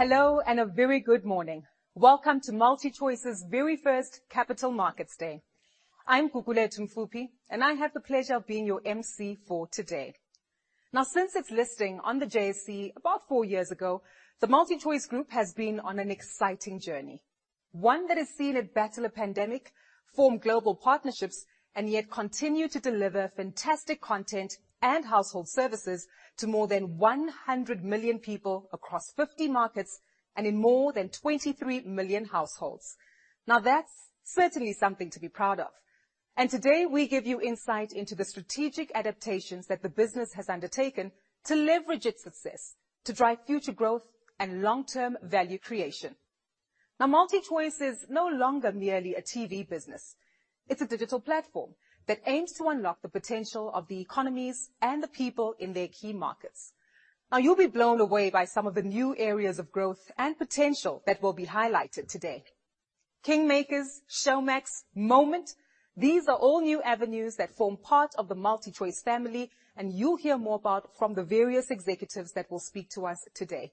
Hello, a very good morning. Welcome to MultiChoice's very first Capital Markets Day. I'm Gugulethu Mfuphi, I have the pleasure of being your MC for today. Since its listing on the JSE about four years ago, the MultiChoice Group has been on an exciting journey, one that has seen it battle a pandemic, form global partnerships, and yet continue to deliver fantastic content and household services to more than 100 million people across 50 markets and in more than 23 million households. That's certainly something to be proud of. Today, we give you insight into the strategic adaptations that the business has undertaken to leverage its success to drive future growth and long-term value creation. MultiChoice is no longer merely a TV business. It's a digital platform that aims to unlock the potential of the economies and the people in their key markets. You'll be blown away by some of the new areas of growth and potential that will be highlighted today. KingMakers, Showmax, Moment. These are all new avenues that form part of the MultiChoice family, and you'll hear more about from the various executives that will speak to us today.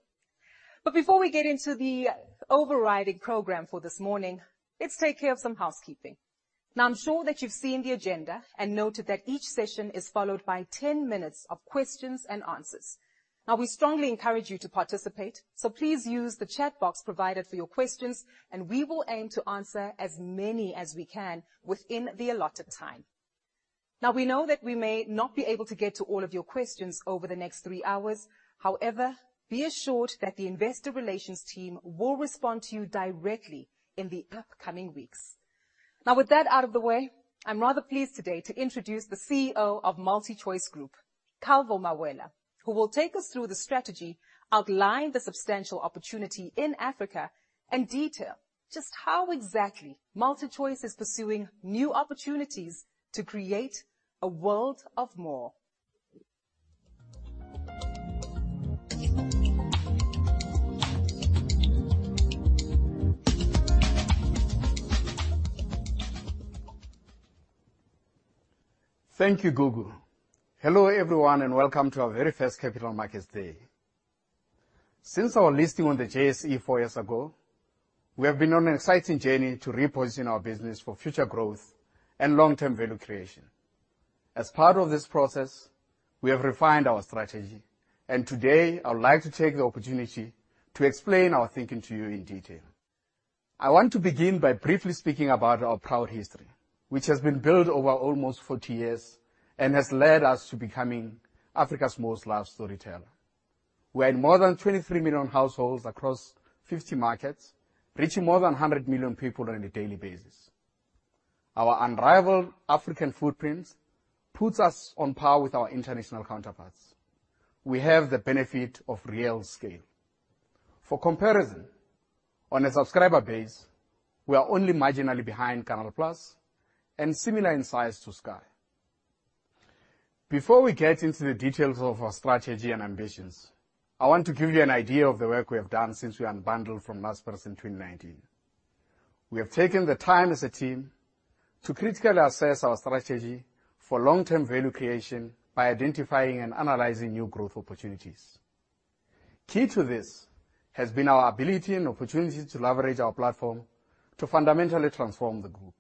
Before we get into the overriding program for this morning, let's take care of some housekeeping. I'm sure that you've seen the agenda and noted that each session is followed by 10 minutes of questions and answers. We strongly encourage you to participate, so please use the chat box provided for your questions, and we will aim to answer as many as we can within the allotted time. We know that we may not be able to get to all of your questions over the next three hours. Be assured that the investor relations team will respond to you directly in the upcoming weeks. With that out of the way, I'm rather pleased today to introduce the CEO of MultiChoice Group, Calvo Mawela, who will take us through the strategy, outline the substantial opportunity in Africa, and detail just how exactly MultiChoice is pursuing new opportunities to create a world of more. Thank you, Gugu. Hello, everyone, welcome to our very first Capital Markets Day. Since our listing on the JSE four years ago, we have been on an exciting journey to reposition our business for future growth and long-term value creation. As part of this process, we have refined our strategy, today, I would like to take the opportunity to explain our thinking to you in detail. I want to begin by briefly speaking about our proud history, which has been built over almost 40 years and has led us to becoming Africa's most loved storyteller. We're in more than 23 million households across 50 markets, reaching more than 100 million people on a daily basis. Our unrivaled African footprint puts us on par with our international counterparts. We have the benefit of real scale. For comparison, on a subscriber base, we are only marginally behind Canal+ and similar in size to Sky. Before we get into the details of our strategy and ambitions, I want to give you an idea of the work we have done since we unbundled from Naspers in 2019. We have taken the time as a team to critically assess our strategy for long-term value creation by identifying and analyzing new growth opportunities. Key to this has been our ability and opportunity to leverage our platform to fundamentally transform the group.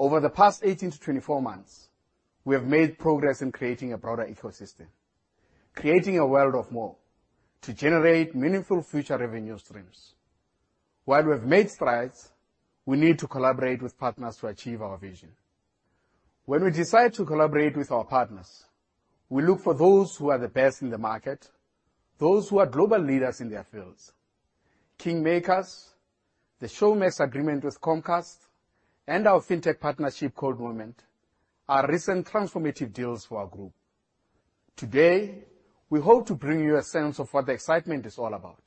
Over the past 18-24 months, we have made progress in creating a broader ecosystem, creating a world of more to generate meaningful future revenue streams. While we have made strides, we need to collaborate with partners to achieve our vision. When we decide to collaborate with our partners, we look for those who are the best in the market, those who are global leaders in their fields. KingMakers, the Showmax agreement with Comcast, and our fintech partnership called Moment, are recent transformative deals for our group. Today, we hope to bring you a sense of what the excitement is all about,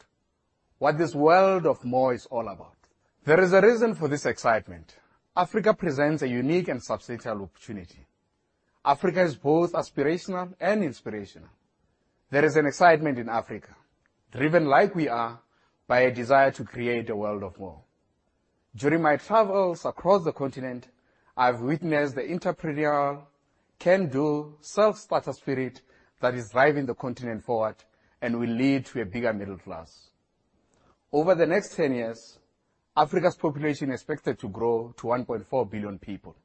what this world of more is all about. There is a reason for this excitement. Africa presents a unique and substantial opportunity. Africa is both aspirational and inspirational. There is an excitement in Africa driven, like we are, by a desire to create a world of more. During my travels across the continent, I've witnessed the entrepreneurial, can-do, self-starter spirit that is driving the continent forward and will lead to a bigger middle class. Over the next 10 years, Africa's population is expected to grow to 1.4 billion people.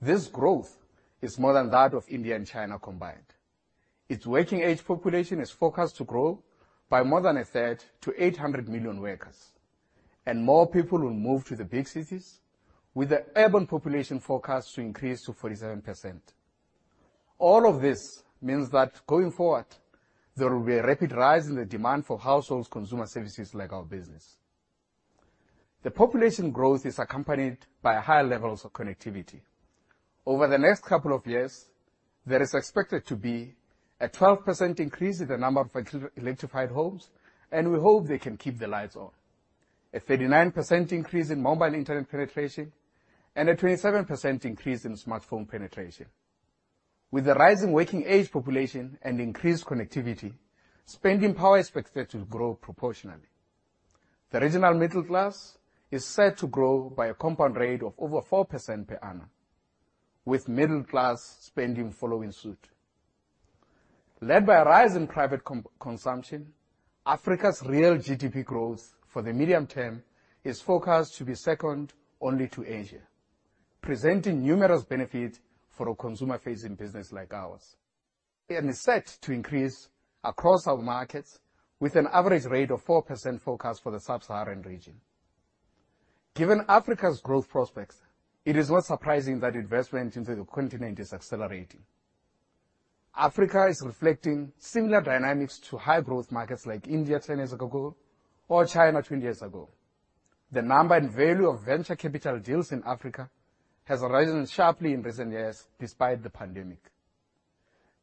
This growth is more than that of India and China combined. Its working age population is forecast to grow by more than 1/3 to 800 million workers. More people will move to the big cities, with the urban population forecast to increase to 47%. All of this means that, going forward, there will be a rapid rise in the demand for households consumer services like our business. The population growth is accompanied by higher levels of connectivity. Over the next couple of years, there is expected to be a 12% increase in the number of electrified homes. We hope they can keep the lights on. A 39% increase in mobile internet penetration and a 27% increase in smartphone penetration. With the rising working age population and increased connectivity, spending power is expected to grow proportionally. The regional middle class is set to grow by a compound rate of over 4% per annum. With middle class spending following suit. Led by a rise in private consumption, Africa's real GDP growth for the medium term is forecast to be second only to Asia, presenting numerous benefits for a consumer-facing business like ours. Is set to increase across our markets with an average rate of 4% forecast for the Sub-Saharan region. Given Africa's growth prospects, it is not surprising that investment into the continent is accelerating. Africa is reflecting similar dynamics to high-growth markets like India 10 years ago or China 20 years ago. The number and value of venture capital deals in Africa has risen sharply in recent years despite the pandemic.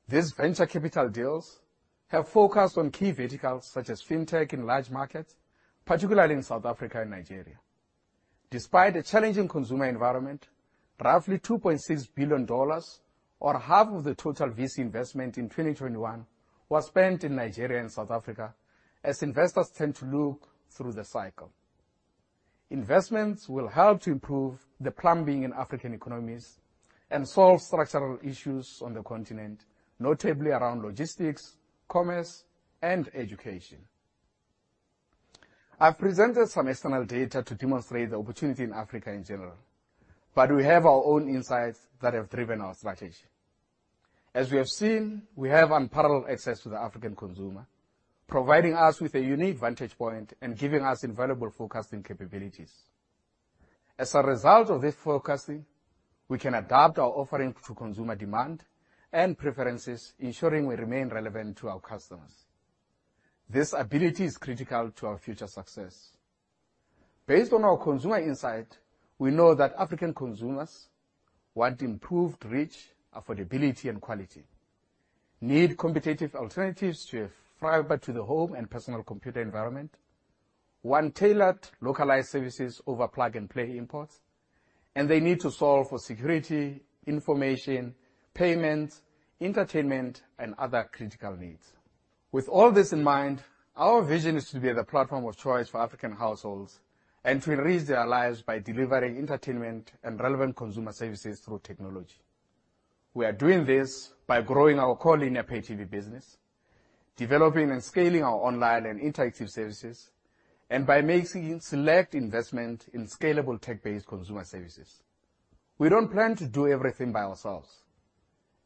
These venture capital deals have focused on key verticals such as fintech and large markets, particularly in South Africa and Nigeria. Despite a challenging consumer environment, roughly $2.6 billion or half of the total VC investment in 2021 was spent in Nigeria and South Africa as investors tend to look through the cycle. Investments will help to improve the plumbing in African economies and solve structural issues on the continent, notably around logistics, commerce, and education. I've presented some external data to demonstrate the opportunity in Africa in general, but we have our own insights that have driven our strategy. As we have seen, we have unparalleled access to the African consumer, providing us with a unique vantage point and giving us invaluable forecasting capabilities. As a result of this forecasting, we can adapt our offering to consumer demand and preferences, ensuring we remain relevant to our customers. This ability is critical to our future success. Based on our consumer insight, we know that African consumers want improved reach, affordability, and quality, need competitive alternatives to fiber to the home and personal computer environment, want tailored localized services over plug-and-play imports, and they need to solve for security, information, payments, entertainment, and other critical needs. With all this in mind, our vision is to be the platform of choice for African households and to enrich their lives by delivering entertainment and relevant consumer services through technology. We are doing this by growing our core linear pay-TV business, developing and scaling our online and interactive services, and by making select investment in scalable tech-based consumer services. We don't plan to do everything by ourselves.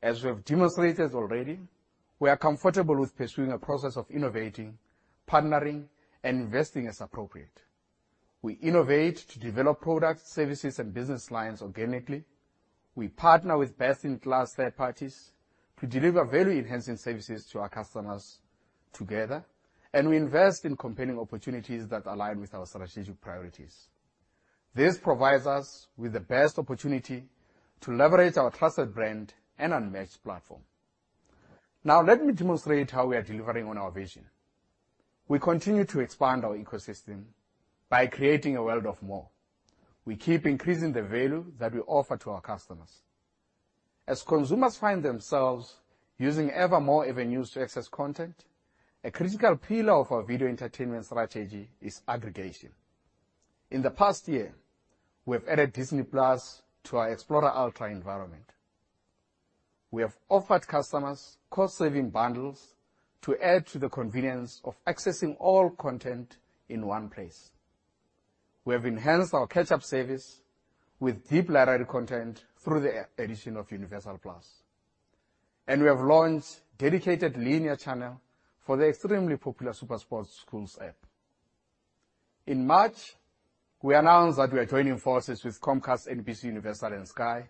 As we have demonstrated already, we are comfortable with pursuing a process of innovating, partnering, and investing as appropriate. We innovate to develop products, services, and business lines organically. We partner with best-in-class third parties to deliver value-enhancing services to our customers together. We invest in compelling opportunities that align with our strategic priorities. This provides us with the best opportunity to leverage our trusted brand and unmatched platform. Let me demonstrate how we are delivering on our vision. We continue to expand our ecosystem by creating a world of more. We keep increasing the value that we offer to our customers. As consumers find themselves using ever more avenues to access content, a critical pillar of our video entertainment strategy is aggregation. In the past year, we have added Disney+ to our Explora Ultra environment. We have offered customers cost-saving bundles to add to the convenience of accessing all content in one place. We have enhanced our catch-up service with deep library content through the addition of Universal+. We have launched dedicated linear channel for the extremely popular SuperSport Schools app. In March, we announced that we are joining forces with Comcast, NBCUniversal and Sky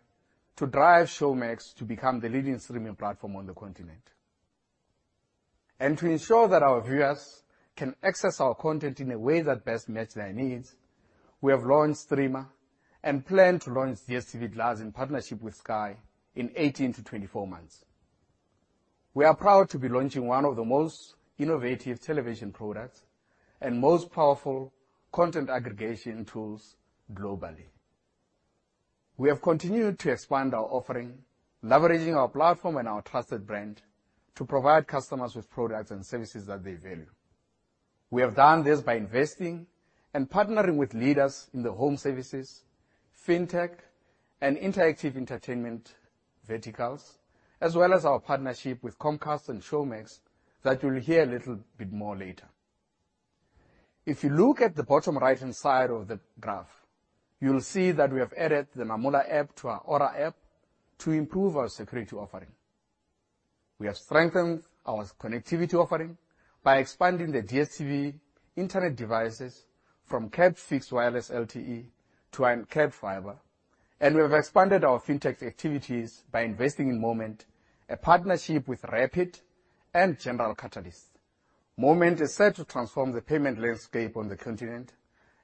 to drive Showmax to become the leading streaming platform on the continent. To ensure that our viewers can access our content in a way that best match their needs, we have launched streamer and plan to launch DStv Glass in partnership with Sky in 18-24 months. We are proud to be launching one of the most innovative television products and most powerful content aggregation tools globally. We have continued to expand our offering, leveraging our platform and our trusted brand to provide customers with products and services that they value. We have done this by investing and partnering with leaders in the home services, fintech and interactive entertainment verticals, as well as our partnership with Comcast and Showmax that you'll hear a little bit more later. If you look at the bottom right-hand side of the graph, you'll see that we have added the Namola app to our Aura app to improve our security offering. We have strengthened our connectivity offering by expanding the DStv internet devices from capped fixed wireless LTE to uncapped fiber. We have expanded our fintech activities by investing in Moment, a partnership with Rapyd and General Catalyst. Moment is set to transform the payment landscape on the continent,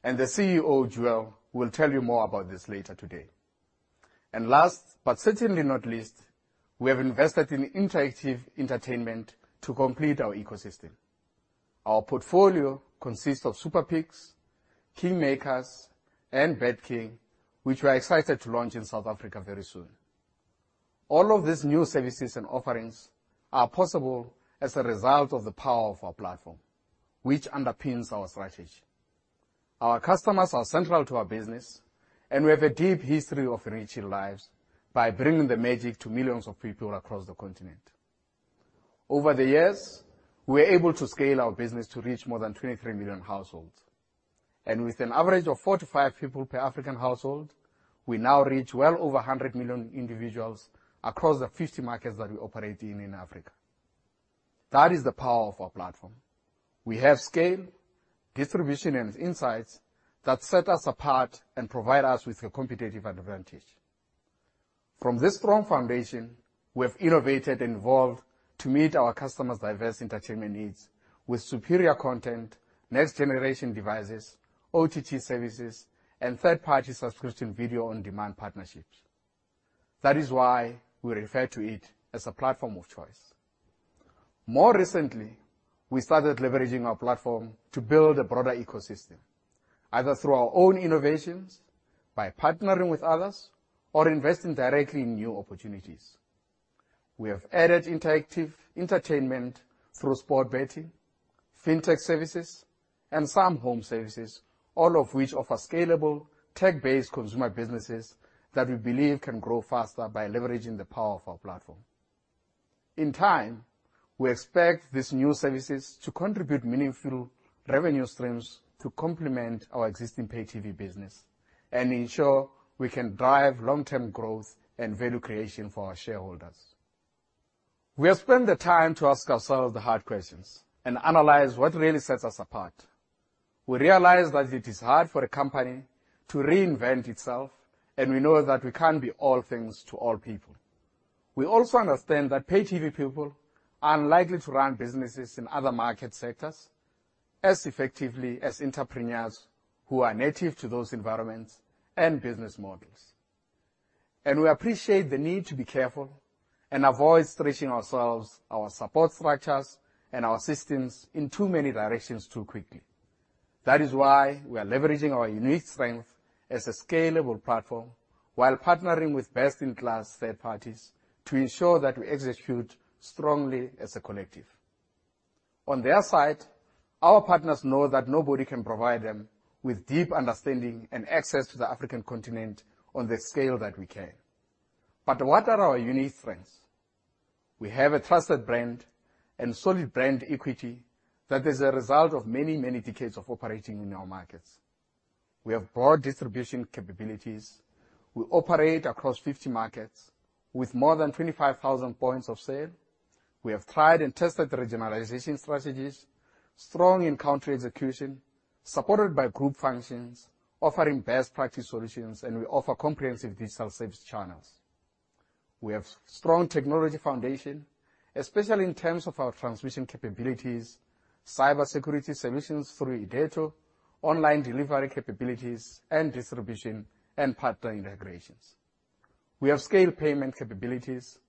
and the CEO, Joel, will tell you more about this later today. Last, but certainly not least, we have invested in interactive entertainment to complete our ecosystem. Our portfolio consists of SuperPicks, KingMakers and BetKing, which we are excited to launch in South Africa very soon. All of these new services and offerings are possible as a result of the power of our platform, which underpins our strategy. Our customers are central to our business, and we have a deep history of enriching lives by bringing the magic to millions of people across the continent. Over the years, we're able to scale our business to reach more than 23 million households. With an average of 45 people per African household, we now reach well over 100 million individuals across the 50 markets that we operate in in Africa. That is the power of our platform. We have scale, distribution, and insights that set us apart and provide us with a competitive advantage. From this strong foundation, we have innovated and evolved to meet our customers' diverse entertainment needs with superior content, next-generation devices, OTT services, and third-party subscription video on demand partnerships. That is why we refer to it as a platform of choice. More recently, we started leveraging our platform to build a broader ecosystem, either through our own innovations, by partnering with others, or investing directly in new opportunities. We have added interactive entertainment through sport betting, fintech services, and some home services, all of which offer scalable tech-based consumer businesses that we believe can grow faster by leveraging the power of our platform. In time, we expect these new services to contribute meaningful revenue streams to complement our existing pay-TV business and ensure we can drive long-term growth and value creation for our shareholders. We have spent the time to ask ourselves the hard questions and analyze what really sets us apart. We realize that it is hard for a company to reinvent itself, and we know that we can't be all things to all people. We also understand that pay-TV people are unlikely to run businesses in other market sectors as effectively as entrepreneurs who are native to those environments and business models. We appreciate the need to be careful and avoid stretching ourselves, our support structures, and our systems in too many directions too quickly. That is why we are leveraging our unique strength as a scalable platform while partnering with best-in-class third parties to ensure that we execute strongly as a collective. On their side, our partners know that nobody can provide them with deep understanding and access to the African continent on the scale that we can. What are our unique strengths? We have a trusted brand and solid brand equity that is a result of many, many decades of operating in our markets. We have broad distribution capabilities. We operate across 50 markets with more than 25,000 points of sale. We have tried and tested regionalization strategies, strong in-country execution, supported by group functions offering best practice solutions, and we offer comprehensive digital service channels. We have strong technology foundation, especially in terms of our transmission capabilities, cybersecurity solutions through Irdeto, online delivery capabilities and distribution, and partner integrations. We have scale payment capabilities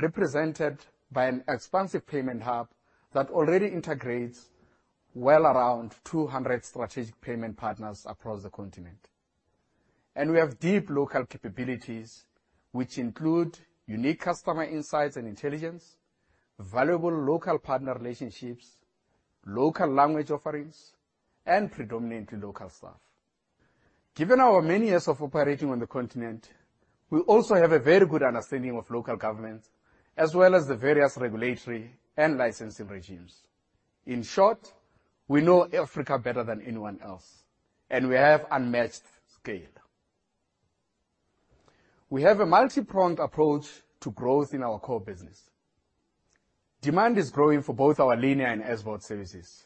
represented by an expansive payment hub that already integrates well around 200 strategic payment partners across the continent. We have deep local capabilities, which include unique customer insights and intelligence, valuable local partner relationships, local language offerings, and predominantly local staff. Given our many years of operating on the continent, we also have a very good understanding of local governments, as well as the various regulatory and licensing regimes. In short, we know Africa better than anyone else, and we have unmatched scale. We have a multi-pronged approach to growth in our core business. Demand is growing for both our linear and SVOD services,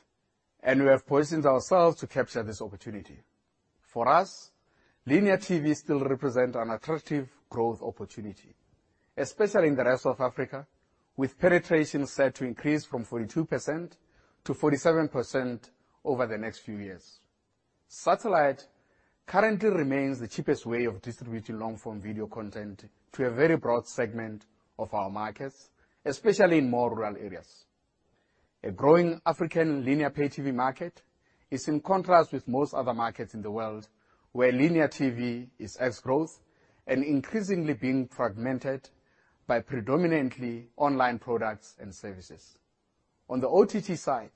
and we have positioned ourselves to capture this opportunity. For us, linear TV still represents an attractive growth opportunity, especially in the rest of Africa, with penetration set to increase from 42% to 47% over the next few years. Satellite currently remains the cheapest way of distributing long-form video content to a very broad segment of our markets, especially in more rural areas. A growing African linear pay-TV market is in contrast with most other markets in the world where linear TV is ex-growth and increasingly being fragmented by predominantly online products and services. On the OTT side,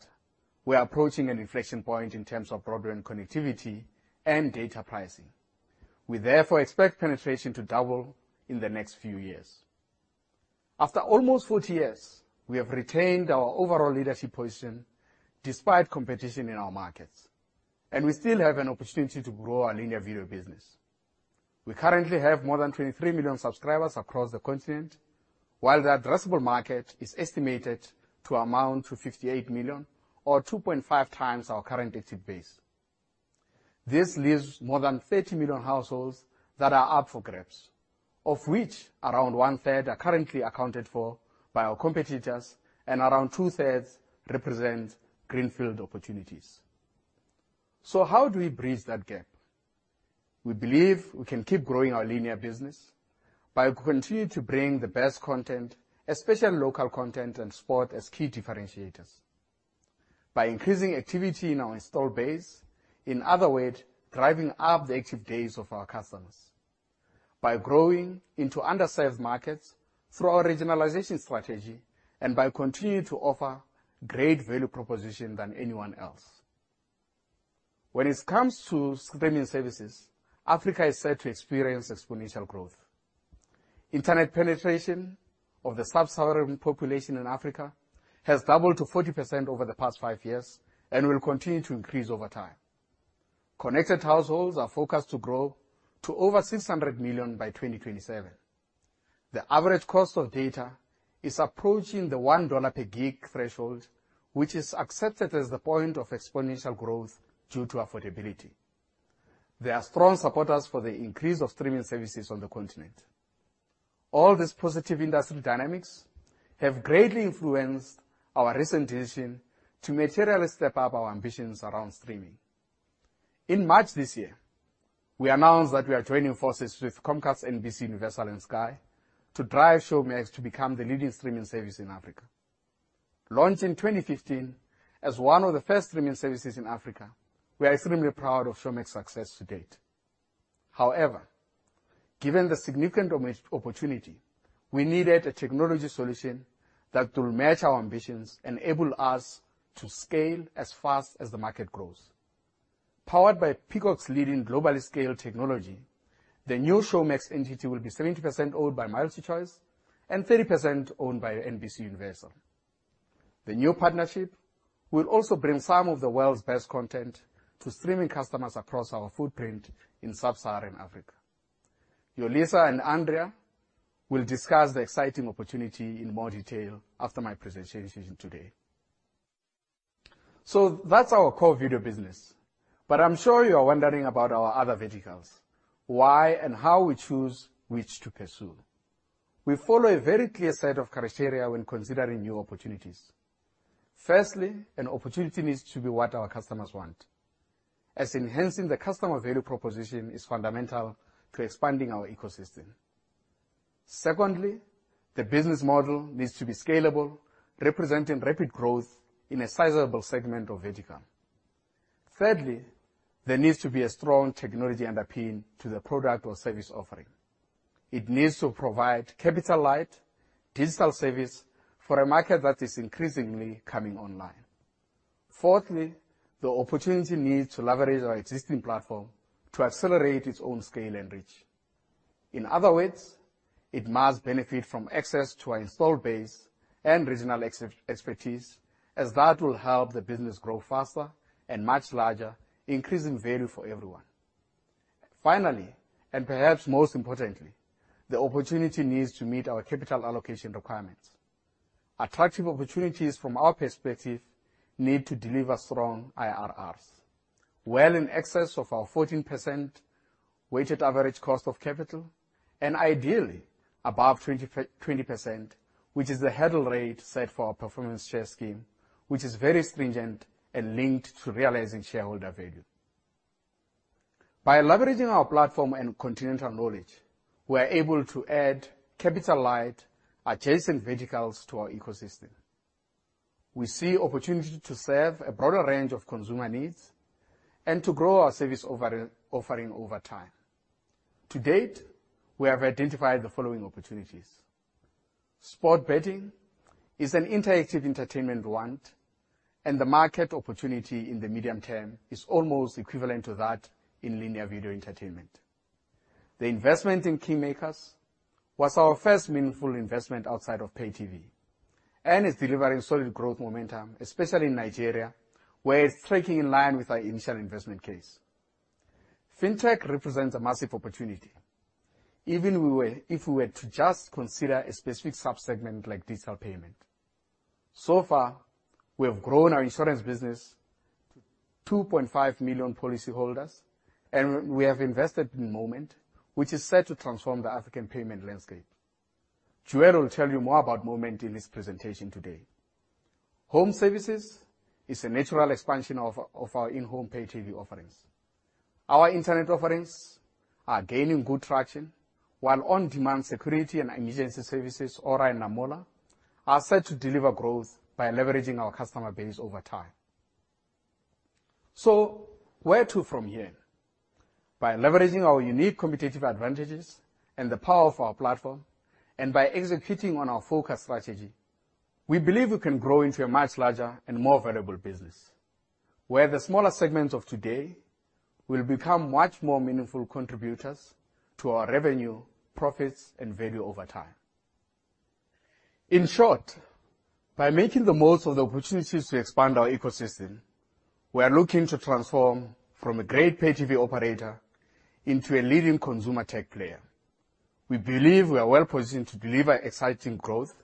we are approaching an inflection point in terms of broadband connectivity and data pricing. We therefore expect penetration to double in the next few years. After almost 40 years, we have retained our overall leadership position despite competition in our markets, and we still have an opportunity to grow our linear video business. We currently have more than 23 million subscribers across the continent, while the addressable market is estimated to amount to 58 million or 2.5x our current active base. This leaves more than 30 million households that are up for grabs, of which around 1/3 are currently accounted for by our competitors and around 2/3 represent greenfield opportunities. How do we bridge that gap? We believe we can keep growing our linear business by continuing to bring the best content, especially local content and sport, as key differentiators. By increasing activity in our install base, in other words, driving up the active days of our customers. By growing into undersized markets through our regionalization strategy and by continuing to offer great value proposition than anyone else. When it comes to streaming services, Africa is set to experience exponential growth. Internet penetration of the Sub-Saharan population in Africa has doubled to 40% over the past five years and will continue to increase over time. Connected households are forecast to grow to over 600 million by 2027. The average cost of data is approaching the $1 per gig threshold, which is accepted as the point of exponential growth due to affordability. They are strong supporters for the increase of streaming services on the continent. All these positive industry dynamics have greatly influenced our recent decision to materially step up our ambitions around streaming. In March this year, we announced that we are joining forces with Comcast, NBCUniversal and Sky to drive Showmax to become the leading streaming service in Africa. Launched in 2015 as one of the first streaming services in Africa, we are extremely proud of Showmax's success to date. However, given the significant opportunity, we needed a technology solution that will match our ambitions, enable us to scale as fast as the market grows. Powered by Peacock's leading globally scaled technology, the new Showmax entity will be 70% owned by MultiChoice and 30% owned by NBCUniversal. The new partnership will also bring some of the world's best content to streaming customers across our footprint in Sub-Saharan Africa. Yolisa and Andrea will discuss the exciting opportunity in more detail after my presentation today. That's our core video business, but I'm sure you are wondering about our other verticals, why and how we choose which to pursue. We follow a very clear set of criteria when considering new opportunities. Firstly, an opportunity needs to be what our customers want, as enhancing the customer value proposition is fundamental to expanding our ecosystem. Secondly, the business model needs to be scalable, representing rapid growth in a sizable segment or vertical. Thirdly, there needs to be a strong technology underpinning to the product or service offering. It needs to provide capital light, digital service for a market that is increasingly coming online. Fourthly, the opportunity needs to leverage our existing platform to accelerate its own scale and reach. In other words, it must benefit from access to our installed base and regional expertise, as that will help the business grow faster and much larger, increasing value for everyone. Finally, perhaps most importantly, the opportunity needs to meet our capital allocation requirements. Attractive opportunities from our perspective need to deliver strong IRRs, well in excess of our 14% weighted average cost of capital, and ideally above 20%, which is the hurdle rate set for our performance share scheme, which is very stringent and linked to realizing shareholder value. By leveraging our platform and continental knowledge, we are able to add capital light adjacent verticals to our ecosystem. We see opportunity to serve a broader range of consumer needs and to grow our service offering over time. To date, we have identified the following opportunities. Sport betting is an interactive entertainment want, and the market opportunity in the medium term is almost equivalent to that in linear video entertainment. The investment in KingMakers was our first meaningful investment outside of pay-TV and is delivering solid growth momentum, especially in Nigeria, where it's tracking in line with our initial investment case. Fintech represents a massive opportunity, even if we were to just consider a specific subsegment like digital payment. So far, we have grown our insurance business to 2.5 million policyholders, and we have invested in Moment, which is set to transform the African payment landscape. Joel will tell you more about Moment in his presentation today. Home services is a natural expansion of our in-home pay-TV offerings. Our internet offerings are gaining good traction, while on-demand security and emergency services, Aura and Namola, are set to deliver growth by leveraging our customer base over time. Where to from here? By leveraging our unique competitive advantages and the power of our platform, and by executing on our focus strategy, we believe we can grow into a much larger and more valuable business, where the smaller segments of today will become much more meaningful contributors to our revenue, profits, and value over time. In short, by making the most of the opportunities to expand our ecosystem, we are looking to transform from a great pay-TV operator into a leading consumer tech player. We believe we are well positioned to deliver exciting growth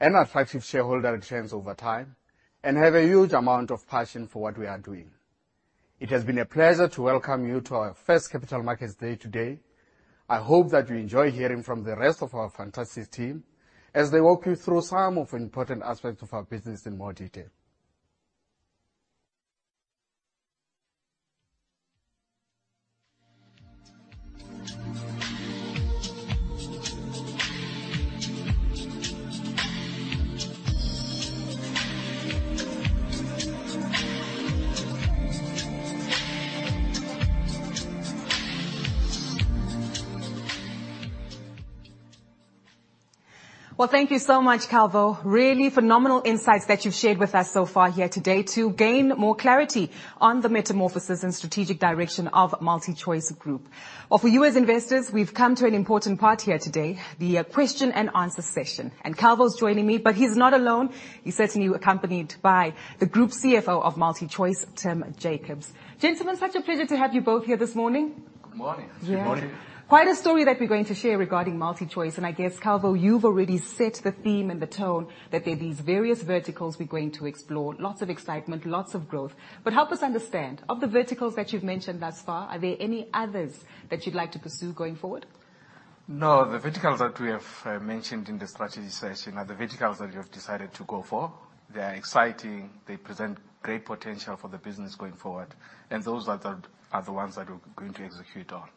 and attractive shareholder returns over time and have a huge amount of passion for what we are doing. It has been a pleasure to welcome you to our first Capital Markets Day today. I hope that you enjoy hearing from the rest of our fantastic team as they walk you through some of the important aspects of our business in more detail. Thank you so much, Calvo. Really phenomenal insights that you've shared with us so far here today to gain more clarity on the metamorphosis and strategic direction of MultiChoice Group. For you as investors, we've come to an important part here today, the question and answer session, and Calvo's joining me, but he's not alone. He's certainly accompanied by the Group CFO of MultiChoice, Tim Jacobs. Gentlemen, such a pleasure to have you both here this morning. Good morning. Good morning. Yeah. Quite a story that we're going to share regarding MultiChoice, and I guess, Calvo, you've already set the theme and the tone that there are these various verticals we're going to explore. Lots of excitement, lots of growth. Help us understand, of the verticals that you've mentioned thus far, are there any others that you'd like to pursue going forward? No, the verticals that we have mentioned in the strategy session are the verticals that we have decided to go for. They are exciting. They present great potential for the business going forward. Those are the ones that we're going to execute on.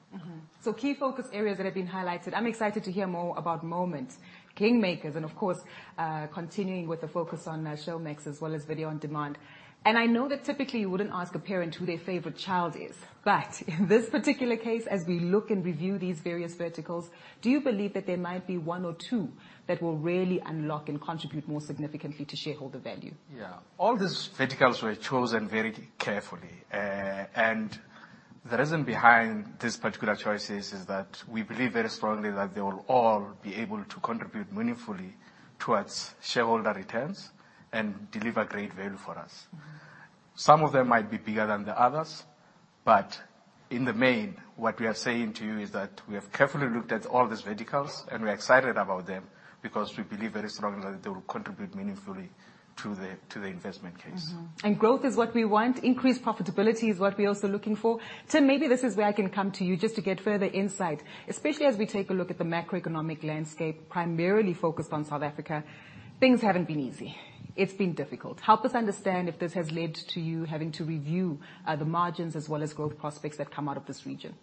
Key focus areas that have been highlighted. I'm excited to hear more about Moment, KingMakers, and of course, continuing with the focus on Showmax, as well as video on demand. I know that typically you wouldn't ask a parent who their favorite child is, but in this particular case, as we look and review these various verticals, do you believe that there might be one or two that will really unlock and contribute more significantly to shareholder value? Yeah. All these verticals were chosen very carefully. The reason behind these particular choices is that we believe very strongly that they will all be able to contribute meaningfully towards shareholder returns and deliver great value for us. Mm-hmm. Some of them might be bigger than the others, but in the main, what we are saying to you is that we have carefully looked at all these verticals, and we're excited about them because we believe very strongly that they will contribute meaningfully to the investment case. Mm-hmm. Growth is what we want. Increased profitability is what we're also looking for. Tim, maybe this is where I can come to you just to get further insight, especially as we take a look at the macroeconomic landscape, primarily focused on South Africa. Things haven't been easy. It's been difficult. Help us understand if this has led to you having to review the margins as well as growth prospects that come out of this region.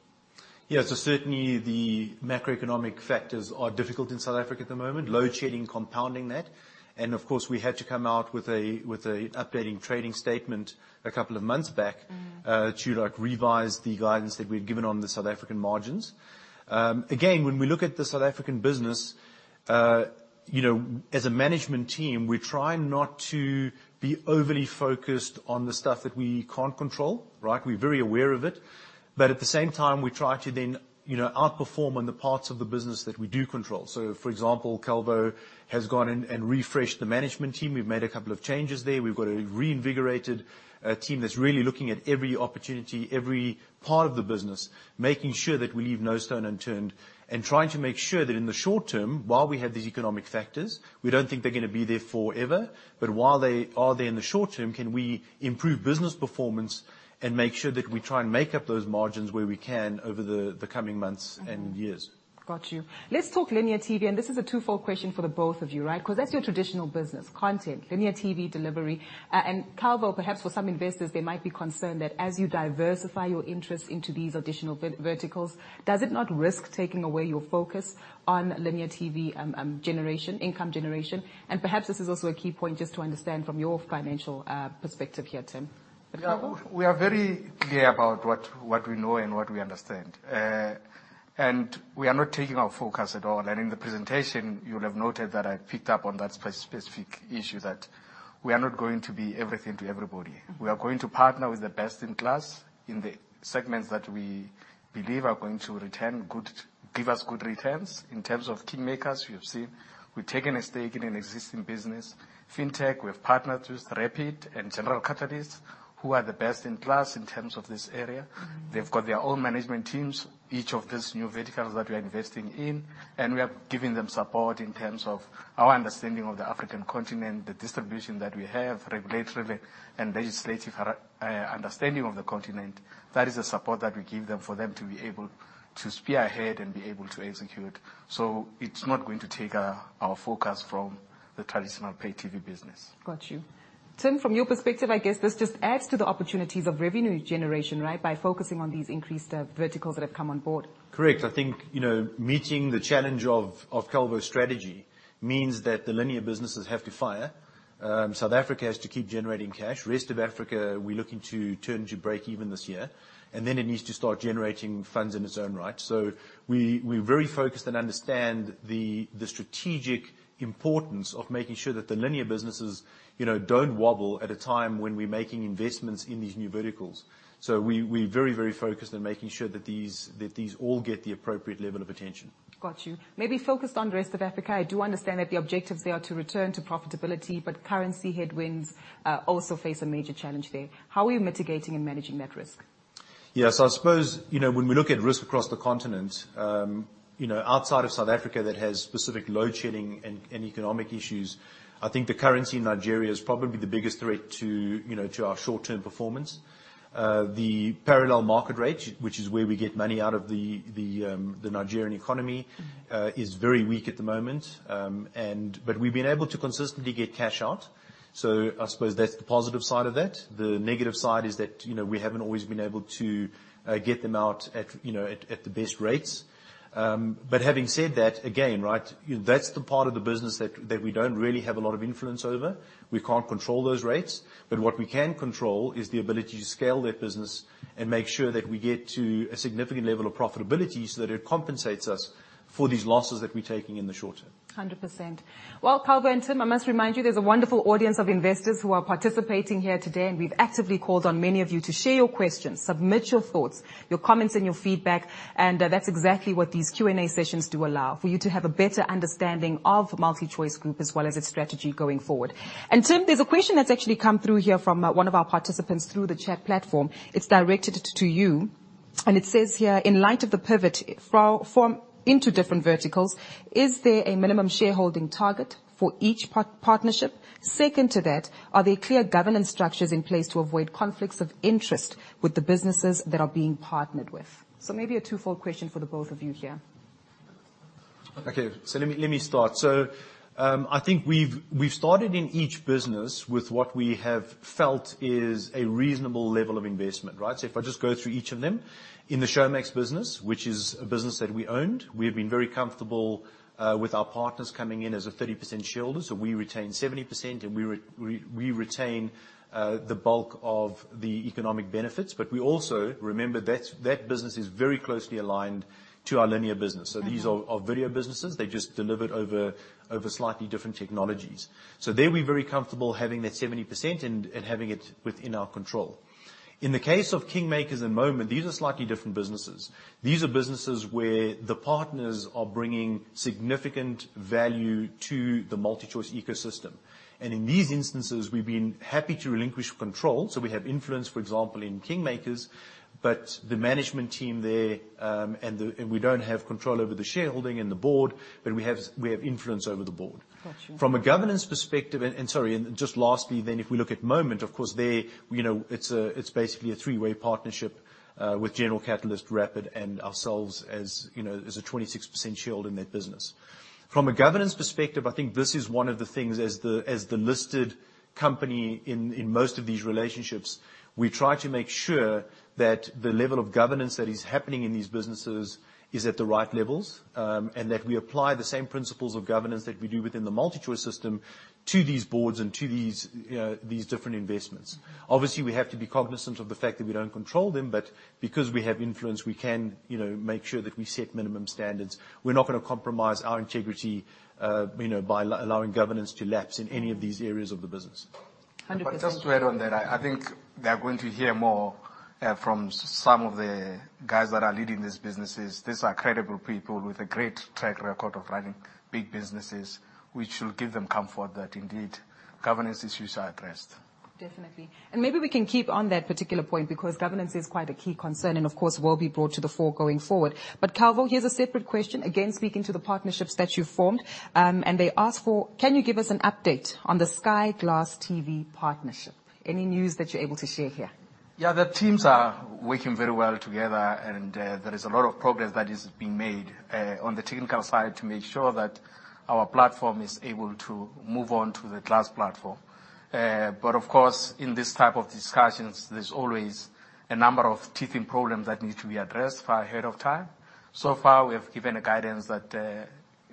Yeah, certainly the macroeconomic factors are difficult in South Africa at the moment. Mm-hmm. Load shedding compounding that, and of course we had to come out with a, with a updating trading statement a couple of months back. Mm-hmm... to, like, revise the guidance that we'd given on the South African margins. Again, when we look at the South African business, you know, as a management team, we try not to be overly focused on the stuff that we can't control, right? We're very aware of it, but at the same time, we try to then, you know, outperform on the parts of the business that we do control. For example, Calvo has gone and refreshed the management team. We've made a couple of changes there. We've got a reinvigorated team that's really looking at every opportunity, every part of the business, making sure that we leave no stone unturned and trying to make sure that in the short term, while we have these economic factors, we don't think they're gonna be there forever, but while they are there in the short term, can we improve business performance and make sure that we try and make up those margins where we can over the coming months. Mm-hmm... and years. Got you. Let's talk linear TV. This is a twofold question for the both of you, right? 'Cause that's your traditional business, content, linear TV delivery. Calvo, perhaps for some investors they might be concerned that as you diversify your interests into these additional verticals, does it not risk taking away your focus on linear TV, generation, income generation? Perhaps this is also a key point just to understand from your financial perspective here, Tim. Yeah. Calvo? We are very clear about what we know and what we understand. We are not taking our focus at all. In the presentation you'll have noted that I picked up on that specific issue that we are not going to be everything to everybody. Mm-hmm. We are going to partner with the best in class in the segments that we believe are going to give us good returns. In terms of KingMakers, you have seen we've taken a stake in an existing business. Fintech, we have partnered with Rapyd and General Catalyst who are the best in class in terms of this area. Mm-hmm. They've got their own management teams, each of these new verticals that we are investing in, and we are giving them support in terms of our understanding of the African continent, the distribution that we have, regulatory and legislative understanding of the continent. That is the support that we give them for them to be able to spear ahead and be able to execute. So it's not going to take our focus from the traditional pay-TV business. Got you. Tim, from your perspective, I guess this just adds to the opportunities of revenue generation, right? By focusing on these increased verticals that have come on board. Correct. I think, you know, meeting the challenge of Calvo's strategy means that the linear businesses have to fire. South Africa has to keep generating cash. Rest of Africa, we're looking to turn to break even this year. Then it needs to start generating funds in its own right. We're very focused and understand the strategic importance of making sure that the linear businesses, you know, don't wobble at a time when we're making investments in these new verticals. We're very, very focused on making sure that these all get the appropriate level of attention. Got you. Maybe focused on rest of Africa, I do understand that the objectives there are to return to profitability. Currency headwinds also face a major challenge there. How are you mitigating and managing that risk? Yes, I suppose, you know, when we look at risk across the continent, you know, outside of South Africa that has specific load shedding and economic issues, I think the currency in Nigeria is probably the biggest threat to, you know, to our short-term performance. The parallel market rate, which is where we get money out of the Nigerian economy, is very weak at the moment. We've been able to consistently get cash out, so I suppose that's the positive side of that. The negative side is that, you know, we haven't always been able to get them out at, you know, at the best rates. Having said that, again, right, you know, that's the part of the business that we don't really have a lot of influence over. We can't control those rates. What we can control is the ability to scale that business and make sure that we get to a significant level of profitability so that it compensates us for these losses that we're taking in the short term. 100%. Well, Calvo and Tim, I must remind you there's a wonderful audience of investors who are participating here today, and we've actively called on many of you to share your questions, submit your thoughts, your comments and your feedback. That's exactly what these Q&A sessions do allow, for you to have a better understanding of MultiChoice Group as well as its strategy going forward. Tim, there's a question that's actually come through here from one of our participants through the chat platform. It's directed to you, and it says here, "In light of the pivot from into different verticals, is there a minimum shareholding target for each partnership? Second to that, are there clear governance structures in place to avoid conflicts of interest with the businesses that are being partnered with?" Maybe a twofold question for the both of you here. Okay. Let me start. I think we've started in each business with what we have felt is a reasonable level of investment, right? If I just go through each of them. In the Showmax business, which is a business that we owned, we've been very comfortable with our partners coming in as a 30% shareholder. We retain 70%, and we retain the bulk of the economic benefits. We also... Remember that business is very closely aligned to our linear business. Mm-hmm. These are video businesses. They're just delivered over slightly different technologies. There we're very comfortable having that 70% and having it within our control. In the case of KingMakers and Moment, these are slightly different businesses. These are businesses where the partners are bringing significant value to the MultiChoice ecosystem, and in these instances, we've been happy to relinquish control. We have influence, for example, in KingMakers, but the management team there, and we don't have control over the shareholding and the board, but we have influence over the board. Got you. From a governance perspective. Sorry. Just lastly, then if we look at Moment, of course, there, you know, it's a, it's basically a three-way partnership with General Catalyst, Rapyd, and ourselves as, you know, as a 26% shareholder in that business. From a governance perspective, I think this is one of the things, as the listed company in most of these relationships, we try to make sure that the level of governance that is happening in these businesses is at the right levels, and that we apply the same principles of governance that we do within the MultiChoice system to these boards and to these different investments. Mm-hmm. Obviously, we have to be cognizant of the fact that we don't control them, but because we have influence, we can, you know, make sure that we set minimum standards. We're not gonna compromise our integrity, you know, by allowing governance to lapse in any of these areas of the business. 100%. Just to add on that, I think they are going to hear more from some of the guys that are leading these businesses. These are credible people with a great track record of running big businesses, which will give them comfort that indeed governance issues are addressed. Definitely. Maybe we can keep on that particular point, because governance is quite a key concern and of course will be brought to the fore going forward. Calvo, here's a separate question, again, speaking to the partnerships that you've formed, and they ask for, "Can you give us an update on the Sky Glass partnership?" Any news that you're able to share here? Yeah. The teams are working very well together. There is a lot of progress that is being made, on the technical side to make sure that our platform is able to move on to the Glass platform. Of course, in this type of discussions, there's always a number of teething problems that need to be addressed far ahead of time. So far, we have given a guidance that,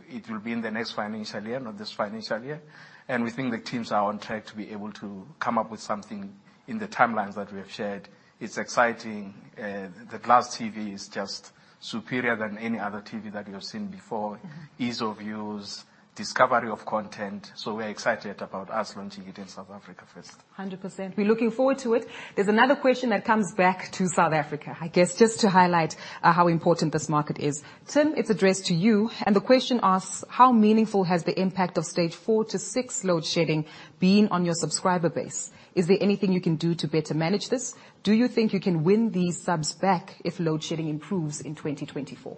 it will be in the next financial year, not this financial year. We think the teams are on track to be able to come up with something in the timelines that we have shared. It's exciting. The Glass TV is just superior than any other TV that we have seen before. Mm-hmm. Ease of use, discovery of content. We're excited about us launching it in South Africa first. 100%. We're looking forward to it. There's another question that comes back to South Africa, I guess, just to highlight how important this market is. Tim, it's addressed to you, and the question asks, "How meaningful has the impact of stage four to six load shedding been on your subscriber base? Is there anything you can do to better manage this? Do you think you can win these subs back if load shedding improves in 2024?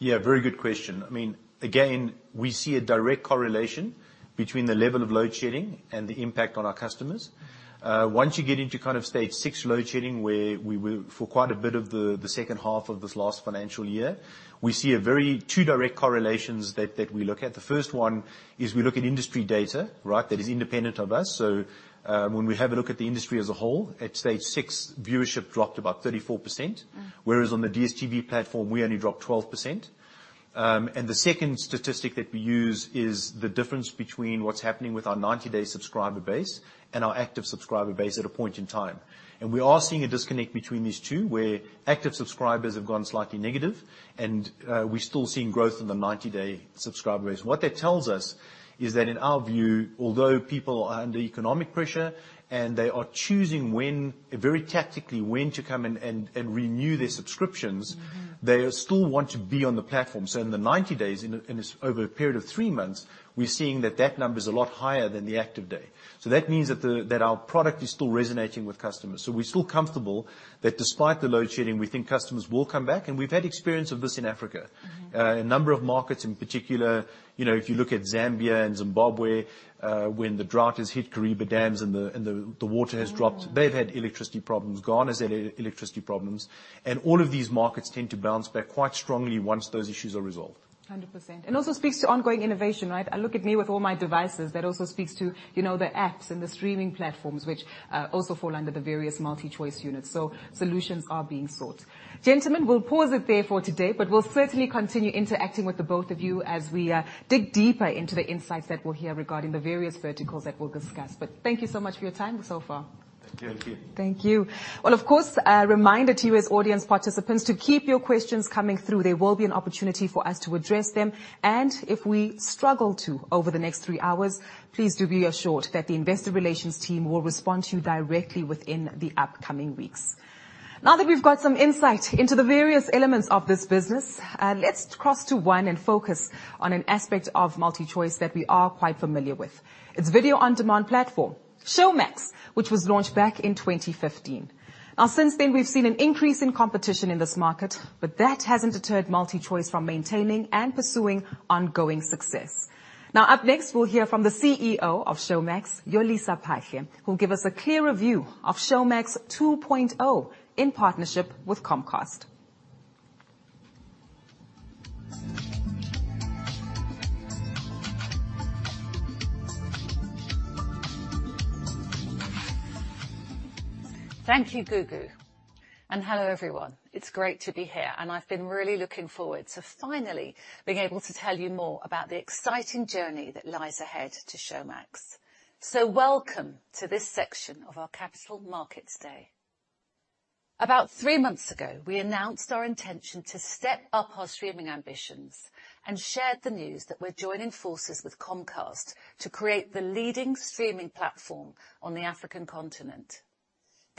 Yeah. Very good question. I mean, again, we see a direct correlation between the level of load shedding and the impact on our customers. Once you get into kind of stage six load shedding, where we were for quite a bit of the second half of this last financial year, we see two direct correlations that we look at. The first one is we look at industry data, right, that is independent of us. When we have a look at the industry as a whole, at stage six, viewership dropped about 34%. Mm. Whereas on the DStv platform, we only dropped 12%. The second statistic that we use is the difference between what's happening with our 90-day subscriber base and our active subscriber base at a point in time. We are seeing a disconnect between these two, where active subscribers have gone slightly negative, and we're still seeing growth in the 90-day subscriber base. What that tells us is that in our view, although people are under economic pressure, and they are choosing when, very tactically, when to come and renew their subscriptions. Mm-hmm... they still want to be on the platform. In the 90 days, over a period of three months, we're seeing that number's a lot higher than the active day. That means that our product is still resonating with customers. We're still comfortable that despite the load shedding, we think customers will come back, and we've had experience of this in Africa. Mm-hmm. A number of markets in particular, you know, if you look at Zambia and Zimbabwe, when the drought has hit Kariba dams and the water has dropped. Mm... they've had electricity problems. Ghana's had electricity problems. All of these markets tend to bounce back quite strongly once those issues are resolved. 100%. Also speaks to ongoing innovation, right? I look at me with all my devices. That also speaks to, you know, the apps and the streaming platforms, which also fall under the various MultiChoice units. Solutions are being sought. Gentlemen, we'll pause it there for today, we'll certainly continue interacting with the both of you as we dig deeper into the insights that we'll hear regarding the various verticals that we'll discuss. Thank you so much for your time so far. Thank you. Thank you. Thank you. Well, of course, a reminder to you as audience participants to keep your questions coming through. There will be an opportunity for us to address them. If we struggle to over the next three hours, please do be assured that the investor relations team will respond to you directly within the upcoming weeks. That we've got some insight into the various elements of this business, let's cross to one and focus on an aspect of MultiChoice that we are quite familiar with, its video-on-demand platform, Showmax, which was launched back in 2015. Since then, we've seen an increase in competition in this market, but that hasn't deterred MultiChoice from maintaining and pursuing ongoing success. Up next, we'll hear from the CEO of Showmax, Yolisa Phahle, who'll give us a clearer view of Showmax 2.0 in partnership with Comcast. Thank you, Gugu. Hello, everyone. It's great to be here, and I've been really looking forward to finally being able to tell you more about the exciting journey that lies ahead to Showmax. Welcome to this section of our Capital Markets day. About three months ago, we announced our intention to step up our streaming ambitions and shared the news that we're joining forces with Comcast to create the leading streaming platform on the African continent.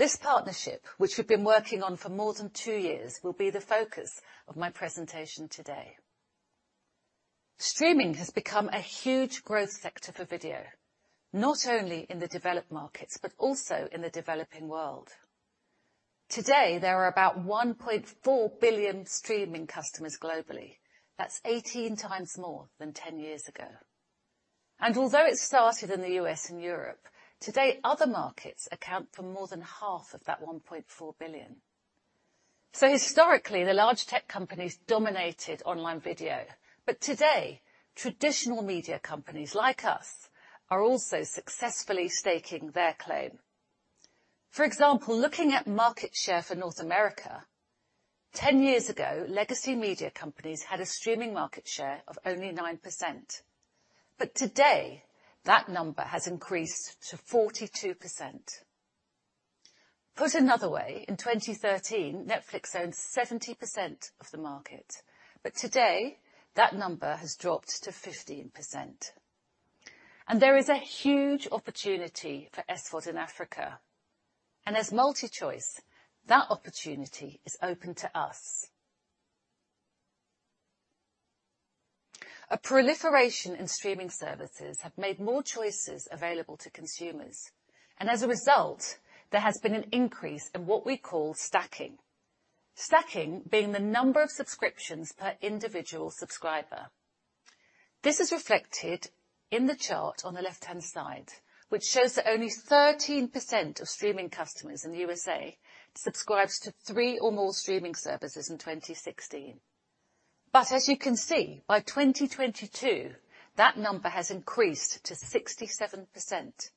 This partnership, which we've been working on for more than two years, will be the focus of my presentation today. Streaming has become a huge growth sector for video, not only in the developed markets, but also in the developing world. Today, there are about 1.4 billion streaming customers globally. That's 18x more than 10 years ago. Although it started in the U.S. and Europe, today, other markets account for more than half of that $1.4 billion. Historically, the large tech companies dominated online video. Today, traditional media companies like us are also successfully staking their claim. For example, looking at market share for North America, 10 years ago, legacy media companies had a streaming market share of only 9%. Today, that number has increased to 42%. Put another way, in 2013, Netflix owned 70% of the market, but today that number has dropped to 15%. There is a huge opportunity for SVOD in Africa. As MultiChoice, that opportunity is open to us. A proliferation in streaming services have made more choices available to consumers, and as a result, there has been an increase in what we call stacking. Stacking being the number of subscriptions per individual subscriber. This is reflected in the chart on the left-hand side, which shows that only 13% of streaming customers in the USA subscribed to three or more streaming services in 2016. As you can see, by 2022, that number has increased to 67%.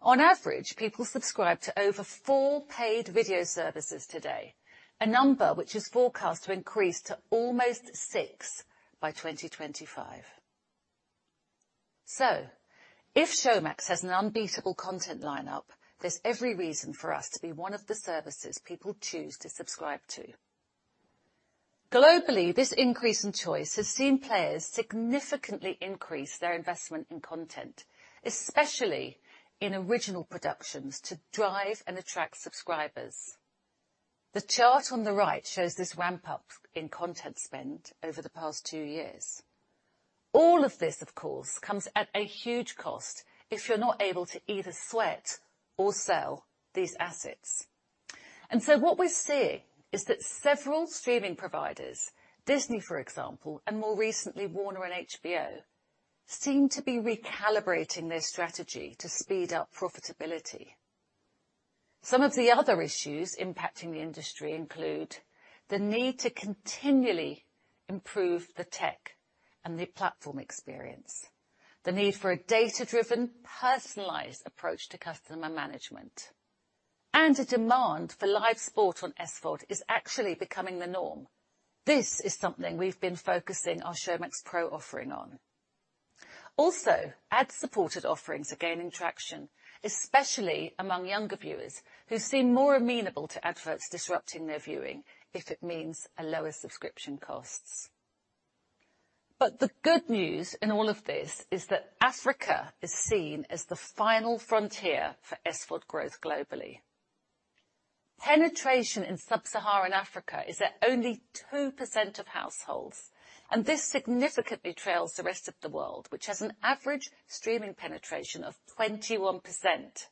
On average, people subscribe to over four paid video services today, a number which is forecast to increase to almost six by 2025. If Showmax has an unbeatable content lineup, there's every reason for us to be one of the services people choose to subscribe to. Globally, this increase in choice has seen players significantly increase their investment in content, especially in original productions to drive and attract subscribers. The chart on the right shows this ramp up in content spend over the past two years. All of this, of course, comes at a huge cost if you're not able to either sweat or sell these assets. What we're seeing is that several streaming providers, Disney, for example, and more recently Warner and HBO, seem to be recalibrating their strategy to speed up profitability. Some of the other issues impacting the industry include the need to continually improve the tech and the platform experience, the need for a data-driven, personalized approach to customer management. A demand for live sport on SVOD is actually becoming the norm. This is something we've been focusing our Showmax Pro offering on. Ad-supported offerings are gaining traction, especially among younger viewers who seem more amenable to adverts disrupting their viewing if it means a lower subscription costs. The good news in all of this is that Africa is seen as the final frontier for SVOD growth globally. Penetration in Sub-Saharan Africa is at only 2% of households, and this significantly trails the rest of the world, which has an average streaming penetration of 21%.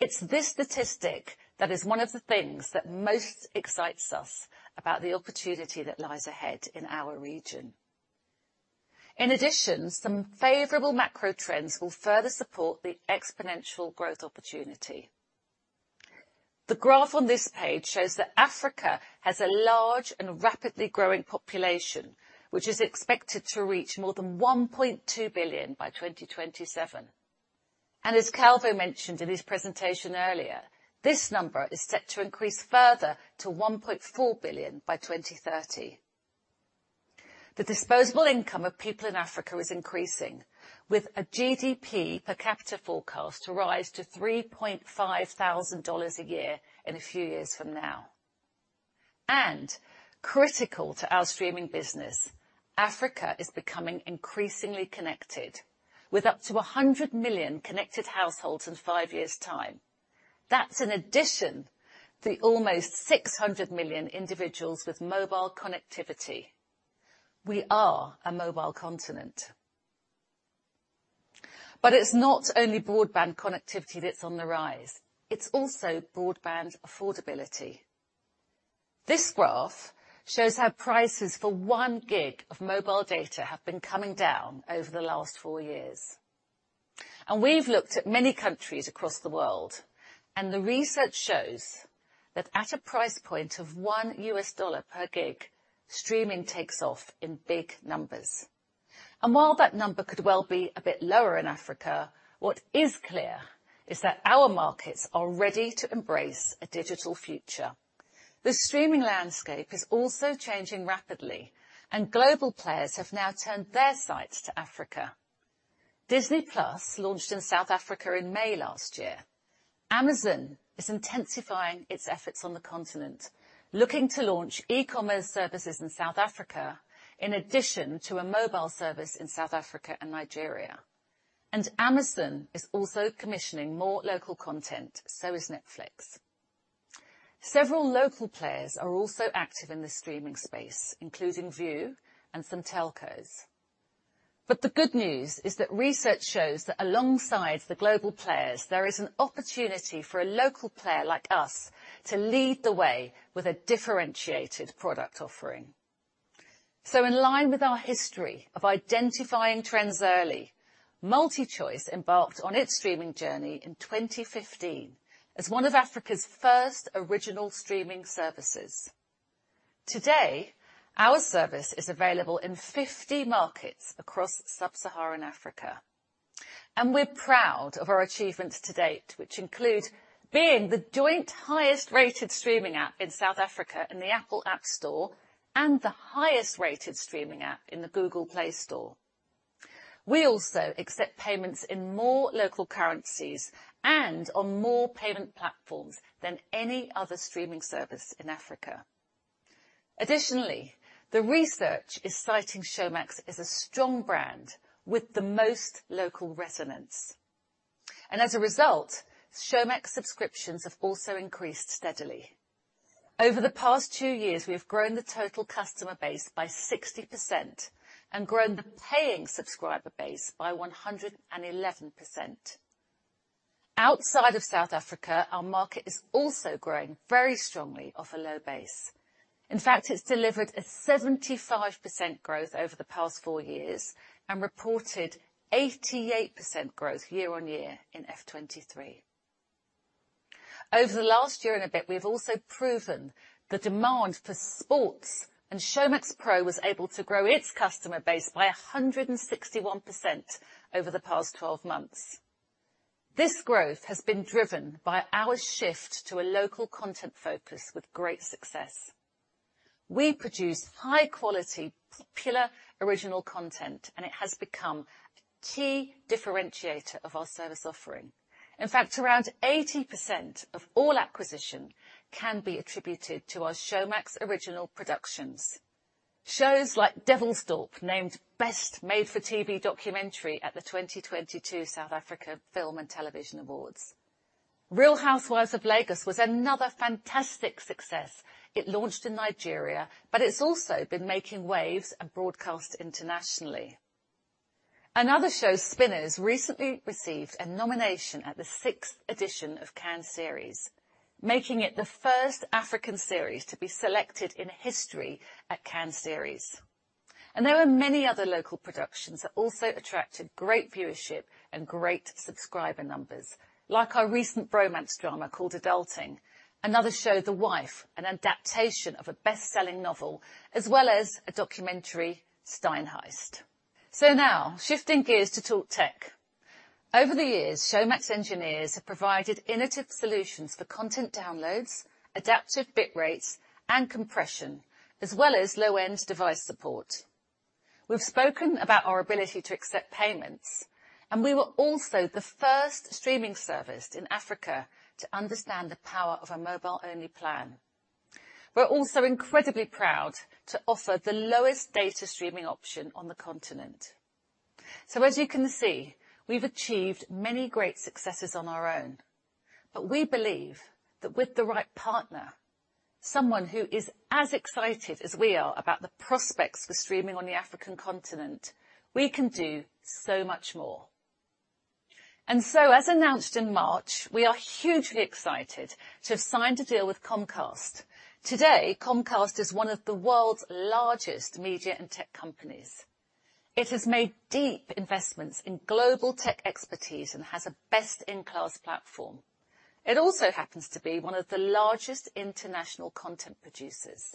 It's this statistic that is one of the things that most excites us about the opportunity that lies ahead in our region. In addition, some favorable macro trends will further support the exponential growth opportunity. The graph on this page shows that Africa has a large and rapidly growing population, which is expected to reach more than 1.2 billion by 2027. As Calvo mentioned in his presentation earlier, this number is set to increase further to 1.4 billion by 2030. The disposable income of people in Africa is increasing with a GDP per capita forecast to rise to $3,500 a year in a few years from now. Critical to our streaming business, Africa is becoming increasingly connected with up to 100 million connected households in five years' time. That's in addition to almost 600 million individuals with mobile connectivity. We are a mobile continent. It's not only broadband connectivity that's on the rise, it's also broadband affordability. This graph shows how prices for one gig of mobile data have been coming down over the last four years. We've looked at many countries across the world, and the research shows that at a price point of $1 per gig, streaming takes off in big numbers. While that number could well be a bit lower in Africa, what is clear is that our markets are ready to embrace a digital future. The streaming landscape is also changing rapidly, and global players have now turned their sights to Africa. Disney+ launched in South Africa in May last year. Amazon is intensifying its efforts on the continent, looking to launch e-commerce services in South Africa, in addition to a mobile service in South Africa and Nigeria. Amazon is also commissioning more local content. Netflix. Several local players are also active in the streaming space, including Viu and some telcos. The good news is that research shows that alongside the global players, there is an opportunity for a local player like us to lead the way with a differentiated product offering. In line with our history of identifying trends early, MultiChoice embarked on its streaming journey in 2015 as one of Africa's first original streaming services. Today, our service is available in 50 markets across Sub-Saharan Africa. We're proud of our achievements to date, which include being the joint highest rated streaming app in South Africa in the Apple App Store and the highest rated streaming app in the Google Play Store. We also accept payments in more local currencies and on more payment platforms than any other streaming service in Africa. Additionally, the research is citing Showmax as a strong brand with the most local resonance. As a result, Showmax subscriptions have also increased steadily. Over the past two years, we have grown the total customer base by 60% and grown the paying subscriber base by 111%. Outside of South Africa, our market is also growing very strongly off a low base. In fact, it's delivered a 75% growth over the past four years and reported 88% growth year-on-year in F23. Over the last year and a bit, we have also proven the demand for sports, and Showmax Pro was able to grow its customer base by 161% over the past 12 months. This growth has been driven by our shift to a local content focus with great success. We produce high quality, popular original content, and it has become a key differentiator of our service offering. In fact, around 80% of all acquisition can be attributed to our Showmax original productions. Shows like Devilsdorp named Best Made for TV Documentary at the 2022 South African Film and Television Awards. Real Housewives of Lagos was another fantastic success. It launched in Nigeria, but it's also been making waves and broadcast internationally. There are many other local productions that also attracted great viewership and great subscriber numbers, like our recent romance drama called Adulting. Another show, The Wife, an adaptation of a best-selling novel, as well as a documentary, Steinheist. Now shifting gears to talk tech. Over the years, Showmax engineers have provided innovative solutions for content downloads, adaptive bit rates, and compression, as well as low-end device support. We've spoken about our ability to accept payments, and we were also the first streaming service in Africa to understand the power of a mobile-only plan. We're also incredibly proud to offer the lowest data streaming option on the continent. As you can see, we've achieved many great successes on our own. We believe that with the right partner, someone who is as excited as we are about the prospects for streaming on the African continent, we can do so much more. As announced in March, we are hugely excited to have signed a deal with Comcast. Today, Comcast is one of the world's largest media and tech companies. It has made deep investments in global tech expertise and has a best-in-class platform. It also happens to be one of the largest international content producers.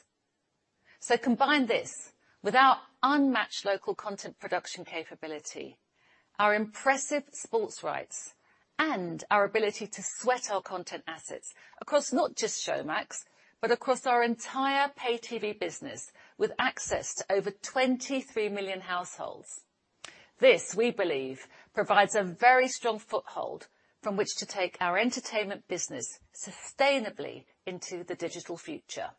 Combine this with our unmatched local content production capability, our impressive sports rights, and our ability to sweat our content assets across not just Showmax, but across our entire pay-TV business with access to over 23 million households. This, we believe, provides a very strong foothold from which to take our entertainment business sustainably into the digital future.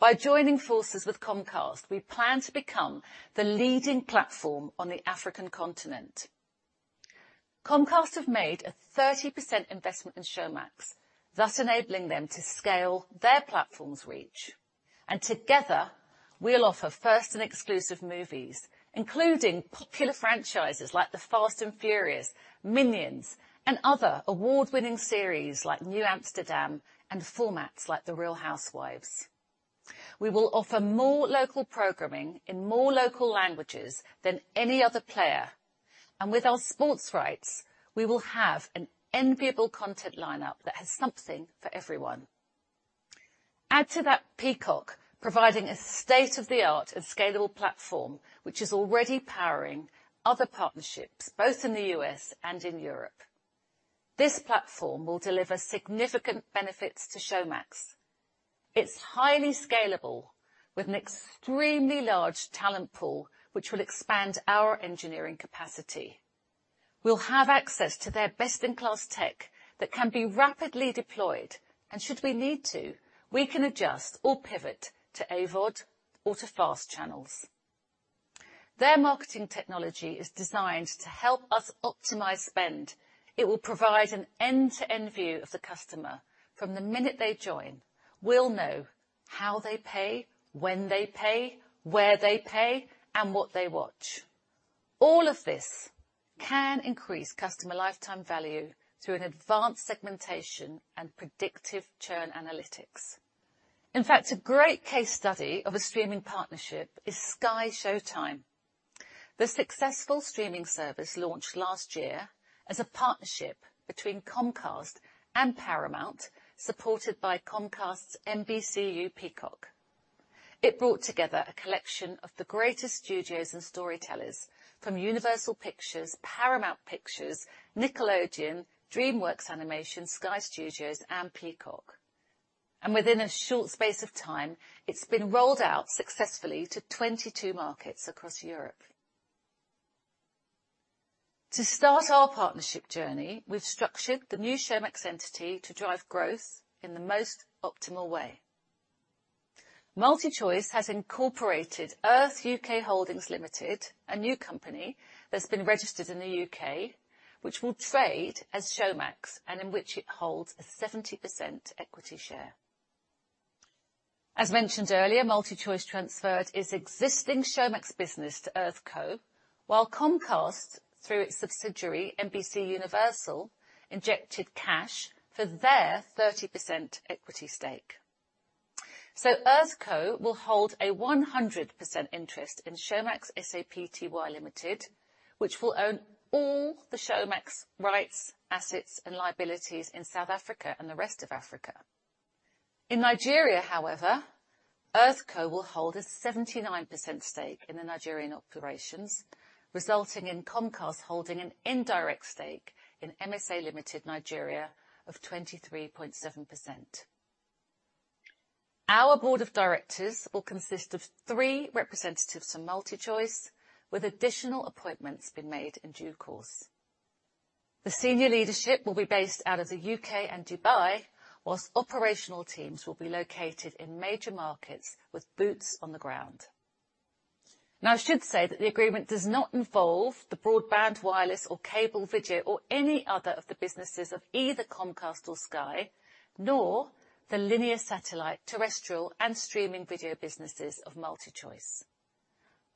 By joining forces with Comcast, we plan to become the leading platform on the African continent. Comcast have made a 30% investment in Showmax, thus enabling them to scale their platform's reach. Together, we'll offer first and exclusive movies, including popular franchises like The Fast and Furious, Minions, and other award-winning series like New Amsterdam and formats like The Real Housewives. We will offer more local programming in more local languages than any other player. With our sports rights, we will have an enviable content lineup that has something for everyone. Add to that Peacock providing a state-of-the-art and scalable platform, which is already powering other partnerships both in the U.S. and in Europe. This platform will deliver significant benefits to Showmax. It's highly scalable with an extremely large talent pool, which will expand our engineering capacity. We'll have access to their best-in-class tech that can be rapidly deployed, and should we need to, we can adjust or pivot to AVOD or to fast channels. Their marketing technology is designed to help us optimize spend. It will provide an end-to-end view of the customer. From the minute they join, we'll know how they pay, when they pay, where they pay, and what they watch. All of this can increase customer lifetime value through an advanced segmentation and predictive churn analytics. In fact, a great case study of a streaming partnership is SkyShowtime. The successful streaming service launched last year as a partnership between Comcast and Paramount, supported by Comcast's NBCU Peacock. It brought together a collection of the greatest studios and storytellers from Universal Pictures, Paramount Pictures, Nickelodeon, DreamWorks Animation, Sky Studios, and Peacock. Within a short space of time, it's been rolled out successfully to 22 markets across Europe. To start our partnership journey, we've structured the new Showmax entity to drive growth in the most optimal way. MultiChoice has incorporated Earth UK Holdings Limited, a new company that's been registered in the U.K., which will trade as Showmax and in which it holds a 70% equity share. As mentioned earlier, MultiChoice transferred its existing Showmax business to EarthCo, while Comcast, through its subsidiary, NBCUniversal, injected cash for their 30% equity stake. EarthCo will hold a 100% interest in Showmax SAPTY Limited, which will own all the Showmax rights, assets and liabilities in South Africa and the rest of Africa. In Nigeria, however, EarthCo will hold a 79% stake in the Nigerian operations, resulting in Comcast holding an indirect stake in MSA Limited Nigeria of 23.7%. Our board of directors will consist of three representatives from MultiChoice, with additional appointments being made in due course. The senior leadership will be based out of the U.K. and Dubai, whilst operational teams will be located in major markets with boots on the ground. I should say that the agreement does not involve the broadband, wireless or cable video or any other of the businesses of either Comcast or Sky, nor the linear satellite, terrestrial and streaming video businesses of MultiChoice,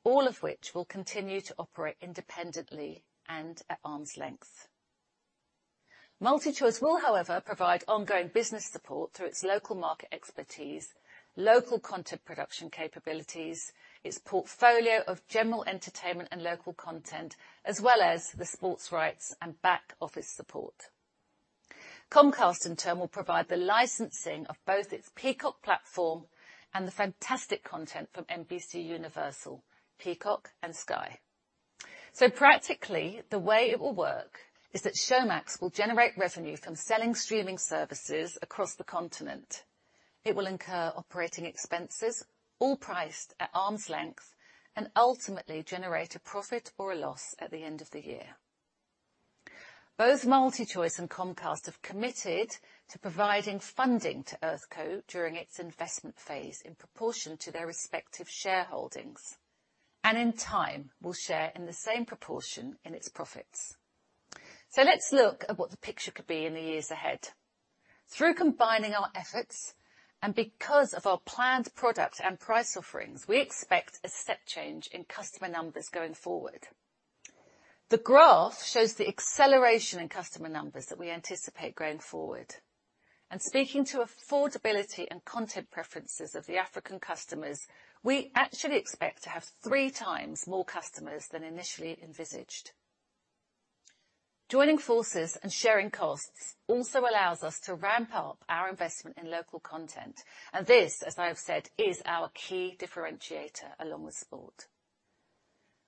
all of which will continue to operate independently and at arm's length. MultiChoice will, however, provide ongoing business support through its local market expertise, local content production capabilities, its portfolio of general entertainment and local content, as well as the sports rights and back office support. Comcast in turn will provide the licensing of both its Peacock platform and the fantastic content from NBCUniversal, Peacock and Sky. Practically, the way it will work is that Showmax will generate revenue from selling streaming services across the continent. It will incur operating expenses all priced at arm's length, and ultimately generate a profit or a loss at the end of the year. Both MultiChoice and Comcast have committed to providing funding to EarthCo during its investment phase in proportion to their respective shareholdings, and in time, will share in the same proportion in its profits. Let's look at what the picture could be in the years ahead. Through combining our efforts and because of our planned product and price offerings, we expect a step change in customer numbers going forward. The graph shows the acceleration in customer numbers that we anticipate going forward. Speaking to affordability and content preferences of the African customers, we actually expect to have 3x more customers than initially envisaged. Joining forces and sharing costs also allows us to ramp up our investment in local content. This, as I have said, is our key differentiator along with sport.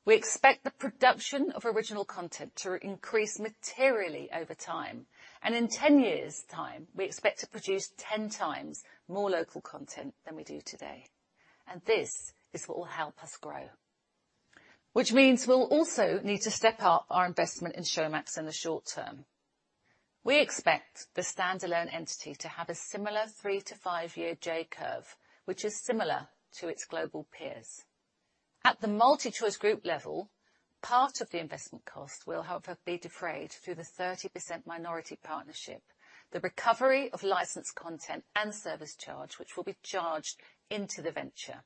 We expect the production of original content to increase materially over time. In 10 years' time, we expect to produce 10x more local content than we do today. This is what will help us grow. Which means we'll also need to step up our investment in Showmax in the short term. We expect the standalone entity to have a similar three to five-year J-curve, which is similar to its global peers. At the MultiChoice Group level, part of the investment cost will, however, be defrayed through the 30% minority partnership. The recovery of licensed content and service charge, which will be charged into the venture.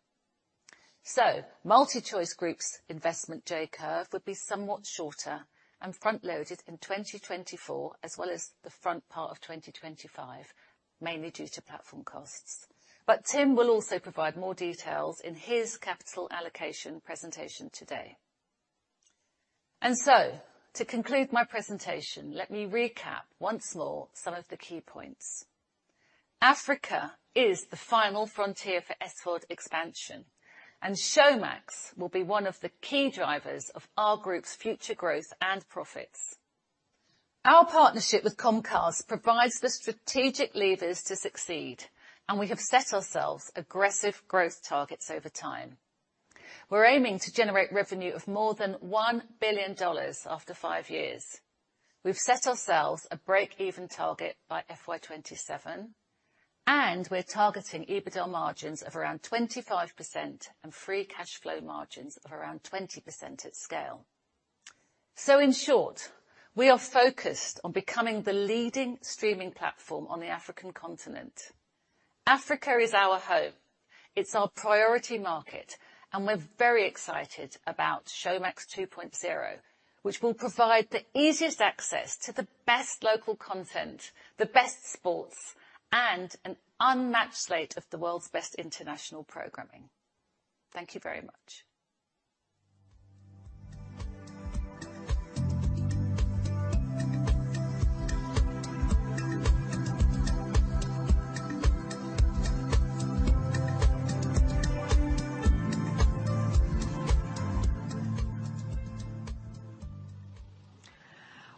MultiChoice Group's investment J-curve would be somewhat shorter and front-loaded in 2024 as well as the front part of 2025, mainly due to platform costs. Tim will also provide more details in his capital allocation presentation today. To conclude my presentation, let me recap once more some of the key points. Africa is the final frontier for SVOD expansion, and Showmax will be one of the key drivers of our group's future growth and profits. Our partnership with Comcast provides the strategic levers to succeed, we have set ourselves aggressive growth targets over time. We're aiming to generate revenue of more than $1 billion after five years. We've set ourselves a break-even target by FY 2027, we're targeting EBITDA margins of around 25% and free cash flow margins of around 20% at scale. In short, we are focused on becoming the leading streaming platform on the African continent. Africa is our home, it's our priority market, we're very excited about Showmax 2.0, which will provide the easiest access to the best local content, the best sports, and an unmatched slate of the world's best international programming. Thank you very much.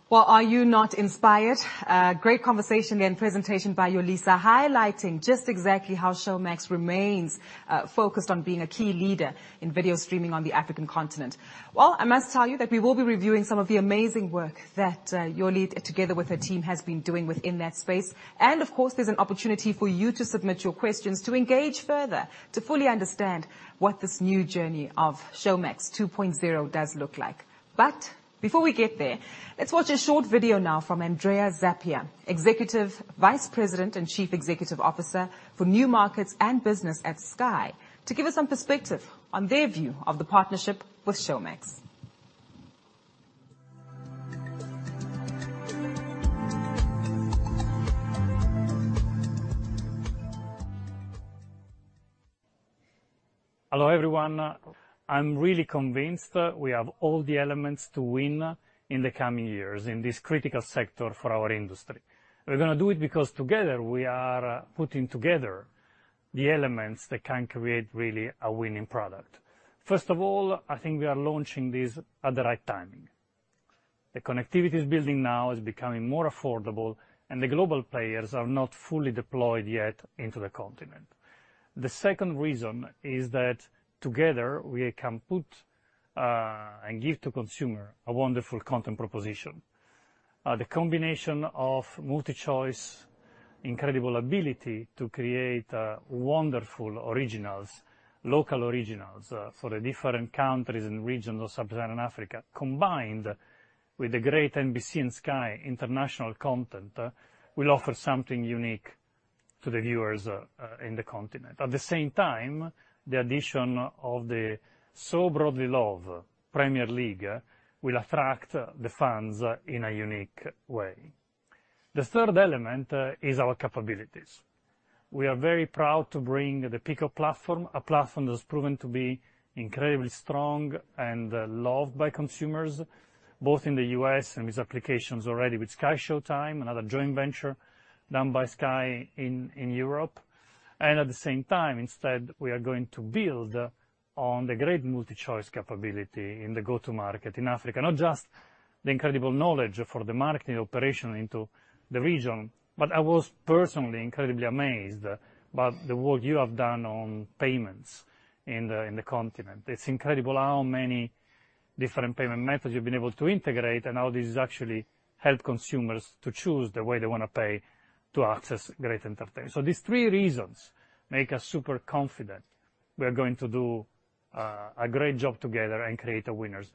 Are you not inspired? Great conversation and presentation by Yolisa highlighting just exactly how Showmax remains focused on being a key leader in video streaming on the African continent. I must tell you that we will be reviewing some of the amazing work that Yoli together with her team has been doing within that space. Of course, there's an opportunity for you to submit your questions to engage further, to fully understand what this new journey of Showmax 2.0 does look like. Before we get there, let's watch a short video now from Andrea Zappia, Executive Vice President and Chief Executive Officer for New Markets and Businesses, Sky, to give us some perspective on their view of the partnership with Showmax. Hello, everyone. I'm really convinced that we have all the elements to win in the coming years in this critical sector for our industry. We're gonna do it because together we are putting together the elements that can create really a winning product. First of all, I think we are launching this at the right timing. The connectivity is building now, is becoming more affordable, and the global players are not fully deployed yet into the continent. The second reason is that together we can put and give to consumer a wonderful content proposition. The combination of MultiChoice incredible ability to create wonderful originals, local originals for the different countries and regions of Sub-Saharan Africa, combined with the great NBC and Sky international content will offer something unique to the viewers in the continent. The same time, the addition of the so broadly loved Premier League will attract the fans in a unique way. The third element is our capabilities. We are very proud to bring the Peacock platform, a platform that's proven to be incredibly strong and loved by consumers, both in the U.S. and with applications already with SkyShowtime, another joint venture done by Sky in Europe. At the same time, instead, we are going to build on the great MultiChoice capability in the go-to-market in Africa, not just the incredible knowledge for the marketing operation into the region, but I was personally incredibly amazed about the work you have done on payments in the continent. It's incredible how many different payment methods you've been able to integrate, and how this has actually helped consumers to choose the way they wanna pay to access great entertainment. These three reasons make us super confident we're going to do a great job together and create the winners.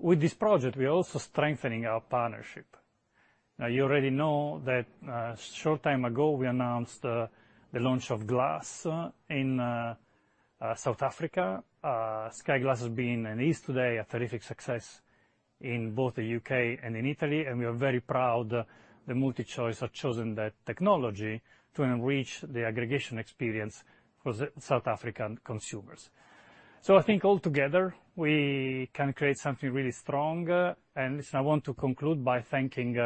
With this project, we're also strengthening our partnership. You already know that a short time ago we announced the launch of Glass in South Africa. Sky Glass has been and is today a terrific success in both the U.K. and in Italy, and we are very proud that MultiChoice have chosen that technology to enrich the aggregation experience for the South African consumers. I think altogether we can create something really strong. Listen, I want to conclude by thanking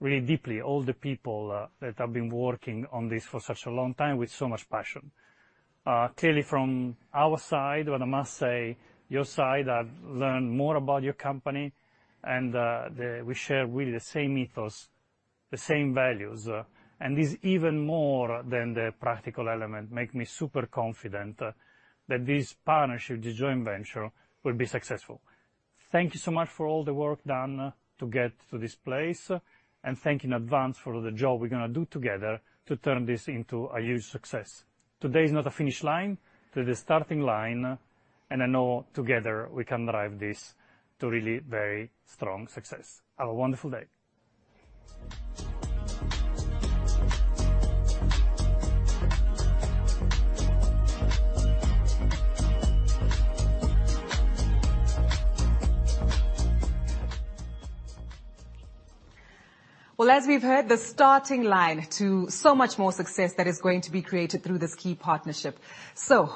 really deeply all the people that have been working on this for such a long time with so much passion. Clearly from our side, what I must say, your side, I've learned more about your company and the... we share really the same ethos, the same values, and this even more than the practical element make me super confident that this partnership, this joint venture, will be successful. Thank you so much for all the work done to get to this place, and thank you in advance for the job we're gonna do together to turn this into a huge success. Today is not a finish line. Today is starting line, and I know together we can drive this to really very strong success. Have a wonderful day. As we've heard, the starting line to so much more success that is going to be created through this key partnership.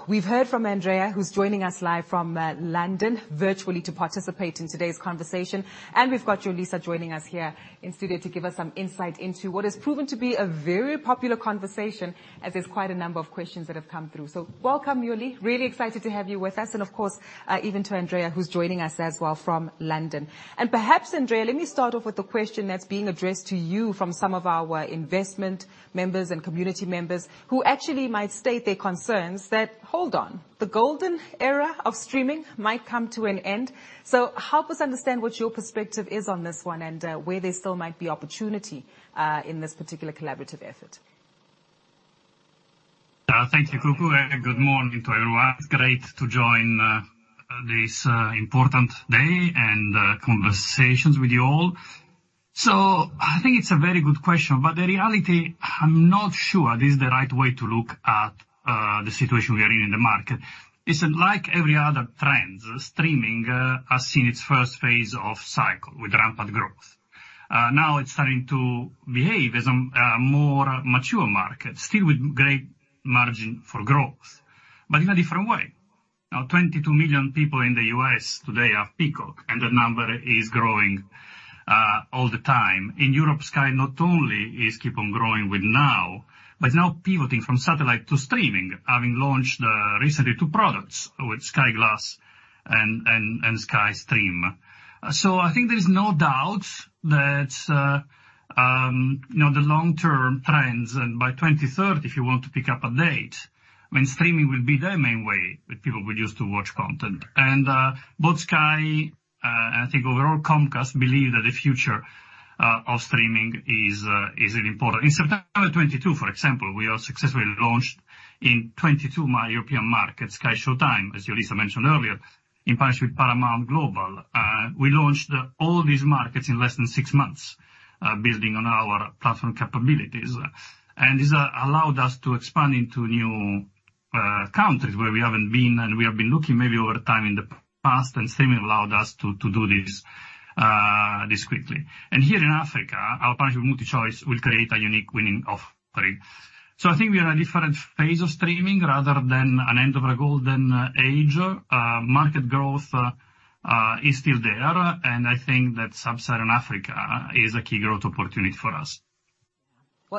We've heard from Andrea Zappia, who's joining us live from London virtually to participate in today's conversation, and we've got Yolisa Phahle joining us here in studio to give us some insight into what has proven to be a very popular conversation, as there's quite a number of questions that have come through. Welcome, Yoli. Really excited to have you with us, and of course, even to Andrea Zappia, who's joining us as well from London. Perhaps, Andrea Zappia, let me start off with a question that's being addressed to you from some of our investment members and community members who actually might state their concerns that, hold on, the golden era of streaming might come to an end. Help us understand what your perspective is on this one, and, where there still might be opportunity in this particular collaborative effort. Thank you, Gugu, and good morning to everyone. It's great to join this important day and conversations with you all. I think it's a very good question, but the reality, I'm not sure this is the right way to look at the situation we are in in the market. It's like every other trends, streaming has seen its first phase of cycle with rampant growth. Now it's starting to behave as a more mature market, still with great margin for growth, but in a different way. Now, 22 million people in the U.S. today have Peacock, and the number is growing all the time. In Europe, Sky not only is keep on growing with NOW, but is now pivoting from satellite to streaming, having launched recently two products with Sky Glass and Sky Stream. I think there is no doubt that, you know, the long-term trends, and by 2030, if you want to pick up a date, I mean, streaming will be the main way that people will use to watch content. Both Sky and I think overall Comcast believe that the future of streaming is really important. In September 2022, for example, we have successfully launched in 22 European markets, SkyShowtime, as Yolisa mentioned earlier, in partnership with Paramount Global. We launched all these markets in less than six months, building on our platform capabilities. This allowed us to expand into new countries where we haven't been and we have been looking maybe over time in the past, and streaming allowed us to do this quickly. Here in Africa, our partnership with MultiChoice will create a unique winning offering. I think we are in a different phase of streaming rather than an end of a golden age. Market growth is still there, and I think that Sub-Saharan Africa is a key growth opportunity for us.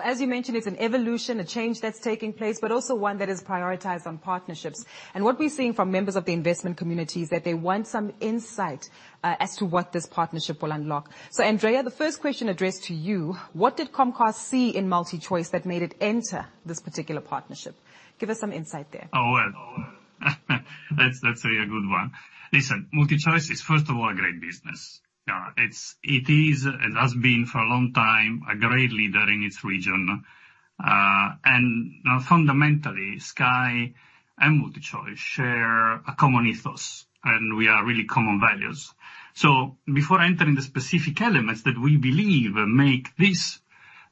As you mentioned, it's an evolution, a change that's taking place, but also one that is prioritized on partnerships. What we're seeing from members of the investment community is that they want some insight as to what this partnership will unlock. Andrea, the first question addressed to you, what did Comcast see in MultiChoice that made it enter this particular partnership? Give us some insight there. Well, let's say a good one. Listen, MultiChoice is first of all a great business. It's, it is and has been for a long time a great leader in its region. And fundamentally, Sky and MultiChoice share a common ethos, and we are really common values. Before entering the specific elements that we believe make this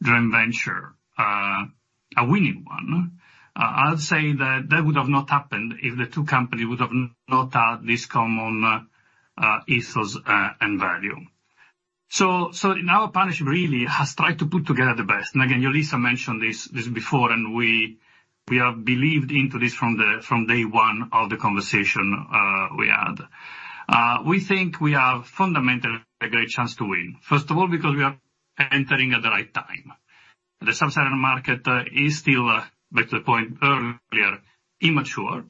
joint venture a winning one, I'll say that that would have not happened if the two companies would have not had this common ethos and value. Now our partnership really has tried to put together the best. And again, Yolisa mentioned this before, and we have believed into this from day one of the conversation we had. We think we have fundamentally a great chance to win. First of all, because we are entering at the right time. The Sub-Saharan market is still, back to the point earlier, immature.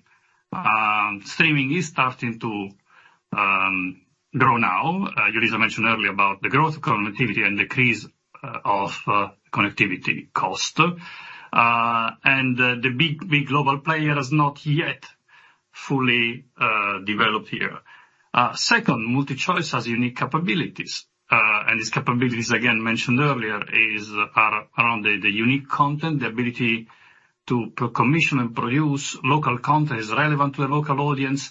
Streaming is starting to grow now. Yolisa mentioned earlier about the growth of connectivity and decrease of connectivity cost. The big, big global player has not yet fully developed here. Second, MultiChoice has unique capabilities, and these capabilities, again, mentioned earlier are around the unique content, the ability to commission and produce local content is relevant to the local audience.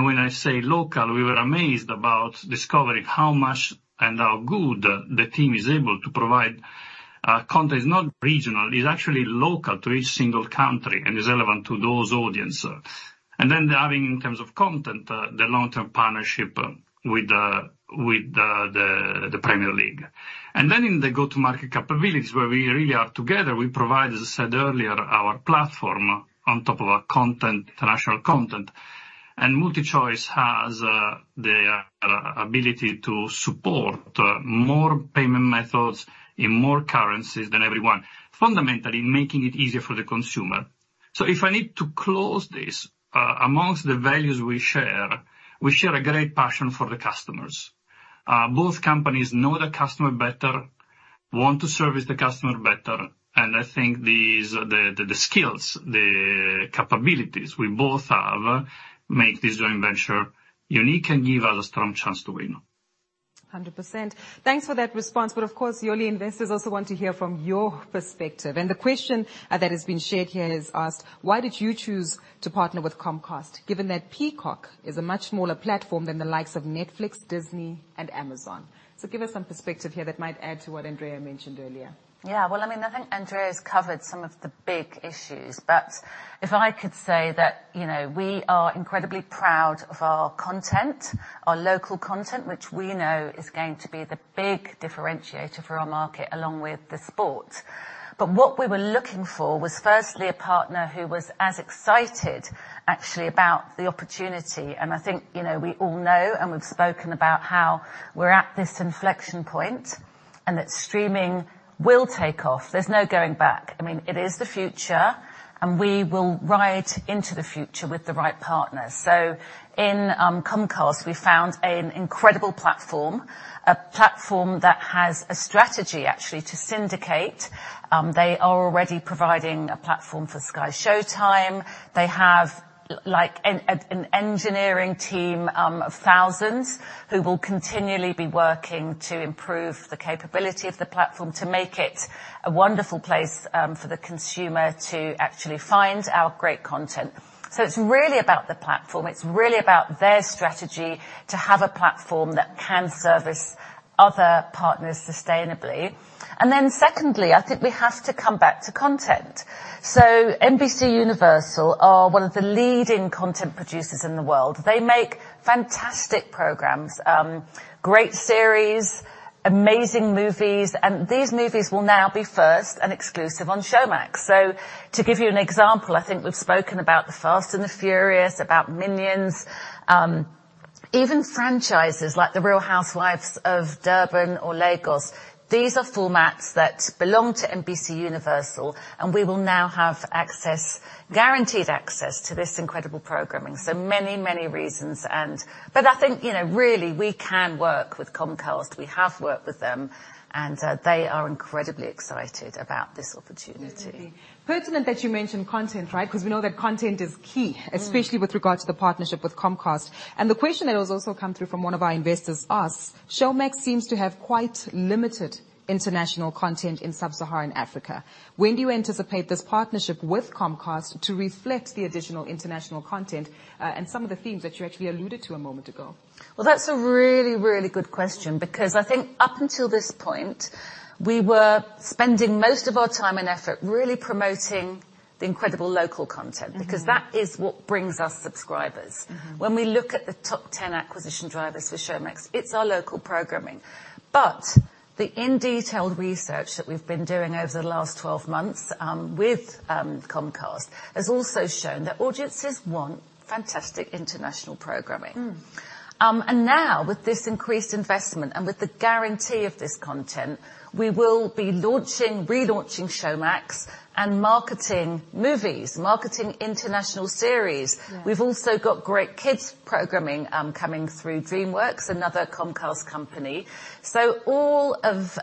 When I say local, we were amazed about discovering how much and how good the team is able to provide content. It's not regional, it's actually local to each single country and is relevant to those audience. Having, in terms of content, the long-term partnership with the Premier League. In the go-to-market capabilities, where we really are together, we provide, as I said earlier, our platform on top of our content, international content. MultiChoice has the ability to support more payment methods in more currencies than everyone. Fundamentally making it easier for the consumer. If I need to close this amongst the values we share, we share a great passion for the customers. Both companies know the customer better, want to service the customer better, and I think these, the skills, the capabilities we both have make this joint venture unique and give us a strong chance to win. 100%. Thanks for that response. Of course, Yoli, investors also want to hear from your perspective. The question that has been shared here has asked, "Why did you choose to partner with Comcast, given that Peacock is a much smaller platform than the likes of Netflix, Disney, and Amazon?" Give us some perspective here that might add to what Andrea mentioned earlier. Well, I mean, I think Andrea's covered some of the big issues, but if I could say that, you know, we are incredibly proud of our content, our local content, which we know is going to be the big differentiator for our market, along with the sport. What we were looking for was firstly a partner who was as excited actually about the opportunity, and I think, you know, we all know, and we've spoken about how we're at this inflection point, and that streaming will take off. There's no going back. I mean, it is the future, and we will ride into the future with the right partner. In Comcast, we found an incredible platform, a platform that has a strategy, actually, to syndicate. They are already providing a platform for SkyShowtime. They have an engineering team of thousands who will continually be working to improve the capability of the platform to make it a wonderful place for the consumer to actually find our great content. It's really about the platform. It's really about their strategy to have a platform that can service other partners sustainably. Secondly, I think we have to come back to content. NBCUniversal are one of the leading content producers in the world. They make fantastic programs, great series, amazing movies, and these movies will now be first and exclusive on Showmax. To give you an example, I think we've spoken about The Fast and the Furious, about Minions. Even franchises like The Real Housewives of Durban or Lagos. These are formats that belong to NBCUniversal. We will now have access, guaranteed access to this incredible programming. Many, many reasons and. I think, you know, really, we can work with Comcast. We have worked with them, and they are incredibly excited about this opportunity. Pertinent that you mention content, right? We know that content is key- Mm. -especially with regards to the partnership with Comcast. The question that has also come through from one of our investors asked, "Showmax seems to have quite limited international content in Sub-Saharan Africa. When do you anticipate this partnership with Comcast to reflect the additional international content and some of the themes that you actually alluded to a moment ago? Well, that's a really, really good question, because I think up until this point, we were spending most of our time and effort really promoting the incredible local content... Mm-hmm. That is what brings us subscribers. Mm-hmm. When we look at the top 10 acquisition drivers for Showmax, it's our local programming. The in-detailed research that we've been doing over the last 12 months, with Comcast, has also shown that audiences want fantastic international programming. Mm. Now, with this increased investment and with the guarantee of this content, we will be launching, relaunching Showmax and marketing movies, marketing international series. Right. We've also got great kids programming, coming through DreamWorks, another Comcast company. All of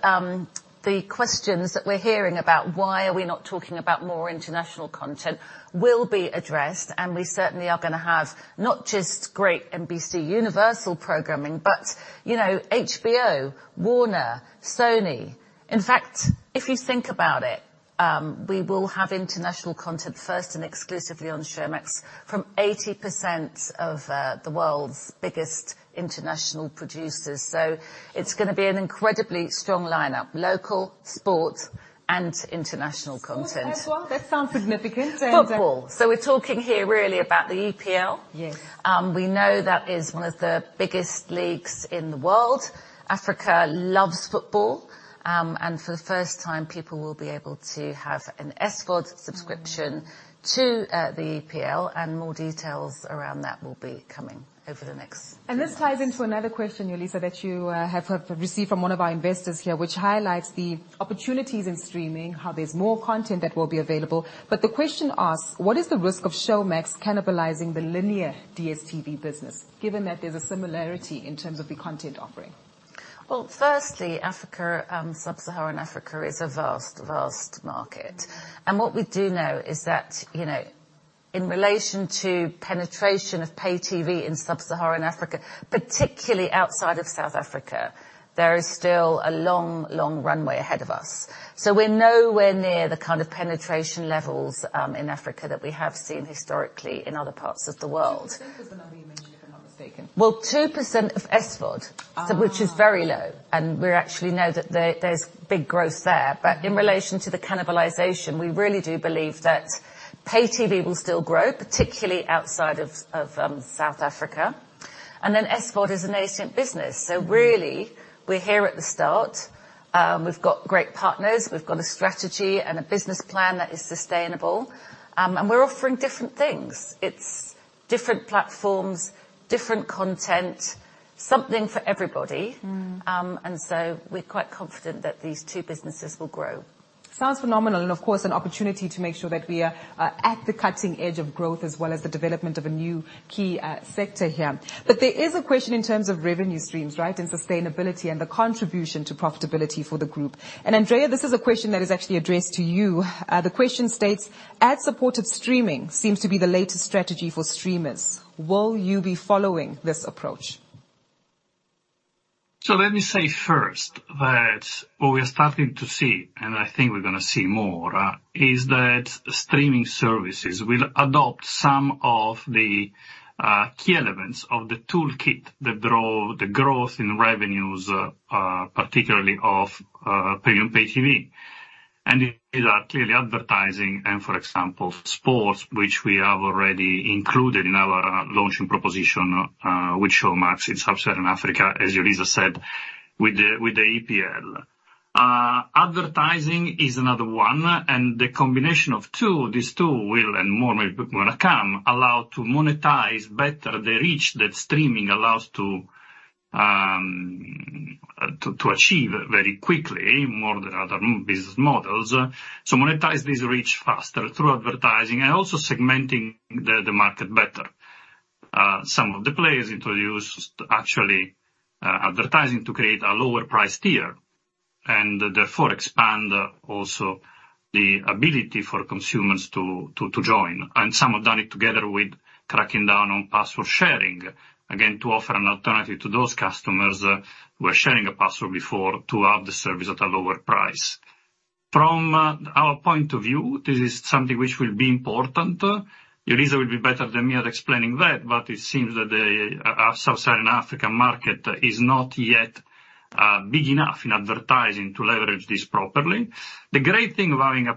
the questions that we're hearing about why are we not talking about more international content will be addressed, and we certainly are gonna have not just great NBCUniversal programming, but, you know, HBO, Warner, Sony. In fact, if you think about it, we will have international content first and exclusively on Showmax from 80% of the world's biggest international producers. It's gonna be an incredibly strong lineup: local, sports, and international content. Sports as well? That sounds significant. Football. We're talking here really about the EPL. Yes. We know that is one of the biggest leagues in the world. Africa loves football. For the first time, people will be able to have an SVOD subscription. Mm. -to, the EPL, and more details around that will be coming over the next few months. This ties into another question, Yolisa, that you have received from one of our investors here, which highlights the opportunities in streaming, how there's more content that will be available. The question asks: what is the risk of Showmax cannibalizing the linear DStv business, given that there's a similarity in terms of the content offering? Well, firstly, Africa, Sub-Saharan Africa is a vast market. What we do know is that, you know, in relation to penetration of pay-TV in Sub-Saharan Africa, particularly outside of South Africa, there is still a long, long runway ahead of us. We're nowhere near the kind of penetration levels, in Africa that we have seen historically in other parts of the world. 2% has been mentioned, if I'm not mistaken. Well, 2% of SVOD. Ah. Which is very low, we actually know that there's big growth there. In relation to the cannibalization, we really do believe that pay-TV will still grow, particularly outside of South Africa. SVOD is a nascent business. Mm. We're here at the start. We've got great partners. We've got a strategy and a business plan that is sustainable. We're offering different things. It's different platforms, different content, something for everybody. Mm. We're quite confident that these two businesses will grow. Sounds phenomenal. Of course, an opportunity to make sure that we are, at the cutting edge of growth as well as the development of a new key, sector here. There is a question in terms of revenue streams, right, and sustainability and the contribution to profitability for the group. Andrea, this is a question that is actually addressed to you. The question states: ad-supported streaming seems to be the latest strategy for streamers. Will you be following this approach? Let me say first that what we're starting to see, and I think we're gonna see more, is that streaming services will adopt some of the key elements of the toolkit that drove the growth in revenues, particularly of premium pay-TV. These are clearly advertising and, for example, sports, which we have already included in our launching proposition with Showmax in Sub-Saharan Africa, as Yolisa said, with the EPL. Advertising is another one, and the combination of these two will, and more, more to come, allow to monetize better the reach that streaming allows to achieve very quickly, more than other business models. Monetize this reach faster through advertising and also segmenting the market better. Some of the players introduce actually advertising to create a lower price tier and therefore expand also the ability for consumers to join. Some have done it together with cracking down on password sharing, again, to offer an alternative to those customers who are sharing a password before to have the service at a lower price. From our point of view, this is something which will be important. Yolisa will be better than me at explaining that, but it seems that the Sub-Saharan African market is not yet big enough in advertising to leverage this properly. The great thing of having a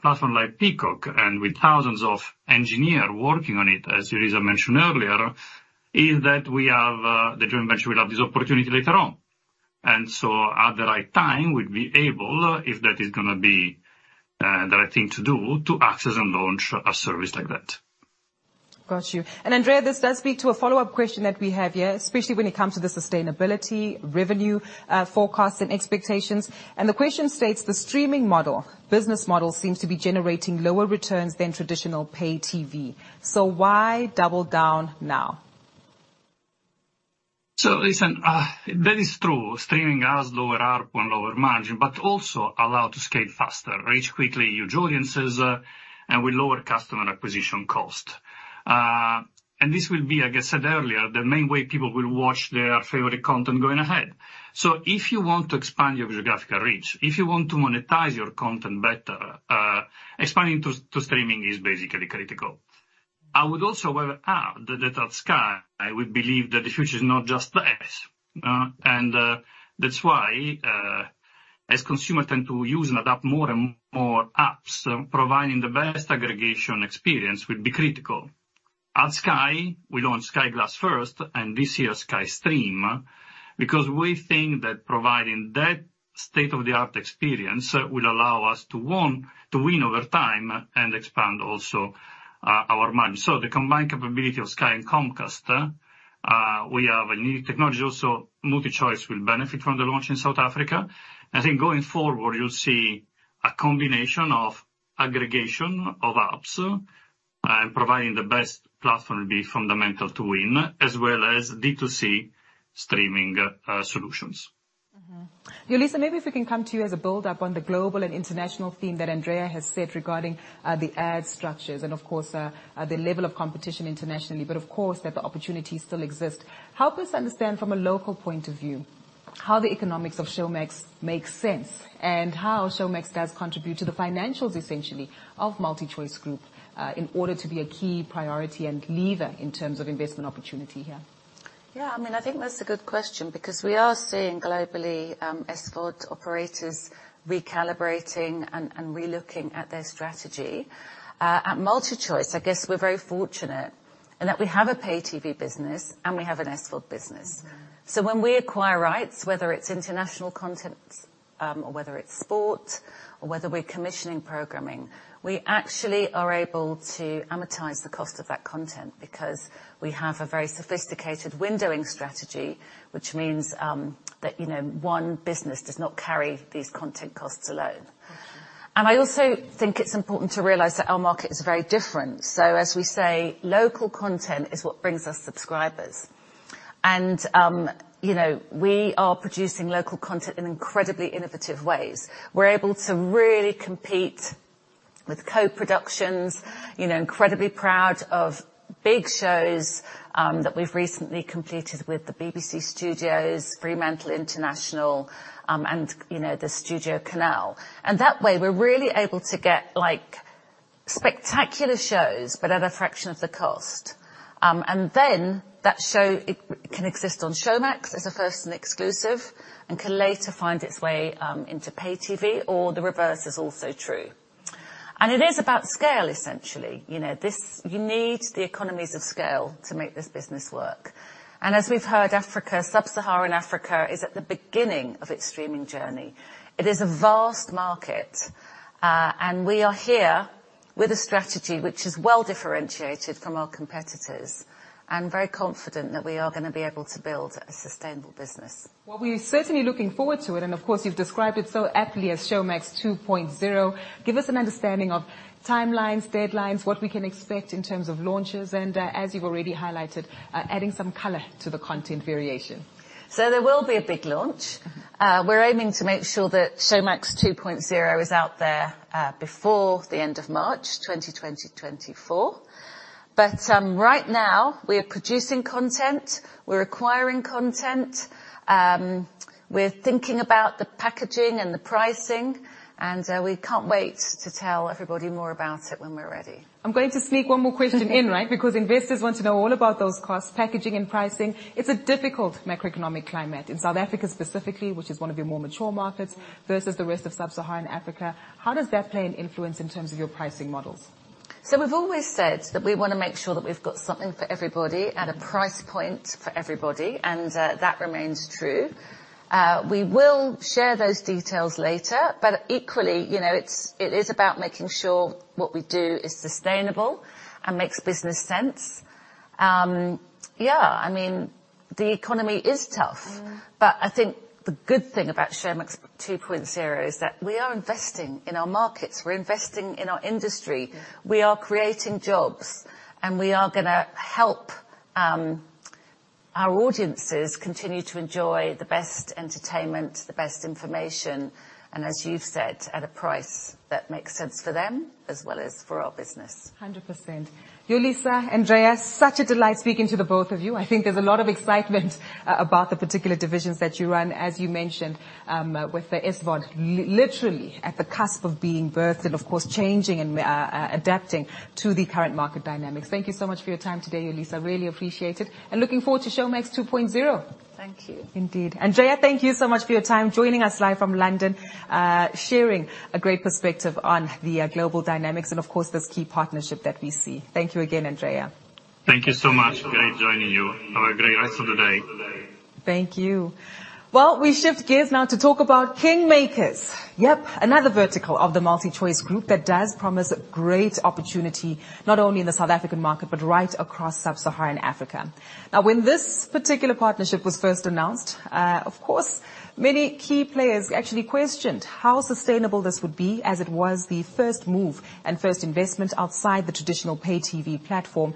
platform like Peacock and with thousands of engineers working on it, as Yolisa mentioned earlier, is that we have the joint venture will have this opportunity later on. At the right time, we'll be able, if that is going to be the right thing to do, to access and launch a service like that. Got you. Andrea, this does speak to a follow-up question that we have here, especially when it comes to the sustainability, revenue, forecasts and expectations. The question states: the streaming model, business model seems to be generating lower returns than traditional pay-TV. Why double down now? Listen, that is true. Streaming has lower ARPU and lower margin, but also allow to scale faster, reach quickly huge audiences, and with lower customer acquisition cost. This will be, like I said earlier, the main way people will watch their favorite content going ahead. If you want to expand your geographical reach, if you want to monetize your content better, expanding to streaming is basically critical. I would also however add that at Sky we believe that the future is not just the apps, that's why, as consumer tend to use and adopt more and more apps, providing the best aggregation experience will be critical. At Sky, we launched Sky Glass first and this year Sky Stream, because we think that providing that state-of-the-art experience will allow us to to win over time and expand also, our margin. The combined capability of Sky and Comcast, we have a new technology also, MultiChoice will benefit from the launch in South Africa. I think going forward, you'll see a combination of aggregation of apps, and providing the best platform will be fundamental to win, as well as D2C streaming, solutions. Yolisa, maybe if we can come to you as a build-up on the global and international theme that Andrea has said regarding the ad structures and of course, the level of competition internationally, but of course that the opportunities still exist. Help us understand from a local point of view. How the economics of Showmax makes sense, and how Showmax does contribute to the financials essentially of MultiChoice Group in order to be a key priority and lever in terms of investment opportunity, yeah. Yeah, I mean, I think that's a good question, because we are seeing globally, SVOD operators recalibrating and re-looking at their strategy. At MultiChoice, I guess we're very fortunate in that we have a pay-TV business and we have an SVOD business. Mm. When we acquire rights, whether it's international content, or whether it's sport, or whether we're commissioning programming, we actually are able to amortize the cost of that content because we have a very sophisticated windowing strategy, which means that, you know, one business does not carry these content costs alone. Mm. I also think it's important to realize that our market is very different. As we say, local content is what brings us subscribers. You know, we are producing local content in incredibly innovative ways. We're able to really compete with co-productions. You know, incredibly proud of big shows that we've recently completed with the BBC Studios, Fremantle International, and, you know, the STUDIOCANAL. That way, we're really able to get, like, spectacular shows, but at a fraction of the cost. Then that show can exist on Showmax as a first and exclusive, and can later find its way into pay-TV or the reverse is also true. It is about scale, essentially. You know, this. You need the economies of scale to make this business work. As we've heard, Africa, Sub-Saharan Africa is at the beginning of its streaming journey. It is a vast market. We are here with a strategy which is well-differentiated from our competitors, and very confident that we are gonna be able to build a sustainable business. Well, we are certainly looking forward to it, and of course you've described it so aptly as Showmax 2.0. Give us an understanding of timelines, deadlines, what we can expect in terms of launches, and, as you've already highlighted, adding some color to the content variation. There will be a big launch. Mm-hmm. We're aiming to make sure that Showmax 2.0 is out there, before the end of March 2024. Right now we're producing content, we're acquiring content, we're thinking about the packaging and the pricing, we can't wait to tell everybody more about it when we're ready. I'm going to sneak one more question right? Investors want to know all about those costs, packaging, and pricing. It's a difficult macroeconomic climate in South Africa specifically, which is one of your more mature markets. Mm... versus the rest of Sub-Saharan Africa. How does that play an influence in terms of your pricing models? We've always said that we wanna make sure that we've got something for everybody. Mm... at a price point for everybody, and that remains true. We will share those details later. Equally, you know, it is about making sure what we do is sustainable and makes business sense. Yeah, I mean, the economy is tough. Mm. I think the good thing about Showmax 2.0 is that we are investing in our markets, we're investing in our industry. Mm. We are creating jobs, and we are gonna help, our audiences continue to enjoy the best entertainment, the best information, and as you've said, at a price that makes sense for them as well as for our business. 100%. Yolisa, Andrea, such a delight speaking to the both of you. I think there's a lot of excitement about the particular divisions that you run. As you mentioned, with the SVOD literally at the cusp of being birthed, and of course, changing and adapting to the current market dynamics. Thank you so much for your time today, Yolisa. Really appreciate it. Looking forward to Showmax 2.0. Thank you. Indeed. Andrea, thank you so much for your time, joining us live from London, sharing a great perspective on the global dynamics and of course this key partnership that we see. Thank you again, Andrea. Thank you so much. Great joining you. Have a great rest of the day. Thank you. Well, we shift gears now to talk about Kingmakers. Yep, another vertical of the MultiChoice Group that does promise great opportunity, not only in the South African market, but right across Sub-Saharan Africa. When this particular partnership was first announced, of course, many key players actually questioned how sustainable this would be, as it was the first move and first investment outside the traditional pay-TV platform.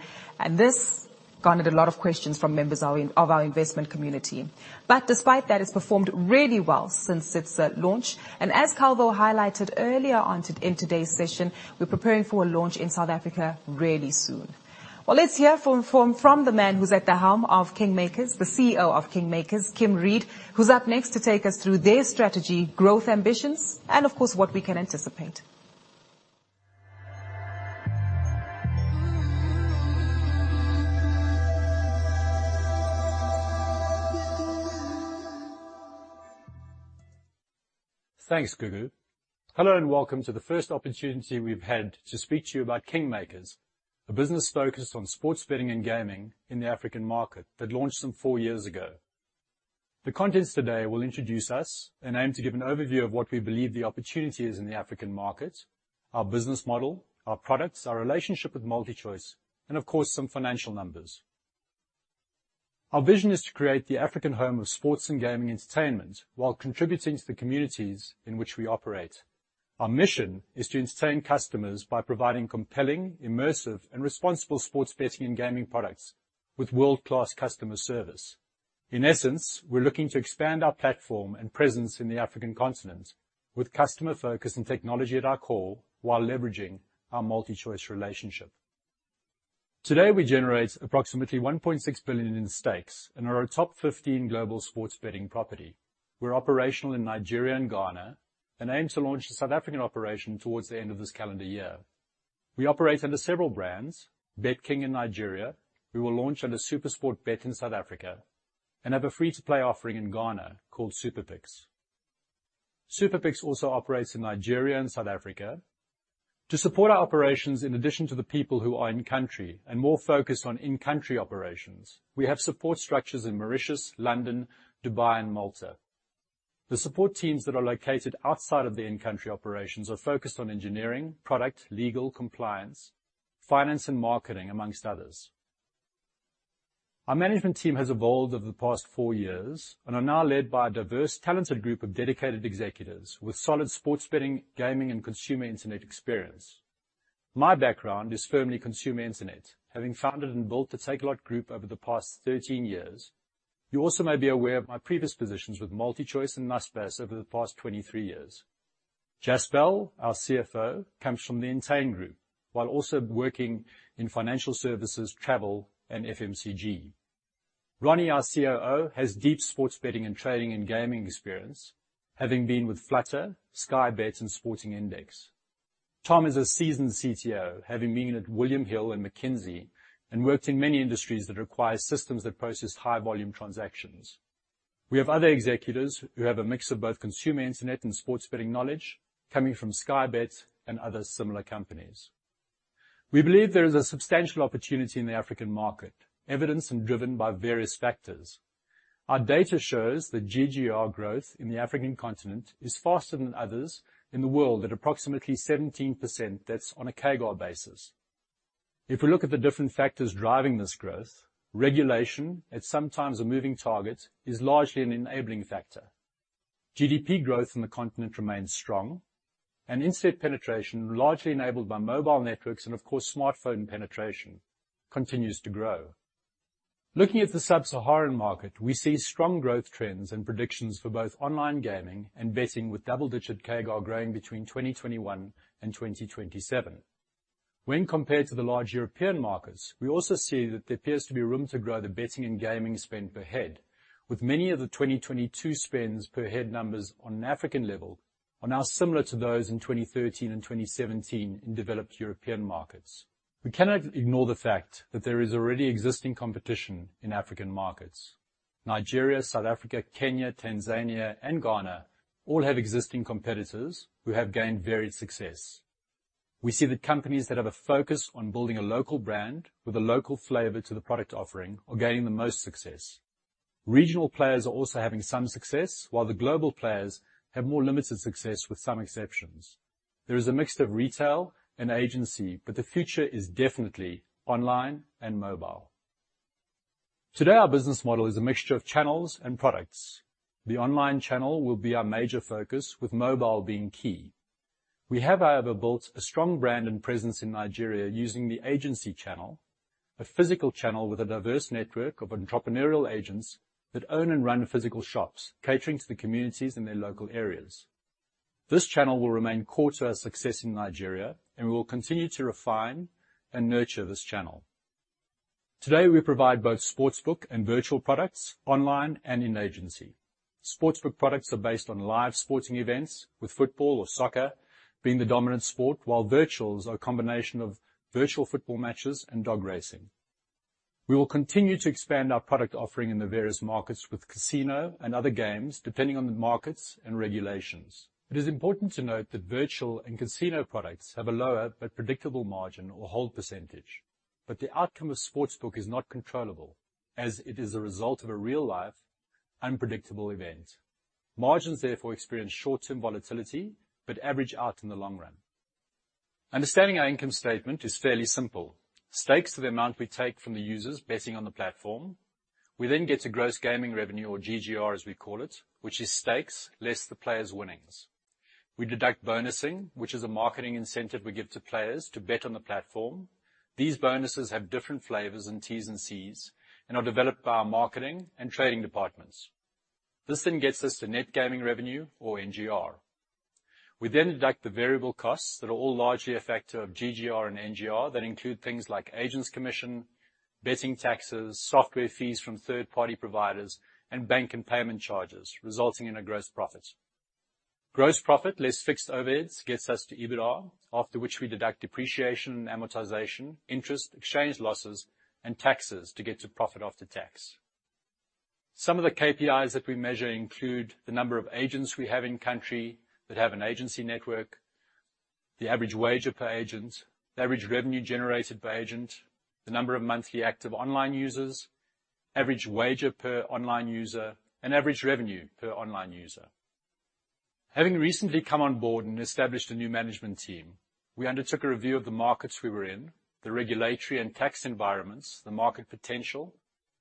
This garnered a lot of questions from members of our investment community. Despite that, it's performed really well since its launch. As Calvo highlighted earlier in today's session, we're preparing for a launch in South Africa really soon. Well, let's hear from the man who's at the helm of KingMakers, the CEO of KingMakers, Kim Reid, who's up next to take us through their strategy, growth, ambitions and of course what we can anticipate. Thanks, Gugu. Hello. Welcome to the first opportunity we've had to speak to you about KingMakers, a business focused on sports betting and gaming in the African market that launched some four years ago. The contents today will introduce us and aim to give an overview of what we believe the opportunity is in the African market, our business model, our products, our relationship with MultiChoice, and of course, some financial numbers. Our vision is to create the African home of sports and gaming entertainment while contributing to the communities in which we operate. Our mission is to entertain customers by providing compelling, immersive, and responsible sports betting and gaming products with world-class customer service. In essence, we're looking to expand our platform and presence in the African continent with customer focus and technology at our core while leveraging our MultiChoice relationship. Today, we generate approximately $1.6 billion in stakes and are a top 15 global sports betting property. We're operational in Nigeria and Ghana and aim to launch the South African operation towards the end of this calendar year. We operate under several brands, BetKing in Nigeria. We will launch under SuperSportBet in South Africa and have a free-to-play offering in Ghana called SuperPicks. SuperPicks also operates in Nigeria and South Africa. To support our operations, in addition to the people who are in country and more focused on in-country operations, we have support structures in Mauritius, London, Dubai, and Malta. The support teams that are located outside of their in-country operations are focused on engineering, product, legal, compliance, finance, and marketing, amongst others. Our management team has evolved over the past four years and are now led by a diverse, talented group of dedicated executives with solid sports betting, gaming, and consumer internet experience. My background is firmly consumer internet. Having founded and built the Takealot Group over the past 13 years, you also may be aware of my previous positions with MultiChoice and Naspers over the past 23 years. Jaspal, our CFO, comes from the Entain group while also working in financial services, travel, and FMCG. Ronnie, our COO, has deep sports betting and trading and gaming experience, having been with Flutter, Sky Bet, and Sporting Index. Tom is a seasoned CTO, having been at William Hill and McKinsey and worked in many industries that require systems that process high volume transactions. We have other executives who have a mix of both consumer internet and sports betting knowledge coming from Sky Bet and other similar companies. We believe there is a substantial opportunity in the African market, evidenced and driven by various factors. Our data shows that GGR growth in the African continent is faster than others in the world at approximately 17%. That's on a CAGR basis. If we look at the different factors driving this growth, regulation, at some times a moving target, is largely an enabling factor. GDP growth in the continent remains strong, and internet penetration, largely enabled by mobile networks and of course, smartphone penetration, continues to grow. Looking at the Sub-Saharan market, we see strong growth trends and predictions for both online gaming and betting, with double-digit CAGR growing between 2021 and 2027. When compared to the large European markets, we also see that there appears to be room to grow the betting and gaming spend per head, with many of the 2022 spends per head numbers on an African level are now similar to those in 2013 and 2017 in developed European markets. We cannot ignore the fact that there is already existing competition in African markets. Nigeria, South Africa, Kenya, Tanzania, and Ghana all have existing competitors who have gained varied success. We see that companies that have a focus on building a local brand with a local flavor to the product offering are gaining the most success. Regional players are also having some success, while the global players have more limited success with some exceptions. There is a mix of retail and agency, but the future is definitely online and mobile. Today, our business model is a mixture of channels and products. The online channel will be our major focus, with mobile being key. We have, however, built a strong brand and presence in Nigeria using the agency channel, a physical channel with a diverse network of entrepreneurial agents that own and run physical shops catering to the communities in their local areas. This channel will remain core to our success in Nigeria, and we will continue to refine and nurture this channel. Today, we provide both sportsbook and virtual products online and in agency. Sportsbook products are based on live sporting events, with football or soccer being the dominant sport, while virtual is a combination of virtual football matches and dog racing. We will continue to expand our product offering in the various markets with casino and other games, depending on the markets and regulations. It is important to note that virtual and casino products have a lower but predictable margin or hold percentage. The outcome of sportsbook is not controllable as it is a result of a real-life, unpredictable event. Margins, therefore, experience short-term volatility but average out in the long run. Understanding our income statement is fairly simple. Stakes are the amount we take from the users betting on the platform. We then get to gross gaming revenue, or GGR, as we call it, which is stakes less the players' winnings. We deduct bonusing, which is a marketing incentive we give to players to bet on the platform. These bonuses have different flavors and T's and C's and are developed by our marketing and trading departments. This gets us to net gaming revenue or NGR. We deduct the variable costs that are all largely a factor of GGR and NGR that include things like agents' commission, betting taxes, software fees from third-party providers, and bank and payment charges, resulting in a gross profit. Gross profit less fixed overheads gets us to EBITDA, after which we deduct depreciation and amortization, interest, exchange losses, and taxes to get to profit after tax. Some of the KPIs that we measure include the number of agents we have in country that have an agency network, the average wager per agent, the average revenue generated per agent, the number of monthly active online users, average wager per online user, and average revenue per online user. Having recently come on board and established a new management team, we undertook a review of the markets we were in, the regulatory and tax environments, the market potential,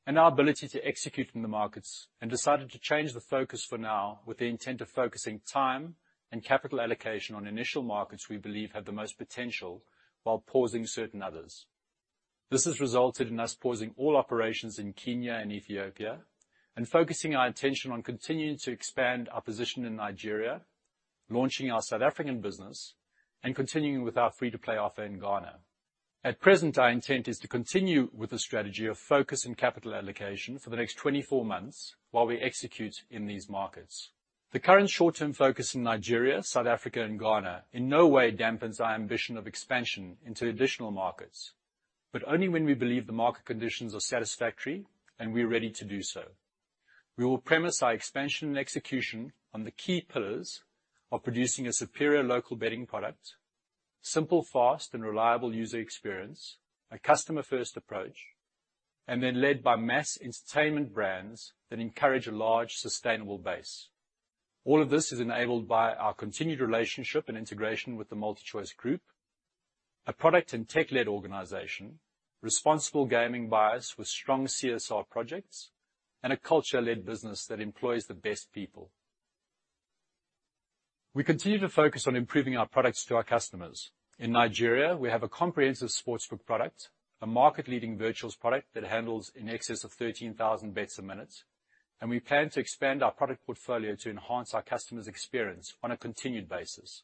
and our ability to execute in the markets, and decided to change the focus for now with the intent of focusing time and capital allocation on initial markets we believe have the most potential, while pausing certain others. This has resulted in us pausing all operations in Kenya and Ethiopia and focusing our attention on continuing to expand our position in Nigeria, launching our South African business and continuing with our free-to-play offer in Ghana. At present, our intent is to continue with the strategy of focus and capital allocation for the next 24 months while we execute in these markets. The current short-term focus in Nigeria, South Africa, and Ghana in no way dampens our ambition of expansion into additional markets, but only when we believe the market conditions are satisfactory and we're ready to do so. We will premise our expansion and execution on the key pillars of producing a superior local betting product, simple, fast, and reliable user experience, a customer-first approach, and then led by mass entertainment brands that encourage a large sustainable base. All of this is enabled by our continued relationship and integration with the MultiChoice Group, a product and tech-led organization, responsible gaming bias with strong CSR projects, and a culture-led business that employs the best people. We continue to focus on improving our products to our customers. In Nigeria, we have a comprehensive sportsbook product, a market-leading virtuals product that handles in excess of 13,000 bets a minute. We plan to expand our product portfolio to enhance our customer's experience on a continued basis.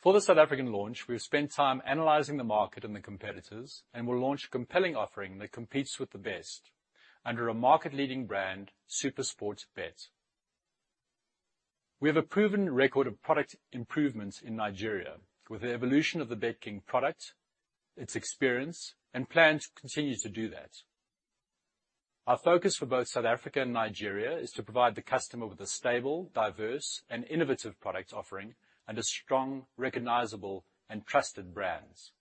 For the South African launch, we've spent time analyzing the market and the competitors. We'll launch a compelling offering that competes with the best under a market-leading brand, SuperSportBet. We have a proven record of product improvements in Nigeria with the evolution of the BetKing product, its experience, and plan to continue to do that. Our focus for both South Africa and Nigeria is to provide the customer with a stable, diverse, and innovative product offering, and a strong, recognizable, and trusted brands.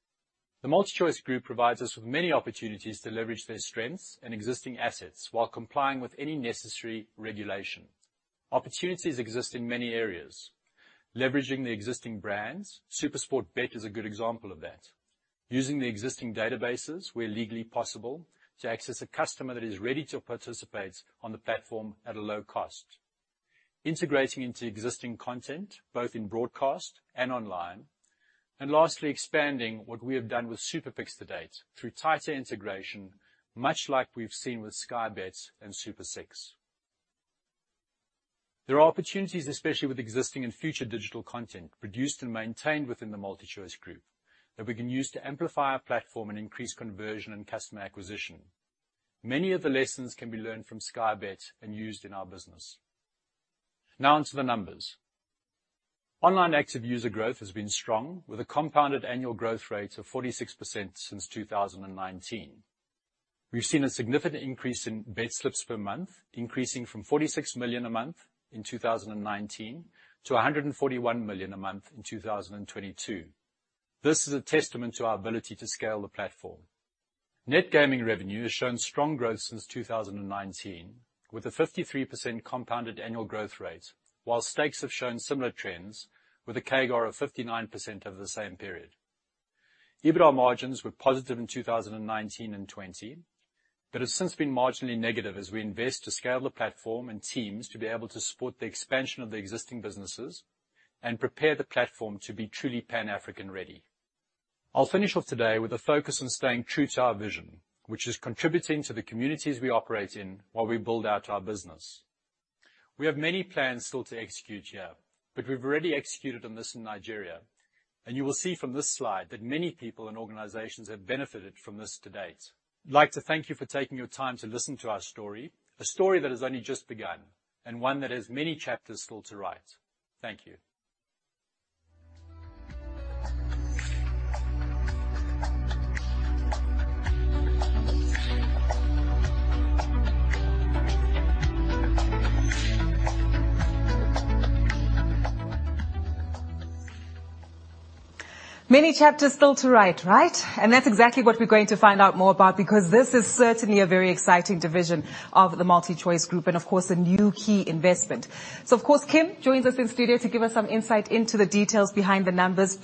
The MultiChoice Group provides us with many opportunities to leverage their strengths and existing assets while complying with any necessary regulation. Opportunities exist in many areas. Leveraging the existing brands, SuperSportBet is a good example of that. Using the existing databases where legally possible to access a customer that is ready to participate on the platform at a low cost. Integrating into existing content, both in broadcast and online. Lastly, expanding what we have done with SuperPicks to date through tighter integration, much like we've seen with Sky Bet and Super 6. There are opportunities, especially with existing and future digital content produced and maintained within the MultiChoice Group that we can use to amplify our platform and increase conversion and customer acquisition. Many of the lessons can be learned from Sky Bet and used in our business. On to the numbers. Online active user growth has been strong, with a compounded annual growth rate of 46% since 2019. We've seen a significant increase in bet slips per month, increasing from 46 million a month in 2019 to 141 million a month in 2022. This is a testament to our ability to scale the platform. Net gaming revenue has shown strong growth since 2019, with a 53% compounded annual growth rate, while stakes have shown similar trends with a CAGR of 59% over the same period. EBITDA margins were positive in 2019 and 2020, but has since been marginally negative as we invest to scale the platform and teams to be able to support the expansion of the existing businesses and prepare the platform to be truly Pan-African ready. I'll finish off today with a focus on staying true to our vision, which is contributing to the communities we operate in while we build out our business. We have many plans still to execute here, but we've already executed on this in Nigeria, and you will see from this slide that many people and organizations have benefited from this to date. I'd like to thank you for taking your time to listen to our story, a story that has only just begun, and one that has many chapters still to write. Thank you. Many chapters still to write, right? That's exactly what we're going to find out more about because this is certainly a very exciting division of the MultiChoice Group and, of course, a new key investment. Of course, Kim joins us in studio to give us some insight into the details behind the numbers.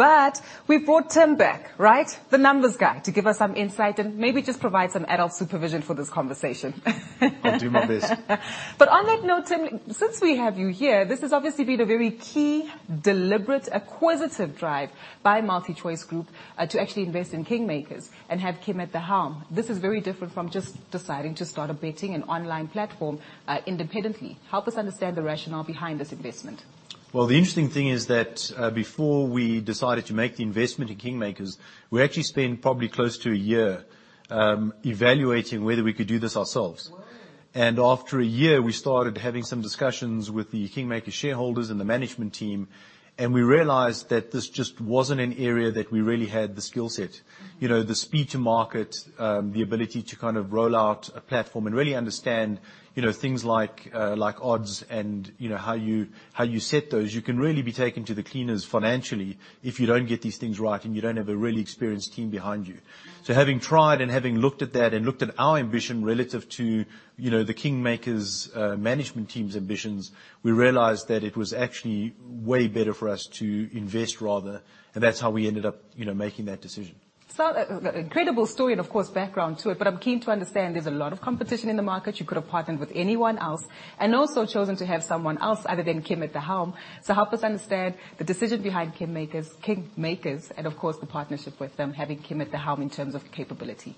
We've brought Tim back, right? The numbers guy, to give us some insight and maybe just provide some adult supervision for this conversation. I'll do my best. On that note, Tim, since we have you here, this has obviously been a very key, deliberate, acquisitive drive by MultiChoice Group to actually invest in KingMakers and have Kim at the helm. This is very different from just deciding to start a betting and online platform independently. Help us understand the rationale behind this investment. Well, the interesting thing is that, before we decided to make the investment in KingMakers, we actually spent probably close to a year, evaluating whether we could do this ourselves. Wow. After a year, we started having some discussions with the KingMakers shareholders and the management team, and we realized that this just wasn't an area that we really had the skill set. The speed to market, the ability to kind of roll out a platform and really understand, you know, things like odds and, you know, how you set those. You can really be taken to the cleaners financially if you don't get these things right and you don't have a really experienced team behind you. Having tried and having looked at that and looked at our ambition relative to, you know, the KingMakers', management team's ambitions, we realized that it was actually way better for us to invest rather, and that's how we ended up, you know, making that decision. incredible story and of course background to it, but I'm keen to understand, there's a lot of competition in the market, you could have partnered with anyone else, and also chosen to have someone else other than Kim at the helm. Help us understand the decision behind KingMakers, and of course the partnership with them, having Kim at the helm in terms of capability?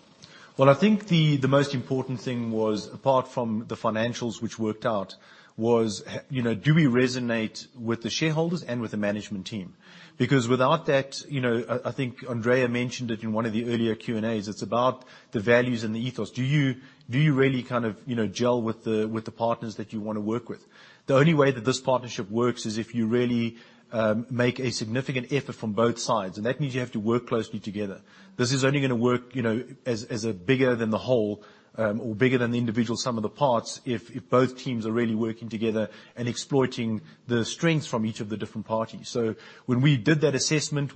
Well, I think the most important thing was, apart from the financials which worked out, you know, do we resonate with the shareholders and with the management team? Without that, you know, I think Andrea mentioned it in one of the earlier Q&As, it's about the values and the ethos. Do you really kind of, you know, gel with the partners that you wanna work with? The only way that this partnership works is if you really make a significant effort from both sides, that means you have to work closely together. This is only gonna work, you know, as a bigger than the whole, or bigger than the individual sum of the parts, if both teams are really working together and exploiting the strengths from each of the different parties. When we did that assessment,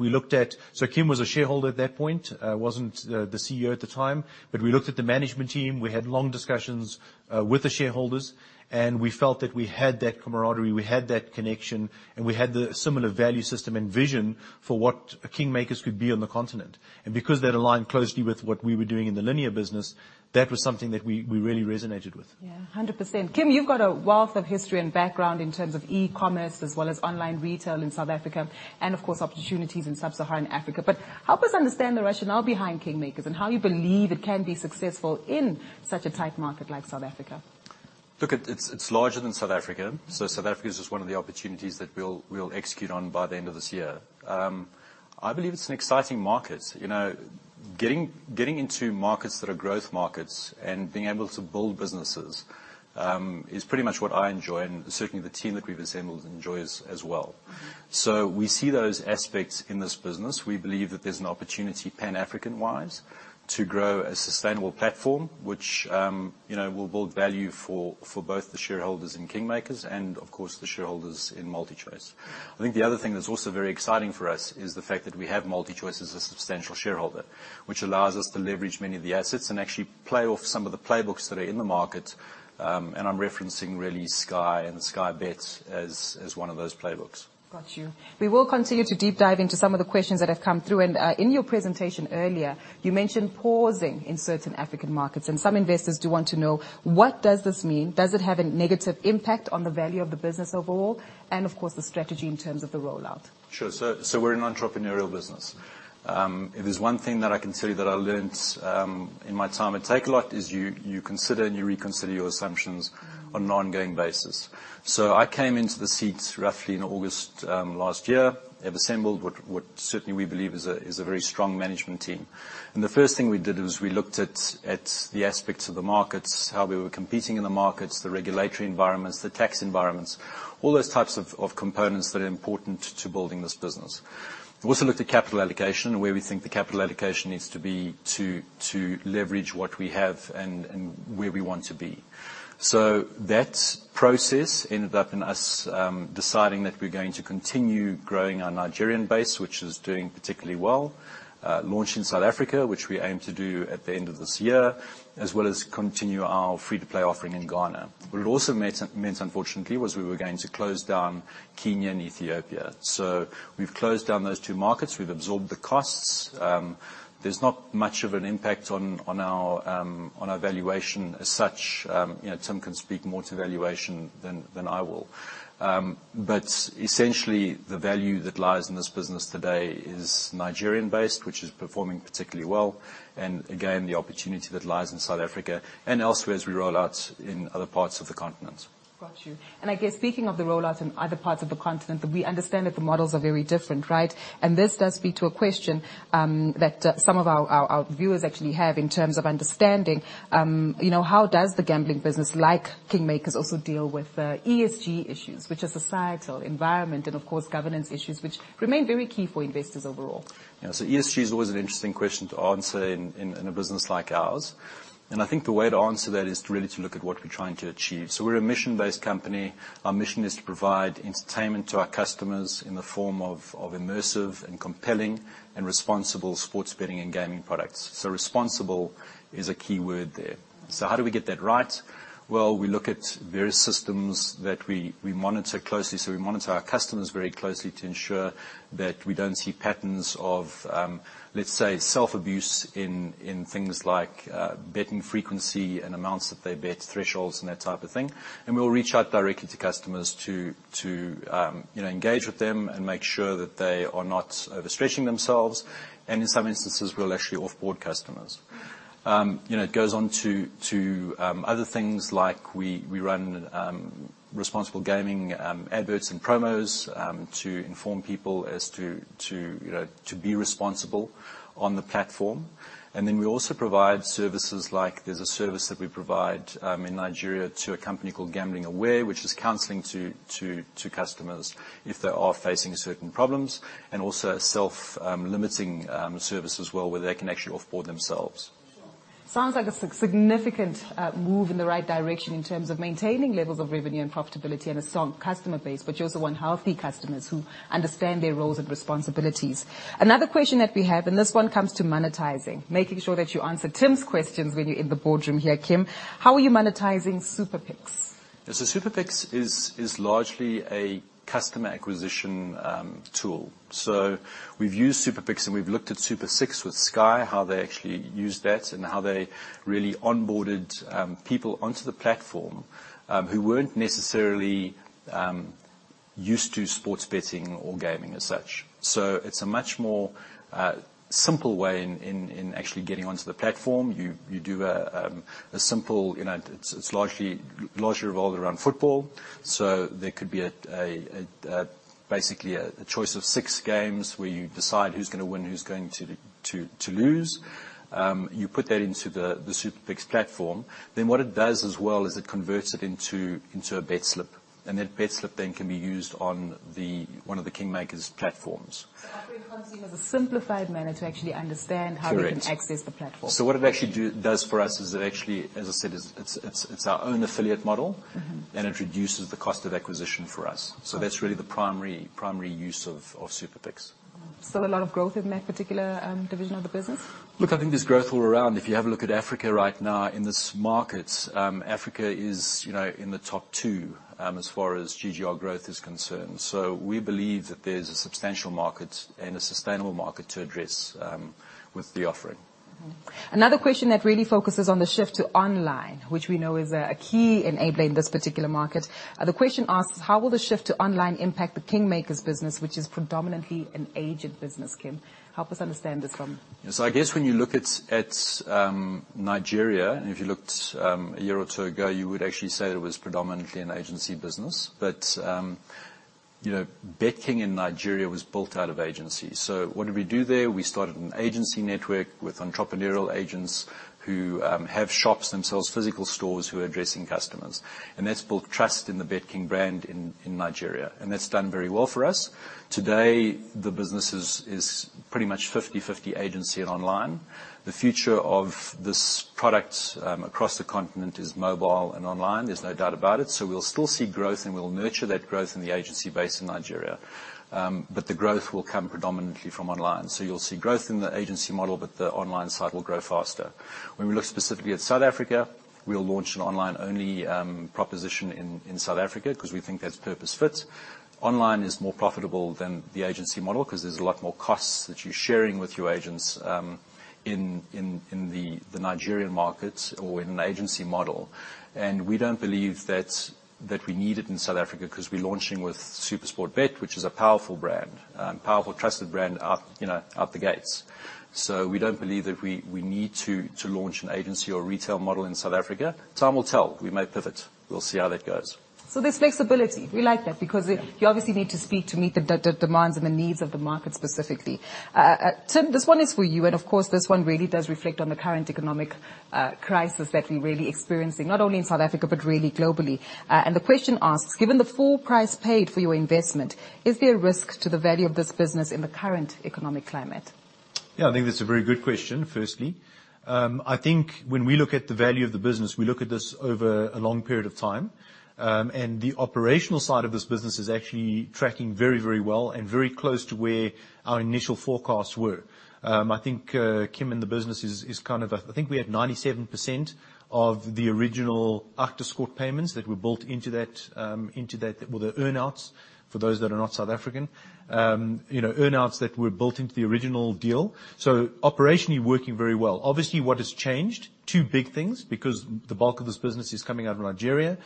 Kim was a shareholder at that point, wasn't the CEO at the time, but we looked at the management team, we had long discussions with the shareholders, and we felt that we had that camaraderie, we had that connection, and we had the similar value system and vision for what KingMakers could be on the continent. Because that aligned closely with what we were doing in the linear business, that was something that we really resonated with. Yeah, 100%. Kim, you've got a wealth of history and background in terms of e-commerce as well as online retail in South Africa and, of course, opportunities in Sub-Saharan Africa. Help us understand the rationale behind KingMakers and how you believe it can be successful in such a tight market like South Africa. Look, it's larger than South Africa, so South Africa is just one of the opportunities that we'll execute on by the end of this year. I believe it's an exciting market. You know, getting into markets that are growth markets and being able to build businesses, is pretty much what I enjoy, and certainly the team that we've assembled enjoys as well. We see those aspects in this business. We believe that there's an opportunity Pan-African-wise to grow a sustainable platform which, you know, will build value for both the shareholders in KingMakers and of course the shareholders in MultiChoice. I think the other thing that's also very exciting for us is the fact that we have MultiChoice as a substantial shareholder, which allows us to leverage many of the assets and actually play off some of the playbooks that are in the market, and I'm referencing really Sky and Sky Bet as one of those playbooks. Got you. We will continue to deep dive into some of the questions that have come through. In your presentation earlier, you mentioned pausing in certain African markets, and some investors do want to know, what does this mean? Does it have a negative impact on the value of the business overall, and of course the strategy in terms of the rollout? Sure. We're an entrepreneurial business. If there's one thing that I can tell you that I learnt in my time at takealot.com is you consider and you reconsider your assumptions on an ongoing basis. I came into the seat roughly in August last year. Have assembled what certainly we believe is a very strong management team. The first thing we did was we looked at the aspects of the markets, how we were competing in the markets, the regulatory environments, the tax environments, all those types of components that are important to building this business. We also looked at capital allocation and where we think the capital allocation needs to be to leverage what we have and where we want to be. That process ended up in us deciding that we're going to continue growing our Nigerian base, which is doing particularly well, launch in South Africa, which we aim to do at the end of this year, as well as continue our free-to-play offering in Ghana. What it also meant unfortunately, was we were going to close down Kenya and Ethiopia. We've closed down those two markets. We've absorbed the costs. There's not much of an impact on our valuation as such. you know, Tim can speak more to valuation than I will. Essentially the value that lies in this business today is Nigerian-based, which is performing particularly well, and again, the opportunity that lies in South Africa and elsewhere as we roll out in other parts of the continent. Got you. I guess speaking of the rollout in other parts of the continent, we understand that the models are very different, right? This does speak to a question that some of our viewers actually have in terms of understanding, you know, how does the gambling business like KingMakers also deal with ESG issues, which are societal, environment, and of course governance issues, which remain very key for investors overall? ESG is always an interesting question to answer in a business like ours. I think the way to answer that is really to look at what we're trying to achieve. We're a mission-based company. Our mission is to provide entertainment to our customers in the form of immersive and compelling and responsible sports betting and gaming products. Responsible is a key word there. How do we get that right? Well, we look at various systems that we monitor closely. We monitor our customers very closely to ensure that we don't see patterns of, let's say, self-abuse in things like betting frequency and amounts that they bet, thresholds and that type of thing. We'll reach out directly to customers to, you know, engage with them and make sure that they are not overstretching themselves, and in some instances we'll actually off-board customers. You know, it goes on to other things like we run responsible gaming adverts and promos to inform people as to, you know, to be responsible on the platform. Then we also provide services like there's a service that we provide in Nigeria to a company called Gambling Aware, which is counseling to customers if they are facing certain problems, and also a self-limiting service as well, where they can actually off-board themselves. Sounds like a significant move in the right direction in terms of maintaining levels of revenue and profitability and a strong customer base, but you also want healthy customers who understand their roles and responsibilities. Another question that we have, and this one comes to monetizing, making sure that you answer Tim's questions when you're in the boardroom here, Kim, how are you monetizing SuperPicks? SuperPicks is largely a customer acquisition tool. We've used SuperPicks, and we've looked at Super 6 with Sky, how they actually used that and how they really onboarded people onto the platform who weren't necessarily used to sports betting or gaming as such. It's a much more simple way in actually getting onto the platform. You do a simple, you know. It's largely revolved around football, so there could be a basically a choice of six games where you decide who's gonna win, who's going to lose. You put that into the SuperPicks platform. What it does as well is it converts it into a bet slip, and that bet slip then can be used on one of the KingMakers platforms. Offering consumers a simplified manner to actually understand. Correct. how they can access the platform. What it actually does for us is it actually, as I said, is, it's our own affiliate model. Mm-hmm. It reduces the cost of acquisition for us. Okay. That's really the primary use of SuperPicks. Still a lot of growth in that particular division of the business? Look, I think there's growth all around. If you have a look at Africa right now, in this market, Africa is, you know, in the top two, as far as GGR growth is concerned. We believe that there's a substantial market and a sustainable market to address with the offering. Another question that really focuses on the shift to online, which we know is a key enabler in this particular market. The question asks: how will the shift to online impact the KingMakers business, which is predominantly an agent business, Kim? Help us understand this one. Yes. I guess when you look at Nigeria, and if you looked a year or two ago, you would actually say it was predominantly an agency business. you know, BetKing in Nigeria was built out of agencies. What did we do there? We started an agency network with entrepreneurial agents who have shops themselves, physical stores who are addressing customers, and that's built trust in the BetKing brand in Nigeria, and that's done very well for us. Today, the business is pretty much 50/50 agency and online. The future of this product across the continent is mobile and online. There's no doubt about it. We'll still see growth, and we'll nurture that growth in the agency base in Nigeria. The growth will come predominantly from online. You'll see growth in the agency model, but the online side will grow faster. When we look specifically at South Africa, we'll launch an online-only proposition in South Africa 'cause we think that's purpose fit. Online is more profitable than the agency model 'cause there's a lot more costs that you're sharing with your agents in the Nigerian market or in an agency model. We don't believe that we need it in South Africa 'cause we're launching with SuperSportBet, which is a powerful brand, powerful, trusted brand out, you know, out the gates. We don't believe that we need to launch an agency or retail model in South Africa. Time will tell. We may pivot. We'll see how that goes. There's flexibility. We like that because. Yeah. you obviously need to speak to meet the demands and the needs of the market specifically. Tim, this one is for you, and of course, this one really does reflect on the current economic crisis that we're really experiencing, not only in South Africa but really globally. The question asks: given the full price paid for your investment, is there a risk to the value of this business in the current economic climate? Yeah. I think that's a very good question, firstly. I think when we look at the value of the business, we look at this over a long period of time. The operational side of this business is actually tracking very, very well and very close to where our initial forecasts were. I think Kim, and the business is kind of at, I think we're at 97% of the original Actis court payments that were built into that... Well, the earn-outs, for those that are not South African. You know, earn-outs that were built into the original deal. Operationally working very well. Obviously, what has changed, two big things. Because the bulk of this business is coming out of Nigeria,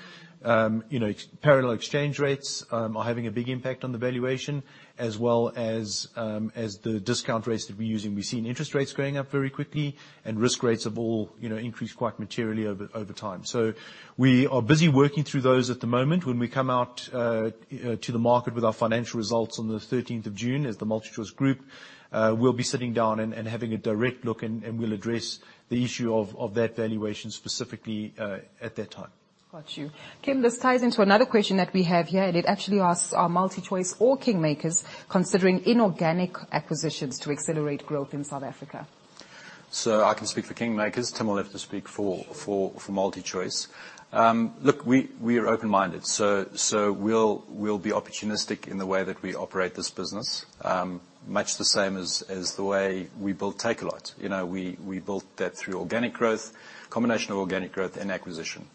you know, parallel exchange rates are having a big impact on the valuation as well as the discount rates that we're using. We've seen interest rates going up very quickly, and risk rates have all, you know, increased quite materially over time. We are busy working through those at the moment. When we come out to the market with our financial results on the 13th of June as the MultiChoice Group, we'll be sitting down and having a direct look, and we'll address the issue of that valuation specifically at that time. Got you. Kim, this ties into another question that we have here, it actually asks: are MultiChoice or KingMakers considering inorganic acquisitions to accelerate growth in South Africa? I can speak for KingMakers. Tim will have to speak for MultiChoice. Look, we are open-minded, so we'll be opportunistic in the way that we operate this business, much the same as the way we built Takealot. You know, we built that through organic growth, combination of organic growth and acquisition.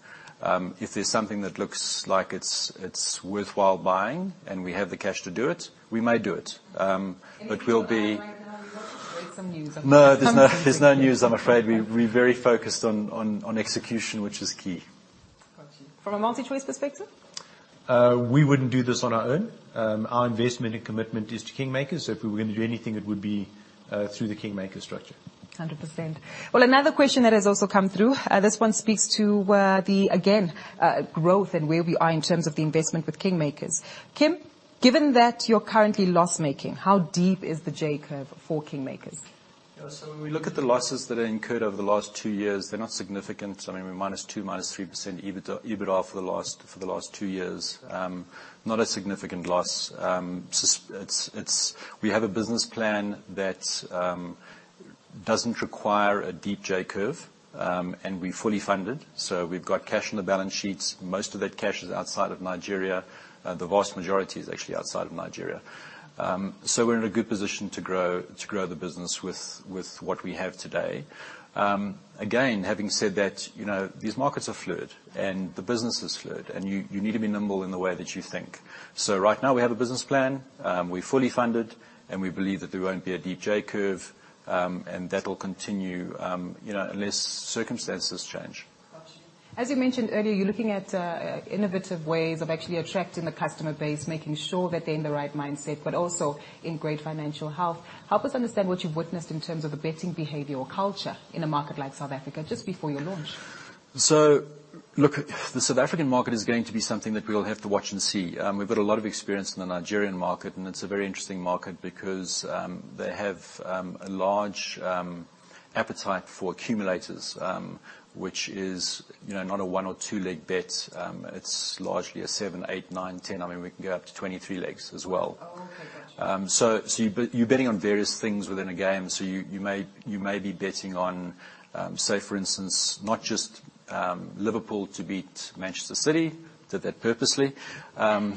If there's something that looks like it's worthwhile buying, and we have the cash to do it, we may do it. But we'll be Anything going on right now? You've got to break some news on this one. No, there's no news, I'm afraid. We're very focused on execution, which is key. Got you. From a MultiChoice perspective? We wouldn't do this on our own. Our investment and commitment is to KingMakers. If we were gonna do anything, it would be through the KingMakers structure. 100%. Well, another question that has also come through. This one speaks to the again, growth and where we are in terms of the investment with KingMakers. Kim, given that you're currently loss-making, how deep is the J-curve for KingMakers? Yeah. When we look at the losses that are incurred over the last two years, they're not significant. I mean, we're -2%, -3% EBITDA for the last two years. Not a significant loss. It's. We have a business plan that doesn't require a deep J-curve, and we're fully funded, so we've got cash on the balance sheets. Most of that cash is outside of Nigeria. The vast majority is actually outside of Nigeria. We're in a good position to grow the business with what we have today. Again, having said that, you know, these markets are fluid and the business is fluid, and you need to be nimble in the way that you think. Right now we have a business plan, we're fully funded, and we believe that there won't be a deep J-curve, and that'll continue, you know, unless circumstances change. Got you. As you mentioned earlier, you're looking at innovative ways of actually attracting the customer base, making sure that they're in the right mindset, but also in great financial health. Help us understand what you've witnessed in terms of the betting behavior or culture in a market like South Africa just before your launch? The South African market is going to be something that we'll have to watch and see. We've got a lot of experience in the Nigerian market, and it's a very interesting market because they have a large appetite for accumulators, which is, you know, not a one or two-leg bet. It's largely a seven, eight, nine, 10. I mean, we can go up to 23 legs as well. Oh, okay. Gotcha. You're betting on various things within a game, so you may be betting on, say for instance, not just Liverpool to beat Manchester City. Did that purposely. Any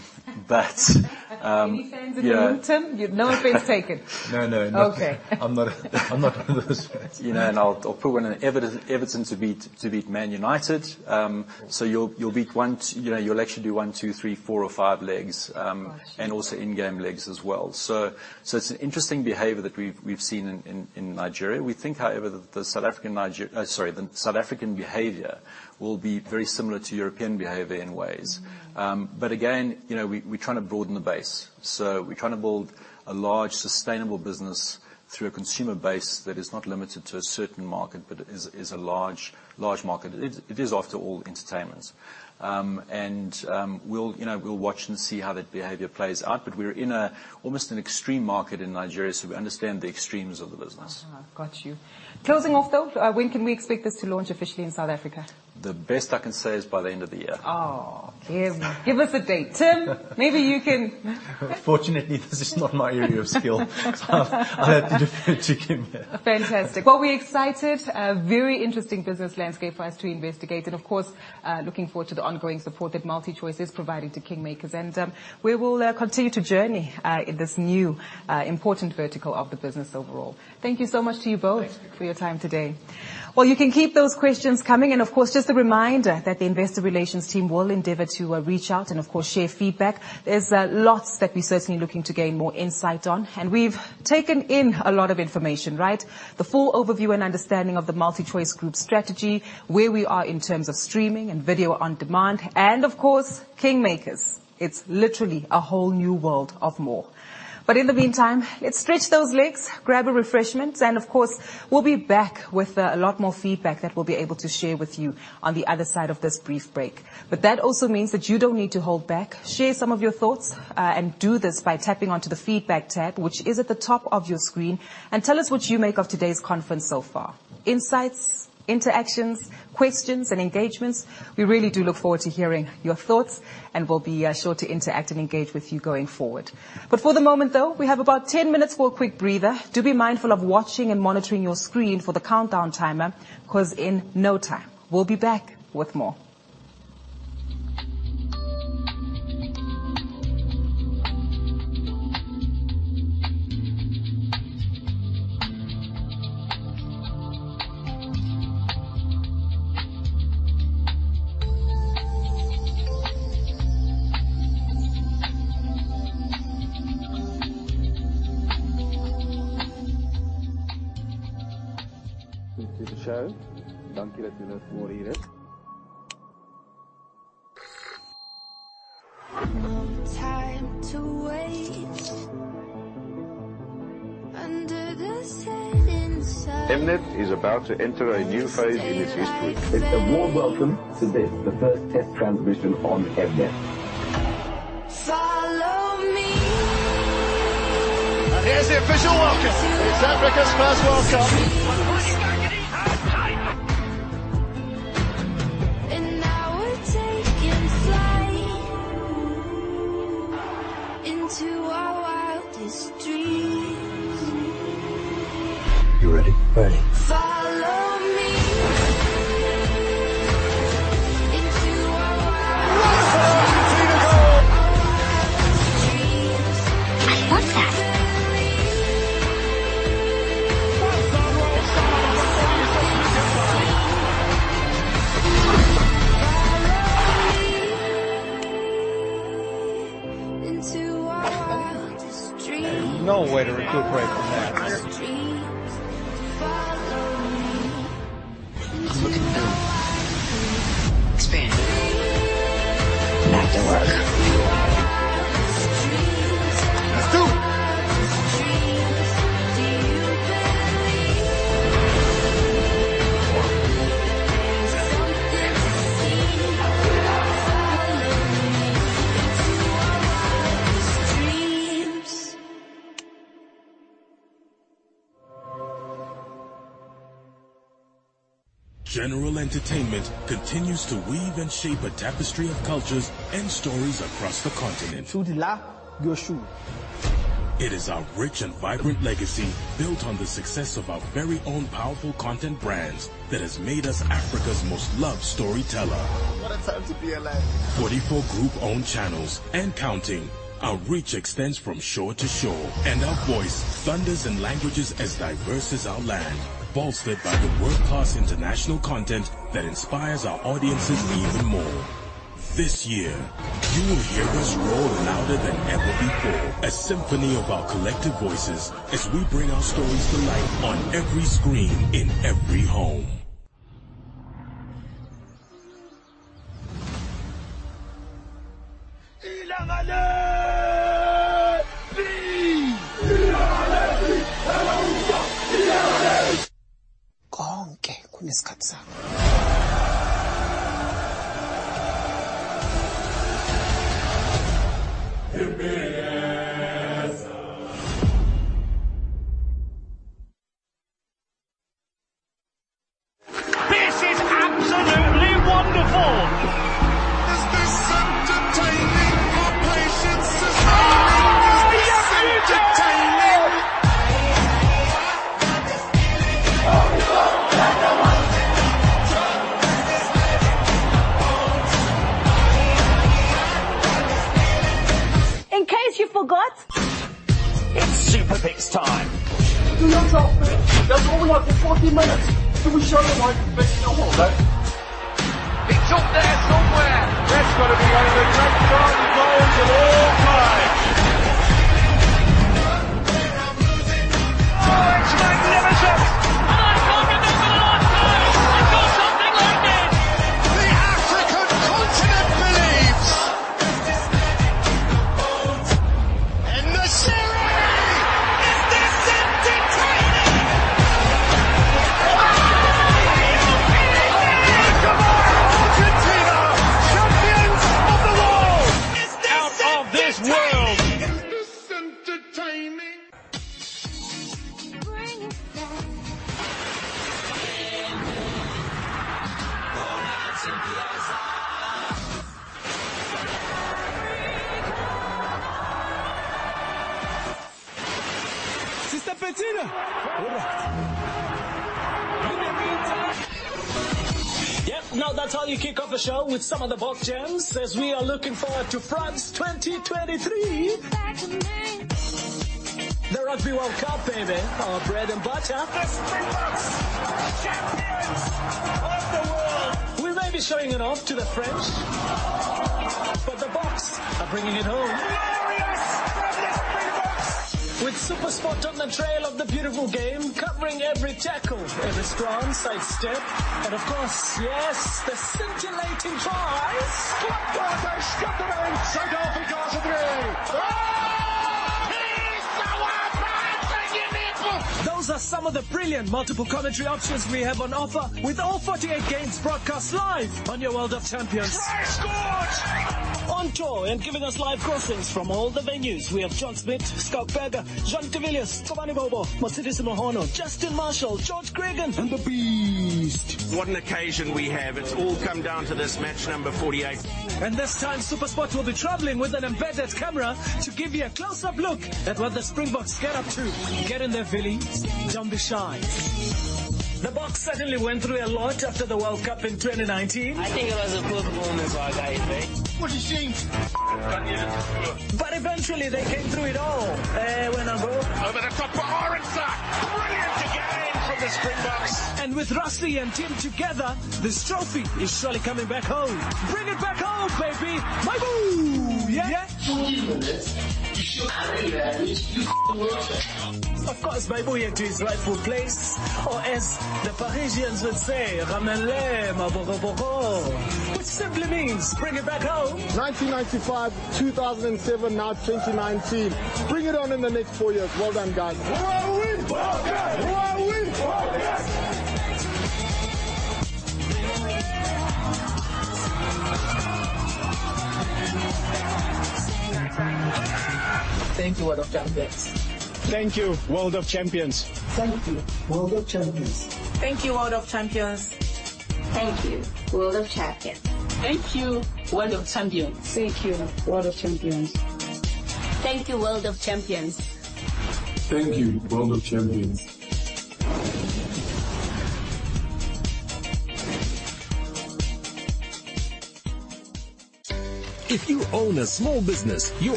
fans in the room, Tim? Yeah. No offense taken. No, no. Okay. I'm not into those. You know, I'll put one on Everton to beat Man United. You'll beat one. You know, you'll actually do one, two, three, four or five legs. Got you. Also in-game legs as well. So it's an interesting behavior that we've seen in Nigeria. We think, however, that the South African Sorry, the South African behavior will be very similar to European behavior in ways. Mm. Again, you know, we're trying to broaden the base. We're trying to build a large sustainable business through a consumer base that is not limited to a certain market but is a large market. It, it is, after all, entertainment. We'll, you know, we'll watch and see how that behavior plays out, but we're in a almost an extreme market in Nigeria, so we understand the extremes of the business. Got you. Closing off, though, when can we expect this to launch officially in South Africa? The best I can say is by the end of the year. Oh, give us a date. Tim, maybe you can... Unfortunately, this is not my area of skill. I'll have to defer to Kim there. Fantastic. Well, we're excited. A very interesting business landscape for us to investigate and, of course, looking forward to the ongoing support that MultiChoice is providing to KingMakers. We will continue to journey in this new important vertical of the business overall. Thank you so much to you both... Thanks. For your time today. Well, you can keep those questions coming. Of course, just a reminder that the investor relations team will endeavor to reach out and of course share feedback. There's lots that we're certainly looking to gain more insight on, and we've taken in a lot of information, right? The full overview and understanding of the MultiChoice Group strategy, where we are in terms of streaming and video on demand, and of course, KingMakers. It's literally a whole new world of more. In the meantime, let's stretch those legs, grab a refreshment, and of course, we'll be back with a lot more feedback that we'll be able to share with you on the other side of this brief break. That also means that you don't need to hold back. Share some of your thoughts, and do this by tapping onto the feedback tab, which is at the top of your screen, and tell us what you make of today's conference so far. Insights, interactions, questions, and engagements, we really do look forward to hearing your thoughts, and we'll be sure to interact and engage with you going forward. For the moment, though, we have about 10 minutes for a quick breather. Do be mindful of watching and monitoring your screen for the countdown timer 'cause in no time, we'll be back with more.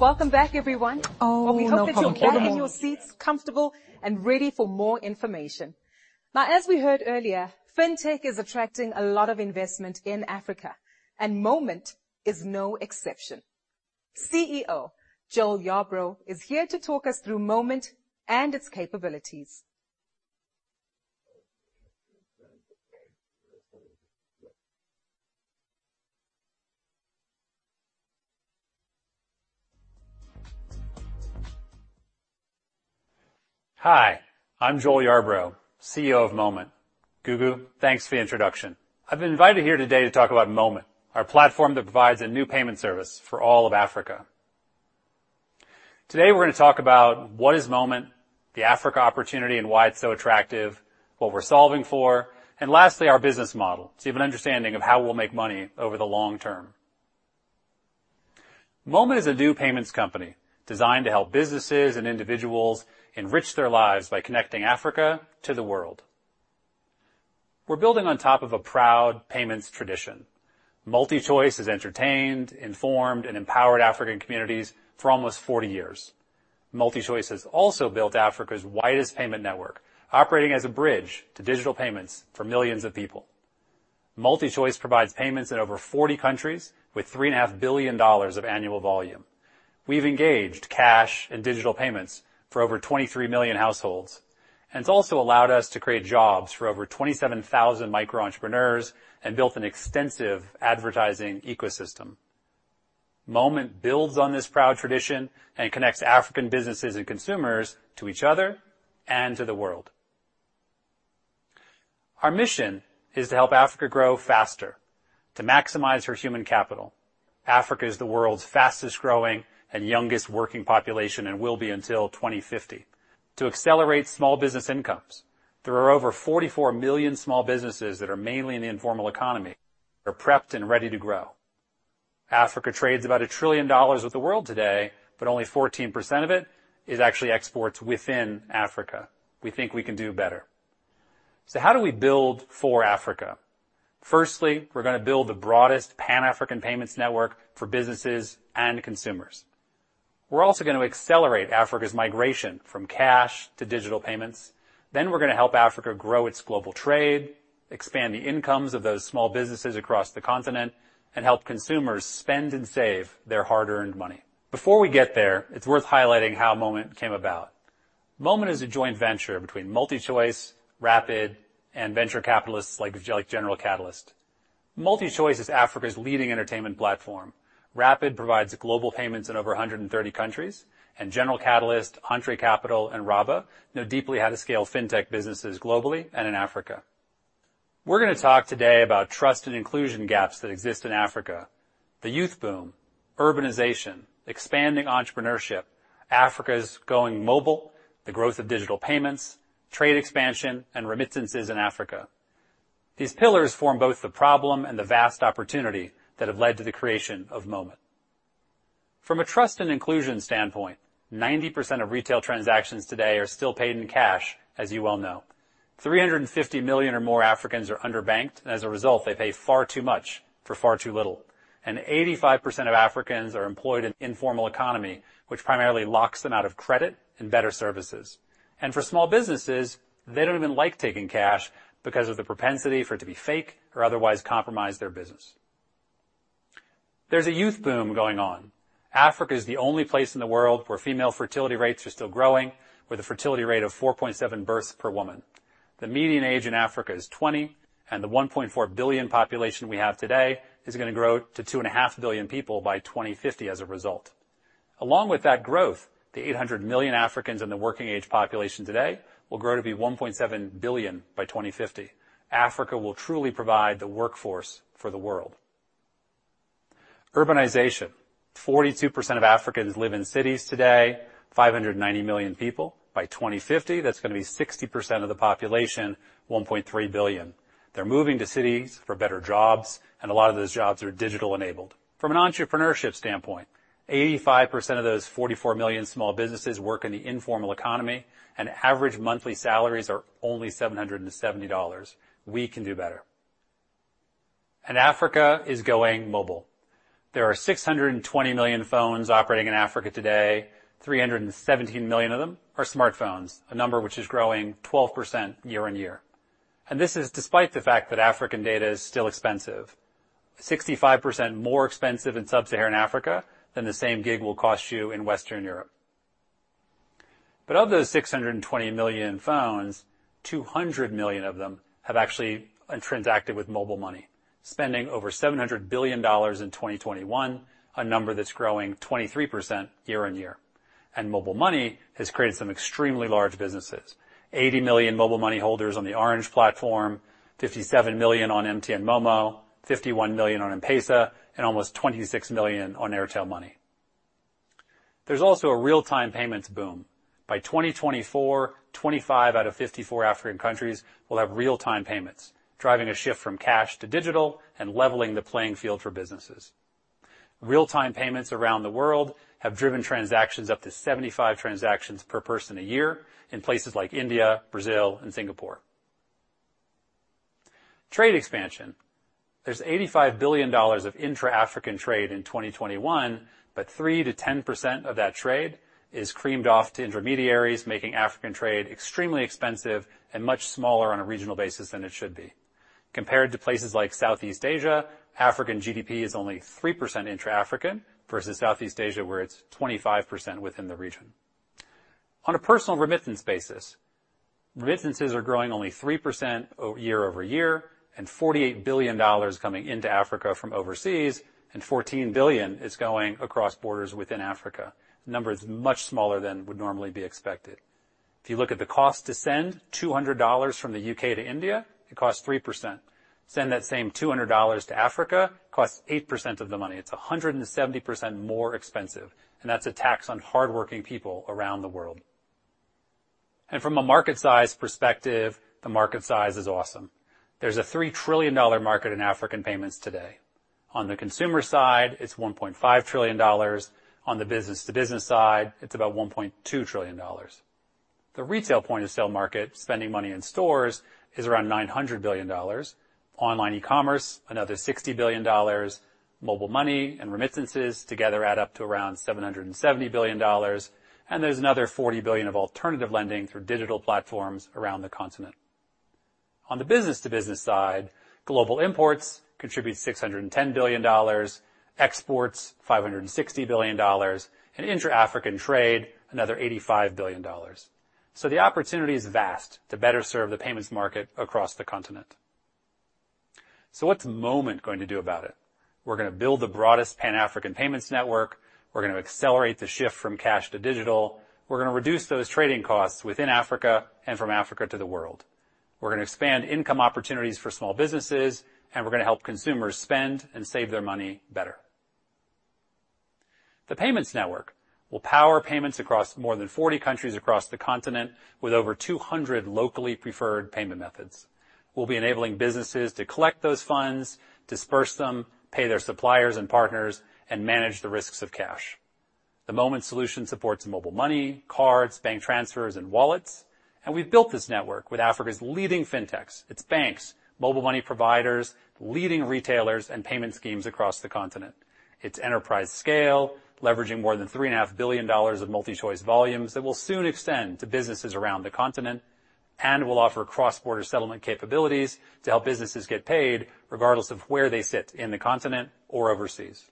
Welcome back, everyone. We hope that you're getting your seats comfortable and ready for more information. As we heard earlier, fintech is attracting a lot of investment in Africa, and Moment is no exception. CEO Joel Yarbrough is here to talk us through Moment and its capabilities. Hi, I'm Joel Yarbrough, CEO of Moment. Gugu, thanks for the introduction. I've been invited here today to talk about Moment, our platform that provides a new payment service for all of Africa. Today we're going to talk about what is Moment, the Africa opportunity, and why it's so attractive, what we're solving for, and lastly, our business model to give an understanding of how we'll make money over the long term. Moment is a new payments company designed to help businesses and individuals enrich their lives by connecting Africa to the world. We're building on top of a proud payments tradition. MultiChoice has entertained, informed, and empowered African communities for almost 40 years. MultiChoice has also built Africa's widest payment network, operating as a bridge to digital payments for millions of people. MultiChoice provides payments in over 40 countries with $3.5 billion of annual volume. We've engaged cash and digital payments for over 23 million households. It's also allowed us to create jobs for over 27,000 micro-entrepreneurs and built an extensive advertising ecosystem. Moment builds on this proud tradition and connects African businesses and consumers to each other and to the world. Our mission is to help Africa grow faster, to maximize her human capital. Africa is the world's fastest-growing and youngest working population and will be until 2050. To accelerate small business incomes. There are over 44 million small businesses that are mainly in the informal economy, are prepped and ready to grow. Africa trades about $1 trillion with the world today, but only 14% of it is actually exports within Africa. We think we can do better. How do we build for Africa? Firstly, we're gonna build the broadest Pan-African payments network for businesses and consumers. We're also gonna accelerate Africa's migration from cash to digital payments, then we're gonna help Africa grow its global trade, expand the incomes of those small businesses across the continent, and help consumers spend and save their hard-earned money. Before we get there, it's worth highlighting how Moment came about. Moment is a joint venture between MultiChoice, Rapyd, and venture capitalists like General Catalyst. MultiChoice is Africa's leading entertainment platform. Rapyd provides global payments in over 130 countries, and General Catalyst, Entrée Capital, and Raba know deeply how to scale fintech businesses globally and in Africa. We're gonna talk today about trust and inclusion gaps that exist in Africa, the youth boom, urbanization, expanding entrepreneurship, Africa's going mobile, the growth of digital payments, trade expansion, and remittances in Africa. These pillars form both the problem and the vast opportunity that have led to the creation of Moment. From a trust and inclusion standpoint, 90% of retail transactions today are still paid in cash, as you well know. 350 million or more Africans are underbanked, as a result, they pay far too much for far too little. 85% of Africans are employed in informal economy, which primarily locks them out of credit and better services. For small businesses, they don't even like taking cash because of the propensity for it to be fake or otherwise compromise their business. There's a youth boom going on. Africa is the only place in the world where female fertility rates are still growing, with a fertility rate of 4.7 births per woman. The median age in Africa is 20, and the 1.4 billion population we have today is gonna grow to 2.5 billion people by 2050 as a result. Along with that growth, the 800 million Africans in the working age population today will grow to be 1.7 billion by 2050. Africa will truly provide the workforce for the world. Urbanization. 42% of Africans live in cities today, 590 million people. By 2050, that's gonna be 60% of the population, 1.3 billion. They're moving to cities for better jobs, and a lot of those jobs are digital-enabled. From an entrepreneurship standpoint, 85% of those 44 million small businesses work in the informal economy, and average monthly salaries are only $770. We can do better. Africa is going mobile. There are 620 million phones operating in Africa today. 317 million of them are smartphones, a number which is growing 12% year-on-year. This is despite the fact that African data is still expensive, 65% more expensive in Sub-Saharan Africa than the same gig will cost you in Western Europe. Of those 620 million phones, 200 million of them have actually transacted with mobile money, spending over $700 billion in 2021, a number that's growing 23% year-on-year. Mobile money has created some extremely large businesses. 80 million mobile money holders on The Orange Platform, 57 million on MTN MoMo, 51 million on M-PESA, and almost 26 million on Airtel Money. There's also a real-time payments boom. By 2024, 25 out of 54 African countries will have real-time payments, driving a shift from cash to digital and leveling the playing field for businesses. Real-time payments around the world have driven transactions up to 75 transactions per person a year in places like India, Brazil, and Singapore. Trade expansion. There's $85 billion of intra-African trade in 2021, 3%-10% of that trade is creamed off to intermediaries, making African trade extremely expensive and much smaller on a regional basis than it should be. Compared to places like Southeast Asia, African GDP is only 3% intra-African, versus Southeast Asia, where it's 25% within the region. On a personal remittance basis, remittances are growing only 3% year-over-year, and $48 billion coming into Africa from overseas and $14 billion is going across borders within Africa. The number is much smaller than would normally be expected. If you look at the cost to send $200 from the U.K. to India, it costs 3%. Send that same $200 to Africa, costs 8% of the money. It's 170% more expensive, and that's a tax on hardworking people around the world. From a market size perspective, the market size is awesome. There's a $3 trillion market in African payments today. On the consumer side, it's $1.5 trillion. On the business-to-business side, it's about $1.2 trillion. The retail point-of-sale market, spending money in stores is around $900 billion. Online e-commerce, another $60 billion. Mobile money and remittances together add up to around $770 billion. There's another $40 billion of alternative lending through digital platforms around the continent. On the business-to-business side, global imports contribute $610 billion, exports, $560 billion, and intra-African trade, another $85 billion. The opportunity is vast to better serve the payments market across the continent. What's Moment going to do about it? We're gonna build the broadest Pan-African payments network. We're gonna accelerate the shift from cash to digital. We're gonna reduce those trading costs within Africa and from Africa to the world. We're gonna expand income opportunities for small businesses, and we're gonna help consumers spend and save their money better. The payments network will power payments across more than 40 countries across the continent with over 200 locally preferred payment methods. We'll be enabling businesses to collect those funds, disperse them, pay their suppliers and partners, and manage the risks of cash. The Moment solution supports mobile money, cards, bank transfers, and wallets, and we've built this network with Africa's leading fintechs, its banks, mobile money providers, leading retailers, and payment schemes across the continent. It's enterprise scale, leveraging more than $3.5 billion of MultiChoice volumes that will soon extend to businesses around the continent and will offer cross-border settlement capabilities to help businesses get paid regardless of where they sit in the continent or overseas.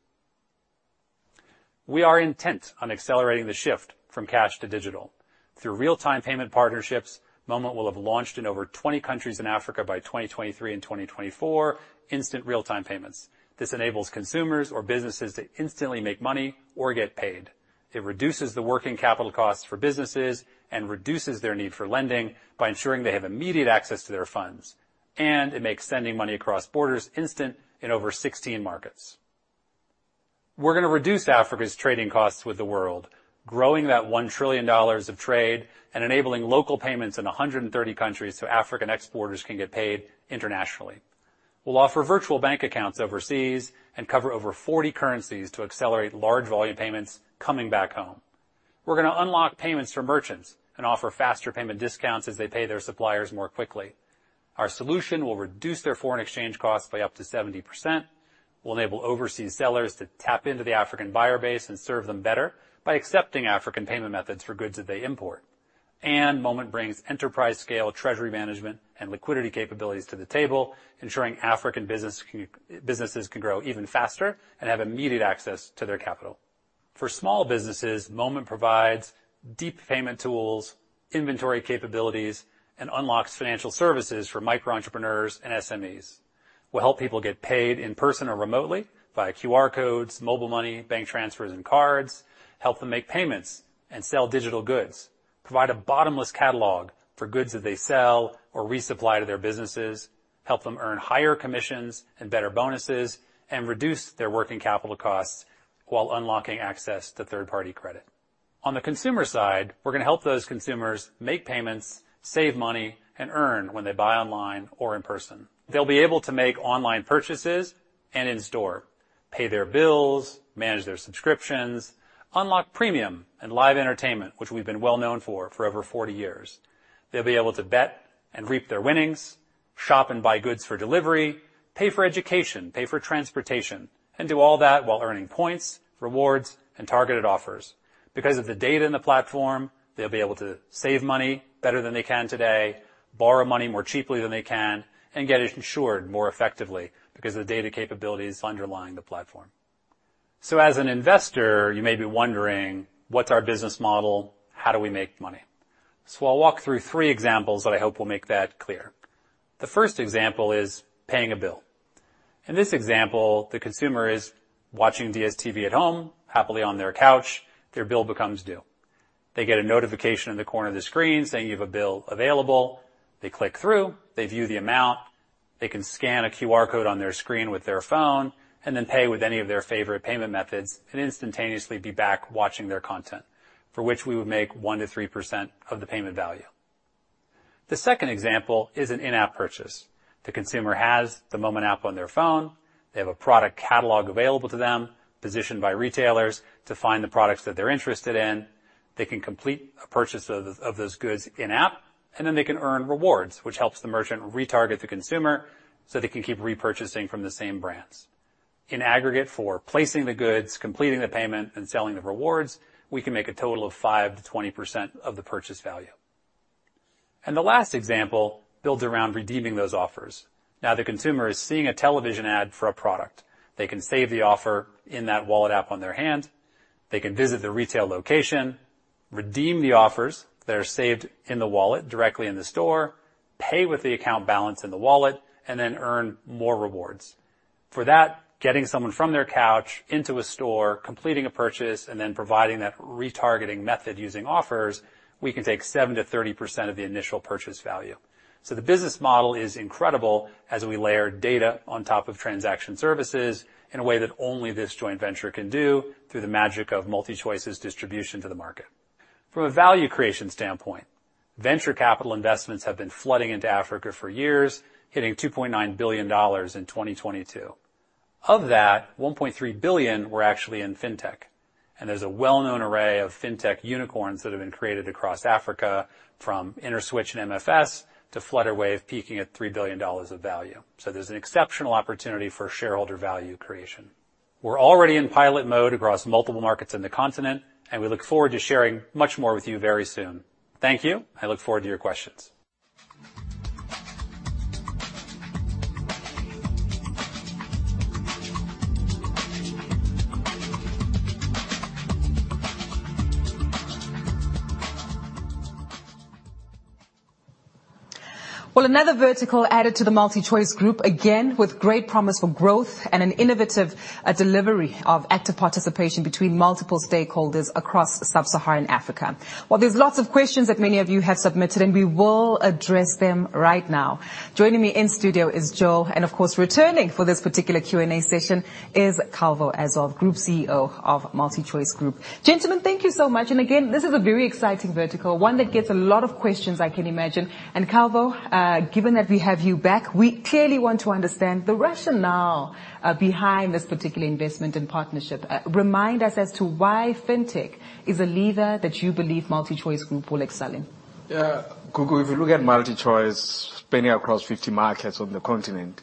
We are intent on accelerating the shift from cash to digital. Through real-time payment partnerships, Moment will have launched in over 20 countries in Africa by 2023 and 2024 instant real-time payments. This enables consumers or businesses to instantly make money or get paid. It reduces the working capital costs for businesses and reduces their need for lending by ensuring they have immediate access to their funds, and it makes sending money across borders instant in over 16 markets. We're gonna reduce Africa's trading costs with the world, growing that $1 trillion of trade and enabling local payments in 130 countries so African exporters can get paid internationally. We'll offer virtual bank accounts overseas and cover over 40 currencies to accelerate large volume payments coming back home. We're gonna unlock payments for merchants and offer faster payment discounts as they pay their suppliers more quickly. Our solution will reduce their foreign exchange costs by up to 70%, will enable overseas sellers to tap into the African buyer base and serve them better by accepting African payment methods for goods that they import. Moment brings enterprise-scale treasury management and liquidity capabilities to the table, ensuring African businesses can grow even faster and have immediate access to their capital. For small businesses, Moment provides deep payment tools, inventory capabilities, and unlocks financial services for micro entrepreneurs and SMEs. We'll help people get paid in person or remotely via QR codes, mobile money, bank transfers, and cards, help them make payments and sell digital goods, provide a bottomless catalog for goods that they sell or resupply to their businesses, help them earn higher commissions and better bonuses, and reduce their working capital costs while unlocking access to third-party credit. On the consumer side, we're gonna help those consumers make payments, save money, and earn when they buy online or in person. They'll be able to make online purchases and in store, pay their bills, manage their subscriptions, unlock premium and live entertainment, which we've been well-known for over 40 years. They'll be able to bet and reap their winnings, shop and buy goods for delivery, pay for education, pay for transportation, and do all that while earning points, rewards, and targeted offers. Because of the data in the platform, they'll be able to save money better than they can today, borrow money more cheaply than they can, and get insured more effectively because of the data capabilities underlying the platform. As an investor, you may be wondering, what's our business model? How do we make money? I'll walk through three examples that I hope will make that clear. The first example is paying a bill. In this example, the consumer is watching DStv at home, happily on their couch. Their bill becomes due. They get a notification in the corner of the screen saying, "You have a bill available." They click through, they view the amount, they can scan a QR code on their screen with their phone and then pay with any of their favorite payment methods and instantaneously be back watching their content, for which we would make 1%-3% of the payment value. The second example is an in-app purchase. The consumer has the Moment app on their phone. They have a product catalog available to them, positioned by retailers to find the products that they're interested in. They can complete a purchase of those goods in-app, and then they can earn rewards, which helps the merchant retarget the consumer so they can keep repurchasing from the same brands. In aggregate for placing the goods, completing the payment, and selling the rewards, we can make a total of 5%-20% of the purchase value. The last example builds around redeeming those offers. Now the consumer is seeing a television ad for a product. They can save the offer in that wallet app on their hand. They can visit the retail location, redeem the offers that are saved in the wallet directly in the store, pay with the account balance in the wallet, and then earn more rewards. For that, getting someone from their couch into a store, completing a purchase, and then providing that retargeting method using offers, we can take 7%-30% of the initial purchase value. The business model is incredible as we layer data on top of transaction services in a way that only this joint venture can do through the magic of MultiChoice's distribution to the market. From a value creation standpoint, venture capital investments have been flooding into Africa for years, hitting $2.9 billion in 2022. Of that, $1.3 billion were actually in fintech. There's a well-known array of fintech unicorns that have been created across Africa from Interswitch and MFS to Flutterwave, peaking at $3 billion of value. There's an exceptional opportunity for shareholder value creation. We're already in pilot mode across multiple markets in the continent. We look forward to sharing much more with you very soon. Thank you. I look forward to your questions. Another vertical added to the MultiChoice Group, again with great promise for growth and an innovative delivery of active participation between multiple stakeholders across Sub-Saharan Africa. There's lots of questions that many of you have submitted, and we will address them right now. Joining me in studio is Joel, and of course, returning for this particular Q&A session is Calvo as a Group CEO of MultiChoice Group. Gentlemen, thank you so much. Again, this is a very exciting vertical, one that gets a lot of questions I can imagine. Calvo, given that we have you back, we clearly want to understand the rationale behind this particular investment and partnership. Remind us as to why fintech is a leader that you believe MultiChoice Group will excel in. Yeah. Gugu, if you look at MultiChoice spanning across 50 markets on the continent,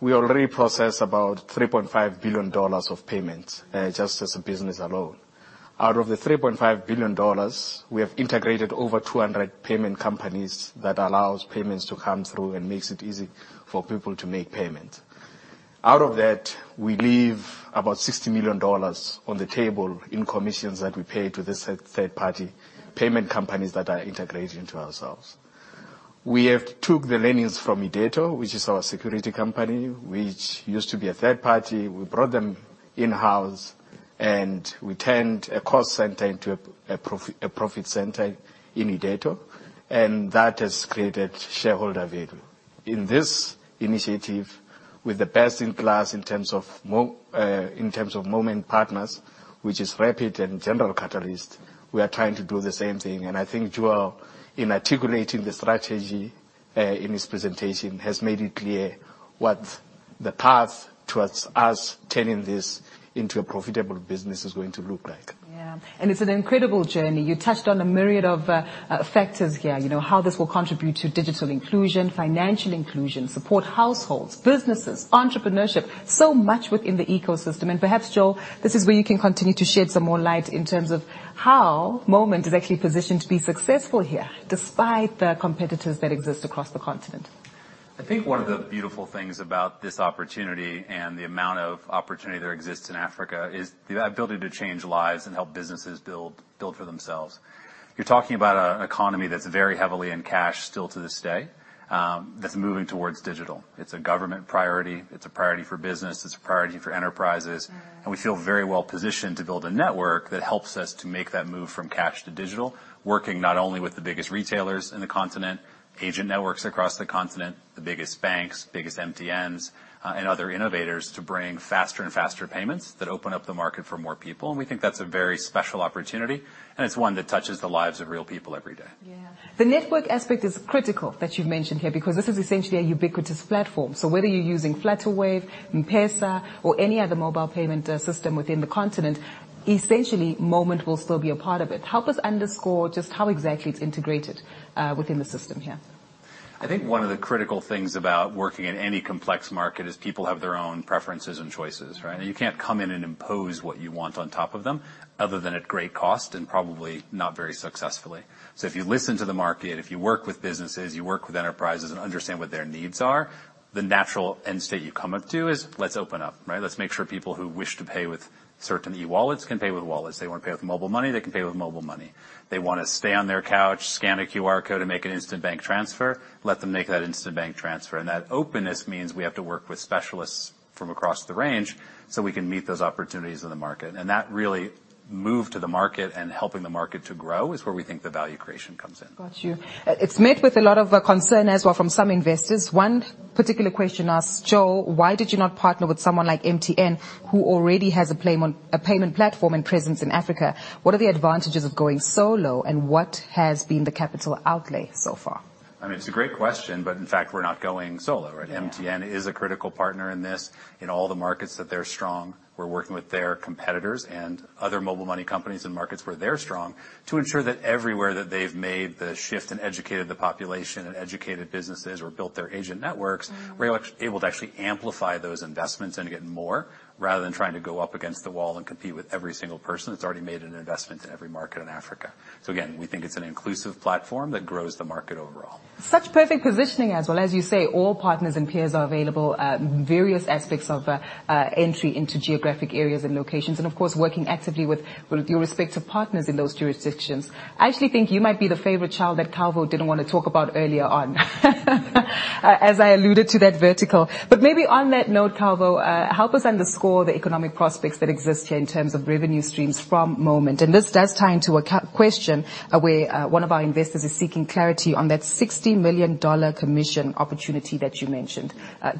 we already process about $3.5 billion of payments, just as a business alone. Out of the $3.5 billion, we have integrated over 200 payment companies that allows payments to come through and makes it easy for people to make payments. Out of that, we leave about $60 million on the table in commissions that we pay to the third-party payment companies that are integrated into ourselves. We have took the learnings from Irdeto, which is our security company, which used to be a third party. We brought them in-house, and we turned a cost center into a profit center in Irdeto, and that has created shareholder value. In this initiative with the best in class in terms of Moment partners, which is Rapyd and General Catalyst, we are trying to do the same thing. I think Joel, in articulating the strategy, in his presentation, has made it clear what the path towards us turning this into a profitable business is going to look like. Yeah. It's an incredible journey. You touched on a myriad of factors here, you know, how this will contribute to digital inclusion, financial inclusion, support households, businesses, entrepreneurship, so much within the ecosystem. Perhaps, Joel, this is where you can continue to shed some more light in terms of how Moment is actually positioned to be successful here, despite the competitors that exist across the continent. I think one of the beautiful things about this opportunity and the amount of opportunity that exists in Africa is the ability to change lives and help businesses build for themselves. You're talking about an economy that's very heavily in cash still to this day, that's moving towards digital. It's a government priority. It's a priority for business. It's a priority for enterprises. Mm-hmm. We feel very well positioned to build a network that helps us to make that move from cash to digital, working not only with the biggest retailers in the continent, agent networks across the continent, the biggest banks, biggest MTNs, and other innovators to bring faster and faster payments that open up the market for more people. We think that's a very special opportunity, and it's one that touches the lives of real people every day. Yeah. The network aspect is critical that you've mentioned here because this is essentially a ubiquitous platform. So whether you're using Flutterwave, M-PESA, or any other mobile payment system within the continent, essentially Moment will still be a part of it. Help us underscore just how exactly it's integrated within the system here. I think one of the critical things about working in any complex market is people have their own preferences and choices, right? You can't come in and impose what you want on top of them, other than at great cost and probably not very successfully. If you listen to the market, if you work with businesses, you work with enterprises and understand what their needs are, the natural end state you come up to is let's open up, right? Let's make sure people who wish to pay with certain e-wallets can pay with wallets. They wanna pay with mobile money, they can pay with mobile money. They wanna stay on their couch, scan a QR code and make an instant bank transfer, let them make that instant bank transfer. That openness means we have to work with specialists from across the range so we can meet those opportunities in the market. That really move to the market and helping the market to grow is where we think the value creation comes in. Got you. It's met with a lot of concern as well from some investors. One particular question asks, "Joel, why did you not partner with someone like MTN who already has a payment platform and presence in Africa? What are the advantages of going solo, and what has been the capital outlay so far? I mean, it's a great question, but in fact, we're not going solo, right? Yeah. MTN is a critical partner in this. In all the markets that they're strong, we're working with their competitors and other mobile money companies in markets where they're strong to ensure that everywhere that they've made the shift and educated the population and educated businesses or built their agent networks... Mm-hmm. We're actually able to actually amplify those investments and get more, rather than trying to go up against the wall and compete with every single person that's already made an investment in every market in Africa. Again, we think it's an inclusive platform that grows the market overall. Such perfect positioning as well. As you say, all partners and peers are available at various aspects of entry into geographic areas and locations, and of course, working actively with your respective partners in those jurisdictions. I actually think you might be the favorite child that Calvo didn't wanna talk about earlier on, as I alluded to that vertical. Maybe on that note, Calvo, help us underscore the economic prospects that exist here in terms of revenue streams from Moment. This does tie into a question where one of our investors is seeking clarity on that $60 million commission opportunity that you mentioned.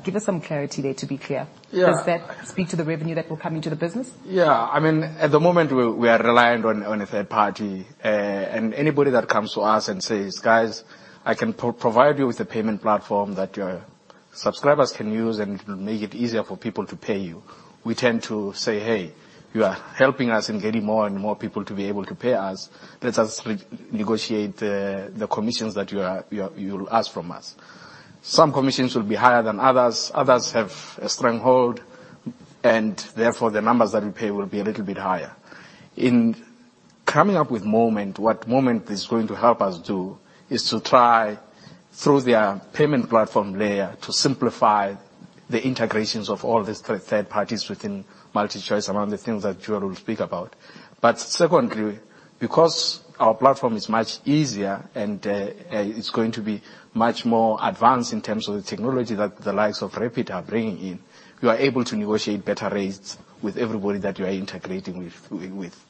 Give us some clarity there to be clear. Yeah. Does that speak to the revenue that will come into the business? Yeah. I mean, at the moment we are reliant on a third party. Anybody that comes to us and says, "Guys, I can provide you with a payment platform that your subscribers can use, and it will make it easier for people to pay you," we tend to say, "Hey, you are helping us in getting more and more people to be able to pay us. Let us negotiate the commissions that you'll ask from us." Some commissions will be higher than others. Others have a stronghold and therefore the numbers that we pay will be a little bit higher. In coming up with Moment, what Moment is going to help us do is to try through their payment platform layer to simplify the integrations of all these third parties within MultiChoice, among the things that Joel will speak about. Secondly, because our platform is much easier and it's going to be much more advanced in terms of the technology that the likes of Rapyd are bringing in, we are able to negotiate better rates with everybody that we are integrating with.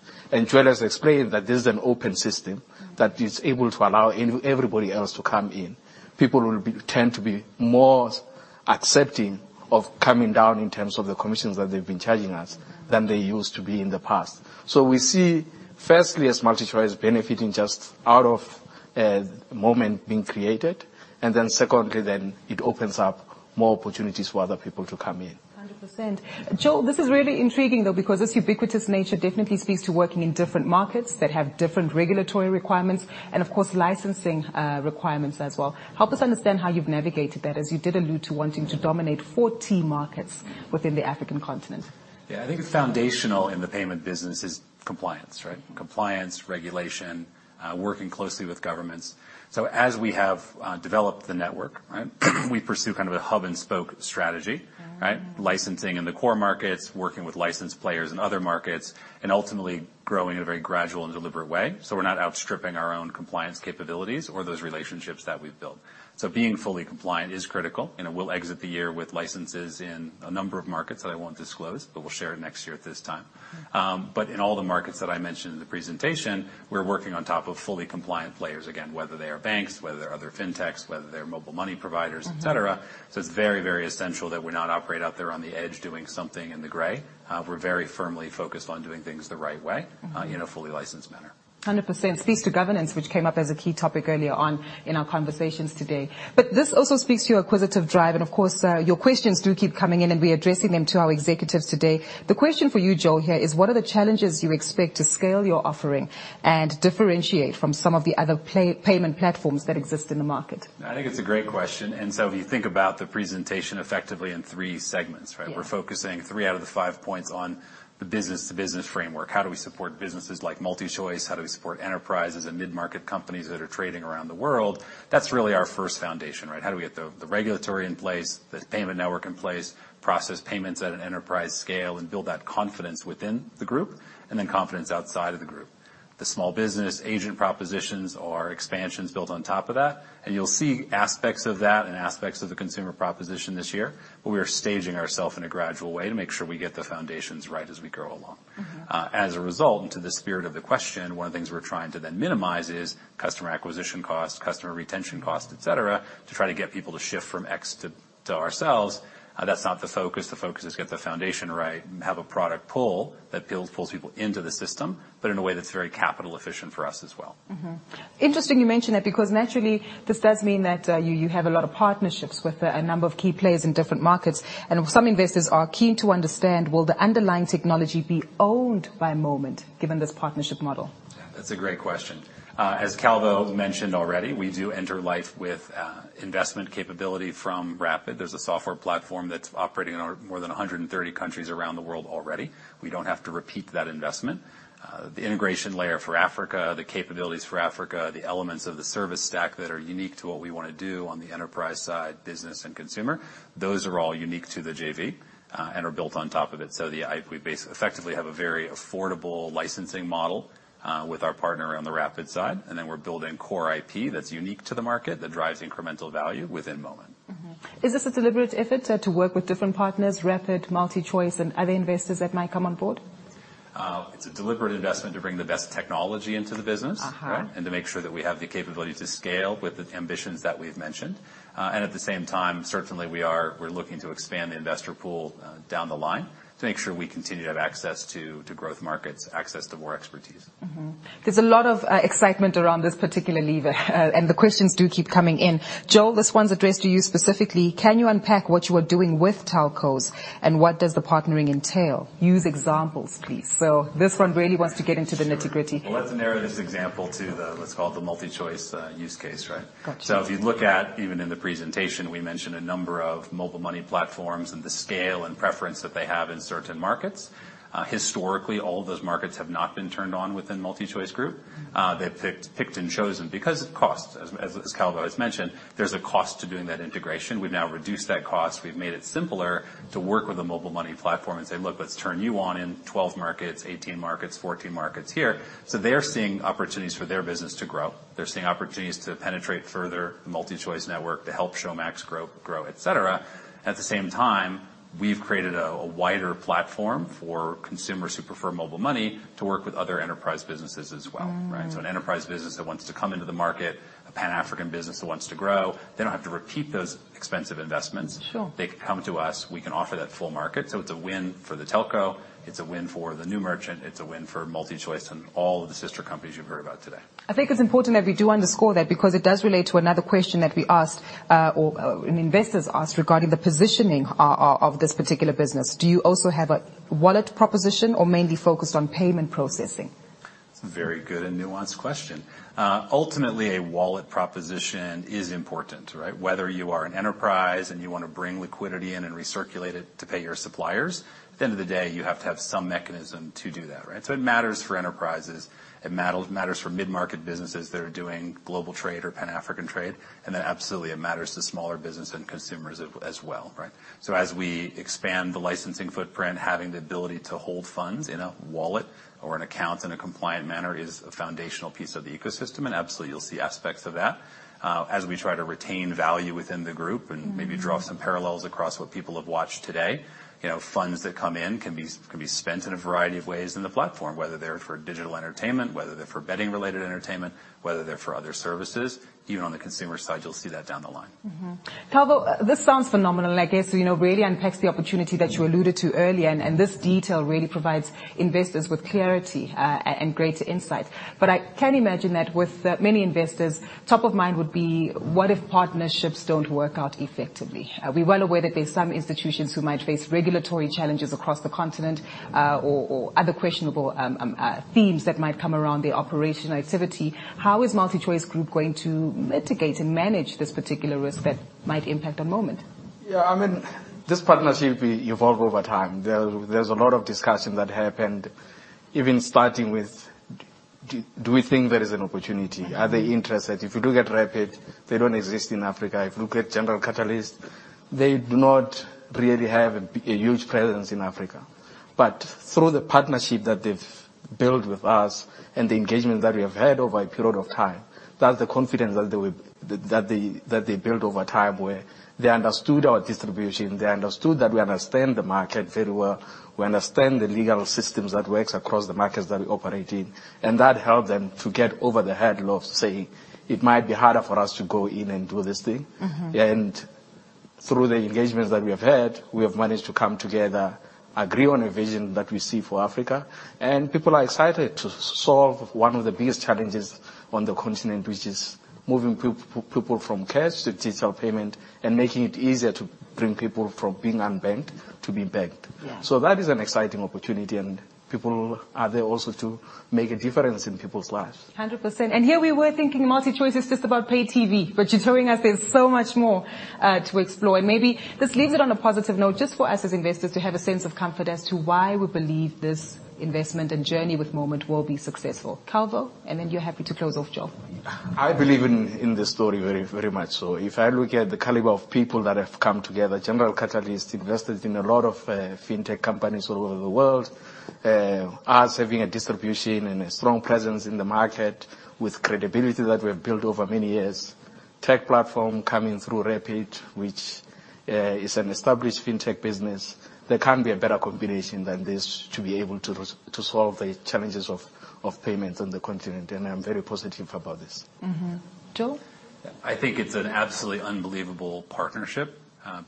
Joel has explained that this is an open system. Mm-hmm. -that is able to allow everybody else to come in. People tend to be more accepting of coming down in terms of the commissions that they've been charging us- Mm-hmm. than they used to be in the past. We see firstly as MultiChoice benefiting just out of Moment being created, and then secondly, then it opens up more opportunities for other people to come in. 100%. Joel, this is really intriguing though, because its ubiquitous nature definitely speaks to working in different markets that have different regulatory requirements and of course licensing requirements as well. Help us understand how you've navigated that, as you did allude to wanting to dominate 40 markets within the African continent. Yeah. I think it's foundational in the payment business is compliance, right? Compliance, regulation, working closely with governments. As we have developed the network, right? We pursue kind of a hub and spoke strategy, right? Mm-hmm. Licensing in the core markets, working with licensed players in other markets, and ultimately growing in a very gradual and deliberate way, so we're not outstripping our own compliance capabilities or those relationships that we've built. Being fully compliant is critical, and we'll exit the year with licenses in a number of markets that I won't disclose, but we'll share it next year at this time. Mm-hmm. In all the markets that I mentioned in the presentation, we're working on top of fully compliant players, again, whether they are banks, whether they're other fintechs, whether they're mobile money providers. Mm-hmm. et cetera. It's very, very essential that we not operate out there on the edge doing something in the gray. We're very firmly focused on doing things the right way. Mm-hmm. In a fully licensed manner. 100%. Speaks to governance, which came up as a key topic earlier on in our conversations today. This also speaks to your acquisitive drive and of course, your questions do keep coming in and we're addressing them to our executives today. The question for you, Joel, here is what are the challenges you expect to scale your offering and differentiate from some of the other play payment platforms that exist in the market? I think it's a great question. If you think about the presentation effectively in three segments, right? Yeah. We're focusing three out of the five points on the business-to-business framework. How do we support businesses like MultiChoice? How do we support enterprises and mid-market companies that are trading around the world? That's really our first foundation, right? How do we get the regulatory in place, the payment network in place, process payments at an enterprise scale, and build that confidence within the group, and then confidence outside of the group? The small business agent propositions are expansions built on top of that, and you'll see aspects of that and aspects of the consumer proposition this year, but we are staging ourself in a gradual way to make sure we get the foundations right as we grow along. Mm-hmm. As a result, and to the spirit of the question, one of the things we're trying to then minimize is customer acquisition cost, customer retention cost, et cetera, to try to get people to shift from X to ourselves. That's not the focus. The focus is get the foundation right and have a product pull that pulls people into the system, but in a way that's very capital efficient for us as well. Mm-hmm. Interesting you mention that, because naturally this does mean that, you have a lot of partnerships with a number of key players in different markets, some investors are keen to understand will the underlying technology be owned by Moment given this partnership model? Yeah, that's a great question. As Calvo mentioned already, we do enter life with investment capability from Rapyd. There's a software platform that's operating in over more than 130 countries around the world already. We don't have to repeat that investment. The integration layer for Africa, the capabilities for Africa, the elements of the service stack that are unique to what we wanna do on the enterprise side, business and consumer, those are all unique to the JV, and are built on top of it. The IP base effectively have a very affordable licensing model, with our partner on the Rapyd side, and then we're building core IP that's unique to the market that drives incremental value within Moment. Is this a deliberate effort to work with different partners, Rapyd, MultiChoice, and are there investors that might come on board? It's a deliberate investment to bring the best technology into the business. Uh-huh. right? And to make sure that we have the capability to scale with the ambitions that we've mentioned. At the same time, certainly we're looking to expand the investor pool down the line to make sure we continue to have access to growth markets, access to more expertise. There's a lot of excitement around this particular lever. The questions do keep coming in. Joel, this one's addressed to you specifically: "Can you unpack what you are doing with telcos, and what does the partnering entail? Use examples, please." This one really wants to get into the nitty-gritty. Sure. Let's narrow this example to the, let's call it the MultiChoice use case, right? Gotcha. If you look at even in the presentation, we mentioned a number of mobile money platforms and the scale and preference that they have in certain markets. Historically, all of those markets have not been turned on within MultiChoice Group. They've picked and chosen because of cost. As Calvo has mentioned, there's a cost to doing that integration. We've now reduced that cost. We've made it simpler to work with a mobile money platform and say, "Look, let's turn you on in 12 markets, 18 markets, 14 markets here." They're seeing opportunities for their business to grow. They're seeing opportunities to penetrate further the MultiChoice network to help Showmax grow, et cetera. At the same time, we've created a wider platform for consumers who prefer mobile money to work with other enterprise businesses as well, right? Mm. An enterprise business that wants to come into the market, a Pan-African business that wants to grow, they don't have to repeat those expensive investments. Sure. They can come to us. We can offer that full market, so it's a win for the telco, it's a win for the new merchant, it's a win for MultiChoice and all of the sister companies you've heard about today. I think it's important that we do underscore that, because it does relate to another question that we asked, or an investor's asked regarding the positioning of this particular business. Do you also have a wallet proposition, or mainly focused on payment processing? It's a very good and nuanced question. Ultimately, a wallet proposition is important, right? Whether you are an enterprise and you wanna bring liquidity in and recirculate it to pay your suppliers, at the end of the day, you have to have some mechanism to do that, right? So it matters for enterprises, it matters for mid-market businesses that are doing global trade or Pan-African trade, and then absolutely it matters to smaller business and consumers as well, right? So as we expand the licensing footprint, having the ability to hold funds in a wallet or an account in a compliant manner is a foundational piece of the ecosystem, and absolutely you'll see aspects of that. As we try to retain value within the group... Mm-hmm... and maybe draw some parallels across what people have watched today, you know, funds that come in can be, can be spent in a variety of ways in the platform, whether they're for digital entertainment, whether they're for betting-related entertainment, whether they're for other services. Even on the consumer side, you'll see that down the line. Calvo, this sounds phenomenal, and I guess, you know, really unpacks the opportunity that you alluded to earlier, and this detail really provides investors with clarity, and greater insight. I can imagine that with many investors, top of mind would be what if partnerships don't work out effectively? We're well aware that there's some institutions who might face regulatory challenges across the continent, or other questionable themes that might come around the operation activity. How is MultiChoice Group going to mitigate and manage this particular risk that might impact the Moment? Yeah, I mean, this partnership evolve over time. There's a lot of discussion that happened, even starting with do we think there is an opportunity? Mm-hmm. Are they interested? If you look at Rapyd, they don't exist in Africa. If you look at General Catalyst, they do not really have a huge presence in Africa. Through the partnership that they've built with us and the engagement that we have had over a period of time, that's the confidence that we, that they built over time, where they understood our distribution, they understood that we understand the market very well, we understand the legal systems that works across the markets that we operate in, and that helped them to get over the hurdle of saying, "It might be harder for us to go in and do this thing. Mm-hmm. Through the engagements that we have had, we have managed to come together, agree on a vision that we see for Africa, and people are excited to solve one of the biggest challenges on the continent, which is moving people from cash to digital payment and making it easier to bring people from being unbanked to be banked. Yeah. That is an exciting opportunity, and people are there also to make a difference in people's lives. 100%. Here we were thinking MultiChoice is just about pay-TV, but you're showing us there's so much more to explore. Maybe this leaves it on a positive note just for us as investors to have a sense of comfort as to why we believe this investment and journey with Moment will be successful. Calvo, then you're happy to close off, Joel. I believe in the story very much so. If I look at the caliber of people that have come together, General Catalyst invested in a lot of fintech companies all over the world. Us having a distribution and a strong presence in the market with credibility that we have built over many years. Tech platform coming through Rapyd, which is an established fintech business. There can't be a better combination than this to be able to solve the challenges of payments on the continent, and I'm very positive about this. Mm-hmm. Joel? I think it's an absolutely unbelievable partnership,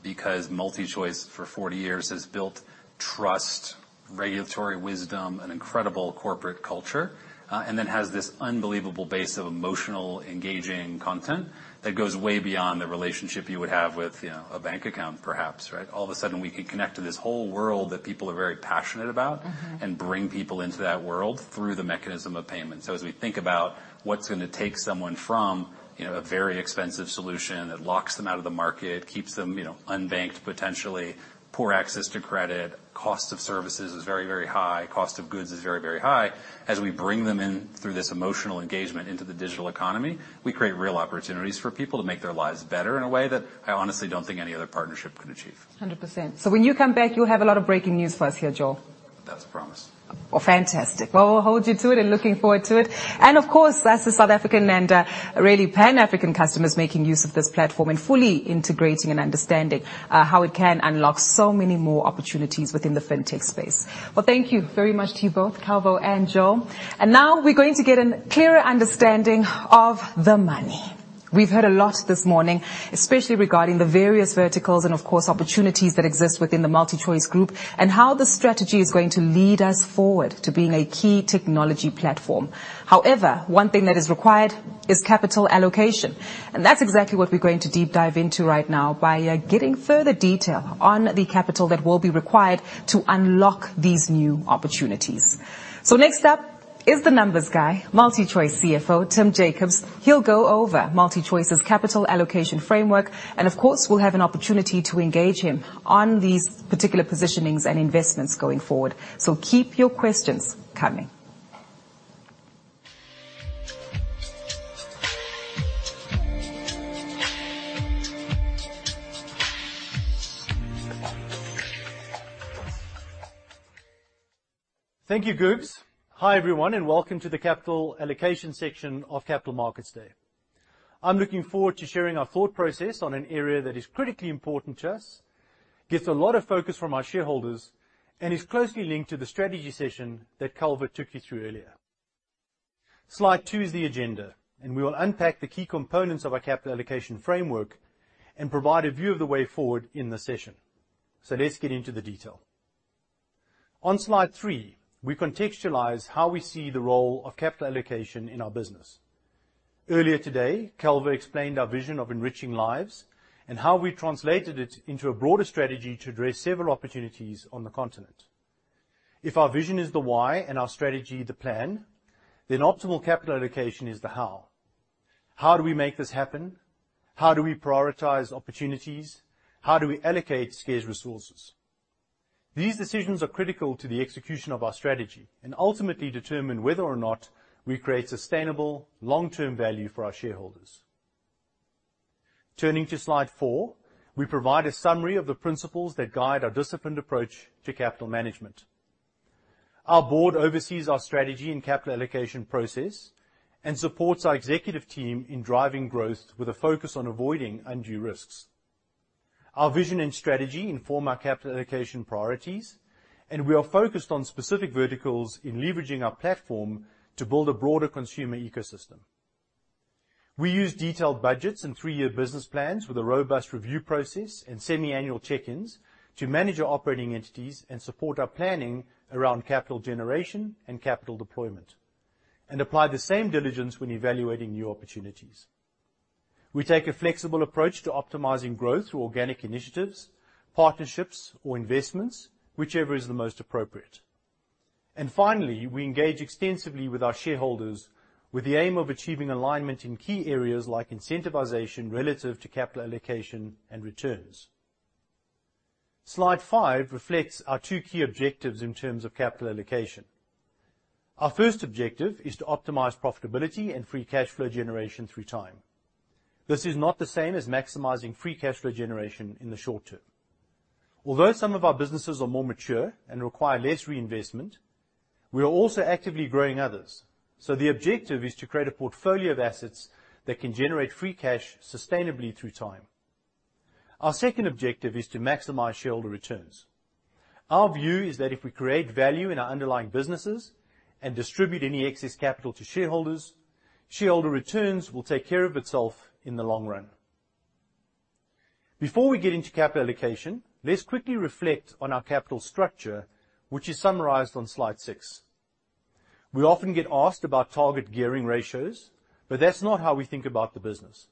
because MultiChoice for 40 years has built trust, regulatory wisdom, and incredible corporate culture, and then has this unbelievable base of emotional, engaging content that goes way beyond the relationship you would have with, you know, a bank account, perhaps, right? All of a sudden, we can connect to this whole world that people are very passionate about. Mm-hmm... and bring people into that world through the mechanism of payment. As we think about what's going to take someone from, you know, a very expensive solution that locks them out of the market, keeps them, you know, unbanked, potentially, poor access to credit, cost of services is very, very high, cost of goods is very, very high, as we bring them in through this emotional engagement into the digital economy, we create real opportunities for people to make their lives better in a way that I honestly don't think any other partnership could achieve. 100%. When you come back, you'll have a lot of breaking news for us here, Joel. That's a promise. Well, fantastic. Well, we'll hold you to it and looking forward to it. Of course, that's the South African and really Pan-African customers making use of this platform and fully integrating and understanding how it can unlock so many more opportunities within the fintech space. Well, thank you very much to you both, Calvo and Joel. Now we're going to get a clearer understanding of the money. We've heard a lot this morning, especially regarding the various verticals and of course, opportunities that exist within the MultiChoice Group, and how the strategy is going to lead us forward to being a key technology platform. However, one thing that is required is capital allocation, and that's exactly what we're going to deep dive into right now by getting further detail on the capital that will be required to unlock these new opportunities. Next up is the numbers guy, MultiChoice CFO, Tim Jacobs. He'll go over MultiChoice's capital allocation framework, and of course, we'll have an opportunity to engage him on these particular positionings and investments going forward. Keep your questions coming. Thank you, Gugs. Hi, everyone. Welcome to the capital allocation section of Capital Markets Day. I'm looking forward to sharing our thought process on an area that is critically important to us, gets a lot of focus from our shareholders, and is closely linked to the strategy session that Calvo took you through earlier. Slide two is the agenda. We will unpack the key components of our capital allocation framework and provide a view of the way forward in the session. Let's get into the detail. On slide three, we contextualize how we see the role of capital allocation in our business. Earlier today, Calvo explained our vision of enriching lives and how we translated it into a broader strategy to address several opportunities on the continent. If our vision is the why and our strategy the plan, optimal capital allocation is the how. How do we make this happen? How do we prioritize opportunities? How do we allocate scarce resources? These decisions are critical to the execution of our strategy and ultimately determine whether or not we create sustainable long-term value for our shareholders. Turning to slide four, we provide a summary of the principles that guide our disciplined approach to capital management. Our board oversees our strategy and capital allocation process and supports our executive team in driving growth with a focus on avoiding undue risks. Our vision and strategy inform our capital allocation priorities, and we are focused on specific verticals in leveraging our platform to build a broader consumer ecosystem. We use detailed budgets and three-year business plans with a robust review process and semi-annual check-ins to manage our operating entities and support our planning around capital generation and capital deployment, and apply the same diligence when evaluating new opportunities. We take a flexible approach to optimizing growth through organic initiatives, partnerships or investments, whichever is the most appropriate. Finally, we engage extensively with our shareholders with the aim of achieving alignment in key areas like incentivization relative to capital allocation and returns. Slide five reflects our two key objectives in terms of capital allocation. Our first objective is to optimize profitability and free cash flow generation through time. This is not the same as maximizing free cash flow generation in the short term. Although some of our businesses are more mature and require less reinvestment, we are also actively growing others, so the objective is to create a portfolio of assets that can generate free cash sustainably through time. Our second objective is to maximize shareholder returns. Our view is that if we create value in our underlying businesses and distribute any excess capital to shareholders, shareholder returns will take care of itself in the long run. Before we get into capital allocation, let's quickly reflect on our capital structure, which is summarized on slide six. We often get asked about target gearing ratios, but that's not how we think about the business.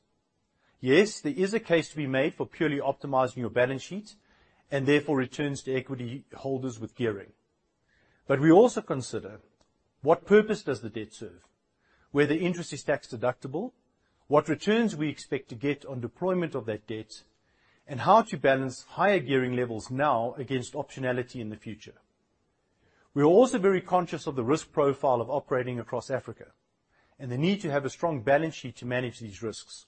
Yes, there is a case to be made for purely optimizing your balance sheet and therefore returns to equity holders with gearing. We also consider what purpose does the debt serve, whether interest is tax deductible, what returns we expect to get on deployment of that debt, and how to balance higher gearing levels now against optionality in the future. We are also very conscious of the risk profile of operating across Africa and the need to have a strong balance sheet to manage these risks.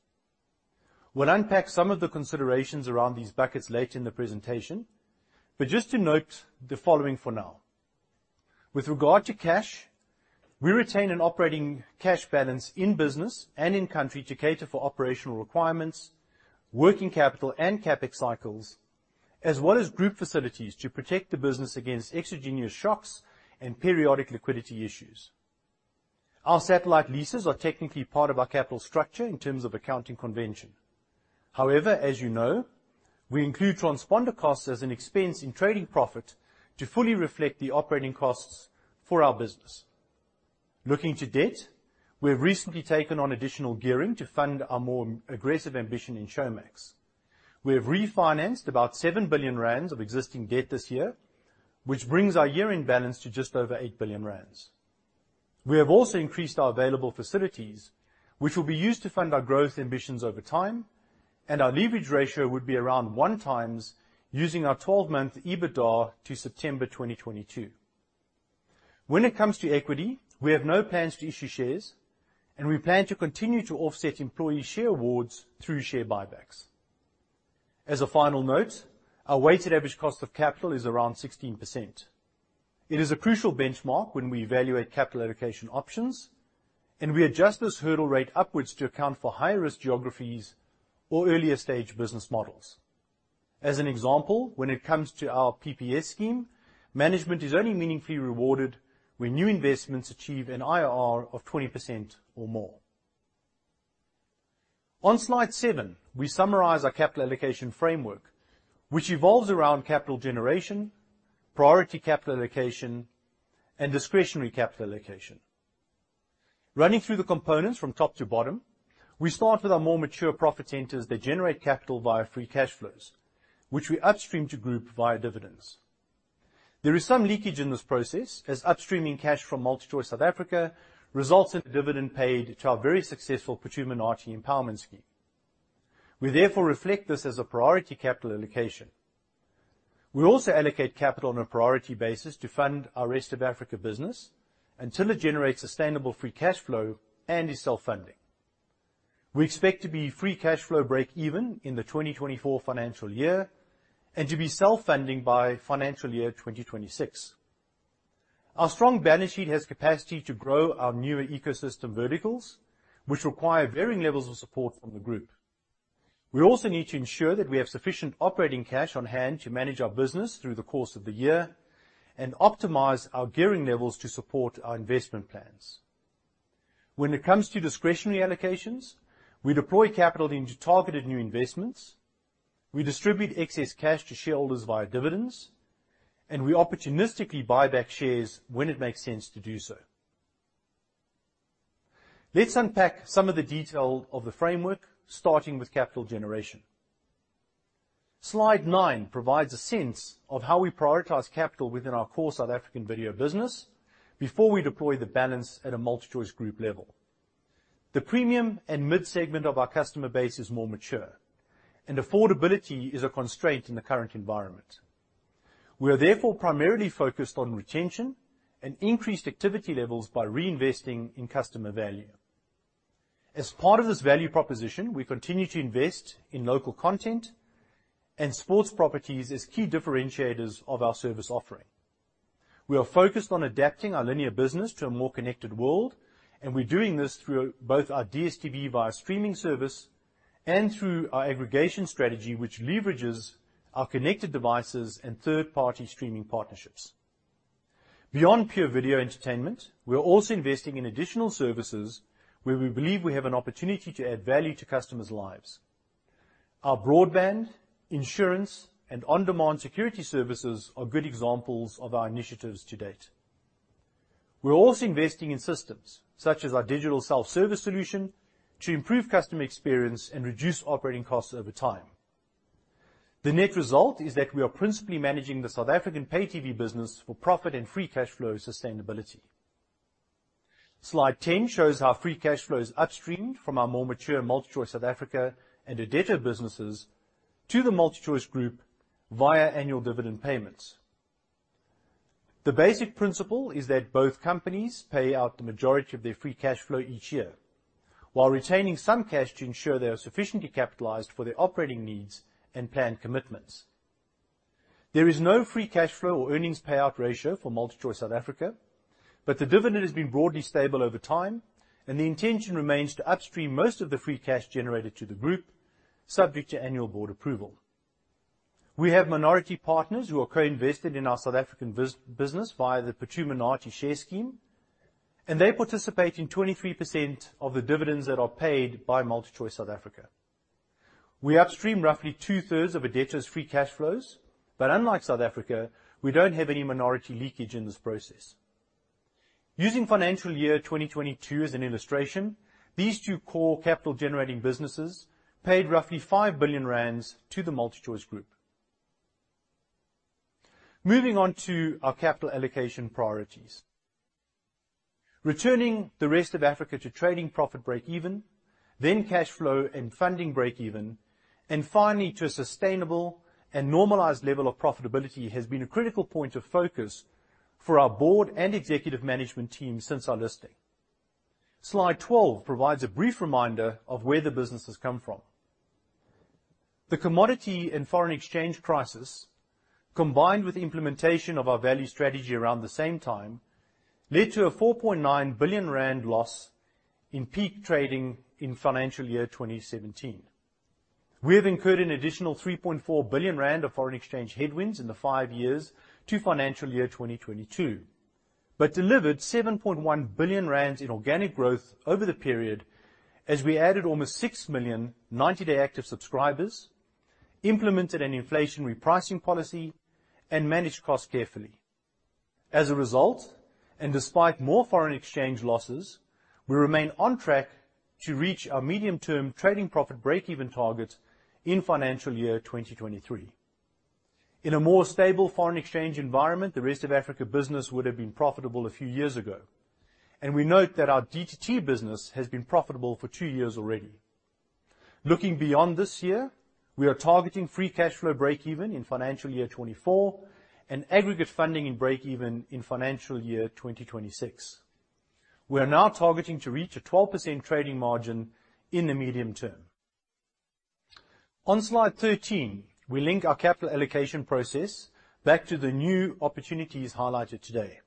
We'll unpack some of the considerations around these buckets later in the presentation, but just to note the following for now. With regard to cash, we retain an operating cash balance in business and in-country to cater for operational requirements, working capital and CapEx cycles, as well as group facilities to protect the business against exogenous shocks and periodic liquidity issues. Our satellite leases are technically part of our capital structure in terms of accounting convention. However, as you know, we include transponder costs as an expense in trading profit to fully reflect the operating costs for our business. Looking to debt, we have recently taken on additional gearing to fund our more aggressive ambition in Showmax. We have refinanced about 7 billion rand of existing debt this year, which brings our year-end balance to just over 8 billion rand. We have also increased our available facilities, which will be used to fund our growth ambitions over time, and our leverage ratio would be around 1x using our 12-month EBITDA to September 2022. When it comes to equity, we have no plans to issue shares, and we plan to continue to offset employee share awards through share buybacks. As a final note, our weighted average cost of capital is around 16%. It is a crucial benchmark when we evaluate capital allocation options, and we adjust this hurdle rate upwards to account for higher risk geographies or earlier stage business models. As an example, when it comes to our PPS scheme, management is only meaningfully rewarded when new investments achieve an IRR of 20% or more. On slide seven, we summarize our capital allocation framework, which evolves around capital generation, priority capital allocation, and discretionary capital allocation. Running through the components from top to bottom, we start with our more mature profit centers that generate capital via free cash flows, which we upstream to group via dividends. There is some leakage in this process as upstreaming cash from MultiChoice South Africa results in dividend paid to our very successful Phuthuma Nathi empowerment scheme. We therefore reflect this as a priority capital allocation. We also allocate capital on a priority basis to fund our rest of Africa business until it generates sustainable free cash flow and is self-funding. We expect to be free cash flow breakeven in the 2024 financial year and to be self-funding by financial year 2026. Our strong balance sheet has capacity to grow our newer ecosystem verticals, which require varying levels of support from the group. We also need to ensure that we have sufficient operating cash on hand to manage our business through the course of the year and optimize our gearing levels to support our investment plans. When it comes to discretionary allocations, we deploy capital into targeted new investments, we distribute excess cash to shareholders via dividends, and we opportunistically buy back shares when it makes sense to do so. Let's unpack some of the detail of the framework, starting with capital generation. Slide nine provides a sense of how we prioritize capital within our core South African video business before we deploy the balance at a MultiChoice Group level. The premium and mid-segment of our customer base is more mature, and affordability is a constraint in the current environment. We are therefore primarily focused on retention and increased activity levels by reinvesting in customer value. As part of this value proposition, we continue to invest in local content and sports properties as key differentiators of our service offering. We are focused on adapting our linear business to a more connected world, and we're doing this through both our DStv via streaming service and through our aggregation strategy, which leverages our connected devices and third-party streaming partnerships. Beyond pure video entertainment, we are also investing in additional services where we believe we have an opportunity to add value to customers' lives. Our broadband, insurance, and on-demand security services are good examples of our initiatives to date. We're also investing in systems, such as our digital self-service solution, to improve customer experience and reduce operating costs over time. The net result is that we are principally managing the South African pay-TV business for profit and free cash flow sustainability. Slide 10 shows how free cash flow is upstreamed from our more mature MultiChoice South Africa and Irdeto businesses to the MultiChoice Group via annual dividend payments. The basic principle is that both companies pay out the majority of their free cash flow each year while retaining some cash to ensure they are sufficiently capitalized for their operating needs and planned commitments. There is no free cash flow or earnings payout ratio for MultiChoice South Africa, but the dividend has been broadly stable over time, and the intention remains to upstream most of the free cash generated to the Group, subject to annual board approval. We have minority partners who are co-invested in our South African business via the Phuthuma Nathi share scheme, and they participate in 23% of the dividends that are paid by MultiChoice South Africa. We upstream roughly 2/3 of Irdeto's free cash flows. Unlike South Africa, we don't have any minority leakage in this process. Using financial year 2022 as an illustration, these two core capital generating businesses paid roughly 5 billion rand to the MultiChoice Group. Moving on to our capital allocation priorities. Returning the rest of Africa to trading profit breakeven, cash flow and funding breakeven, and finally to a sustainable and normalized level of profitability, has been a critical point of focus for our board and executive management team since our listing. Slide 12 provides a brief reminder of where the business has come from. The commodity and foreign exchange crisis, combined with implementation of our value strategy around the same time, led to a 4.9 billion rand loss in peak trading in financial year 2017. We have incurred an additional 3.4 billion rand of foreign exchange headwinds in the five years to financial year 2022, but delivered 7.1 billion rand in organic growth over the period as we added almost 6 million 90-day active subscribers, implemented an inflation repricing policy, and managed costs carefully. As a result, and despite more foreign exchange losses, we remain on track to reach our medium-term trading profit breakeven targets in financial year 2023. In a more stable foreign exchange environment, the rest of Africa business would have been profitable a few years ago. We note that our DTT business has been profitable for two years already. Looking beyond this year, we are targeting free cash flow breakeven in financial year 2024 and aggregate funding in breakeven in financial year 2026. We are now targeting to reach a 12% trading margin in the medium term. On slide 13, we link our capital allocation process back to the new opportunities highlighted today.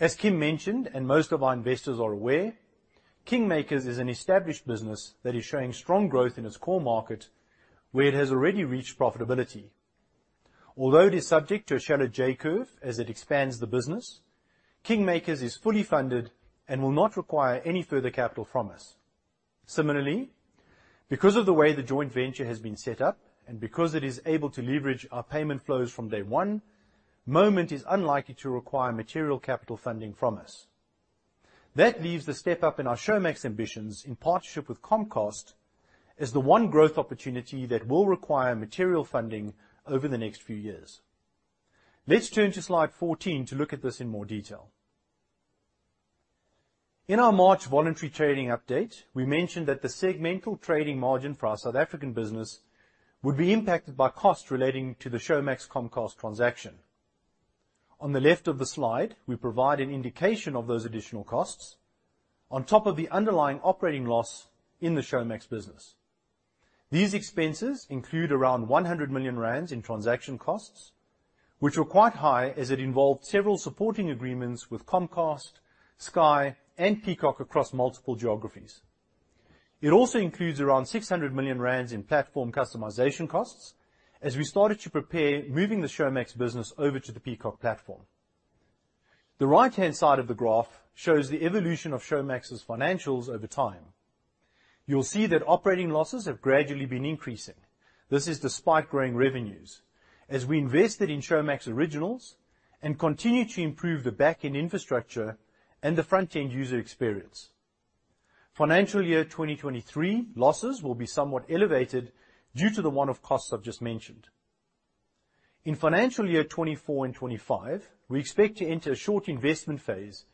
As Kim mentioned, and most of our investors are aware, KingMakers is an established business that is showing strong growth in its core market, where it has already reached profitability. Although it is subject to a shallow J-curve as it expands the business, KingMakers is fully funded and will not require any further capital from us. Similarly, because of the way the joint venture has been set up, and because it is able to leverage our payment flows from day one, Moment is unlikely to require material capital funding from us. That leaves the step up in our Showmax ambitions in partnership with Comcast as the one growth opportunity that will require material funding over the next few years. Let's turn to slide 14 to look at this in more detail. In our March voluntary trading update, we mentioned that the segmental trading margin for our South African business would be impacted by costs relating to the Showmax Comcast transaction. On the left of the slide, we provide an indication of those additional costs on top of the underlying operating loss in the Showmax business. These expenses include around 100 million rand in transaction costs, which were quite high as it involved several supporting agreements with Comcast, Sky, and Peacock across multiple geographies. It also includes around 600 million rand in platform customization costs as we started to prepare moving the Showmax business over to the Peacock platform. The right-hand side of the graph shows the evolution of Showmax's financials over time. You'll see that operating losses have gradually been increasing. This is despite growing revenues. As we invested in Showmax Originals and continue to improve the back-end infrastructure and the front-end user experience. Financial year 2023 losses will be somewhat elevated due to the one-off costs I've just mentioned. In financial year 2024 and 2025, we expect to enter a short investment phase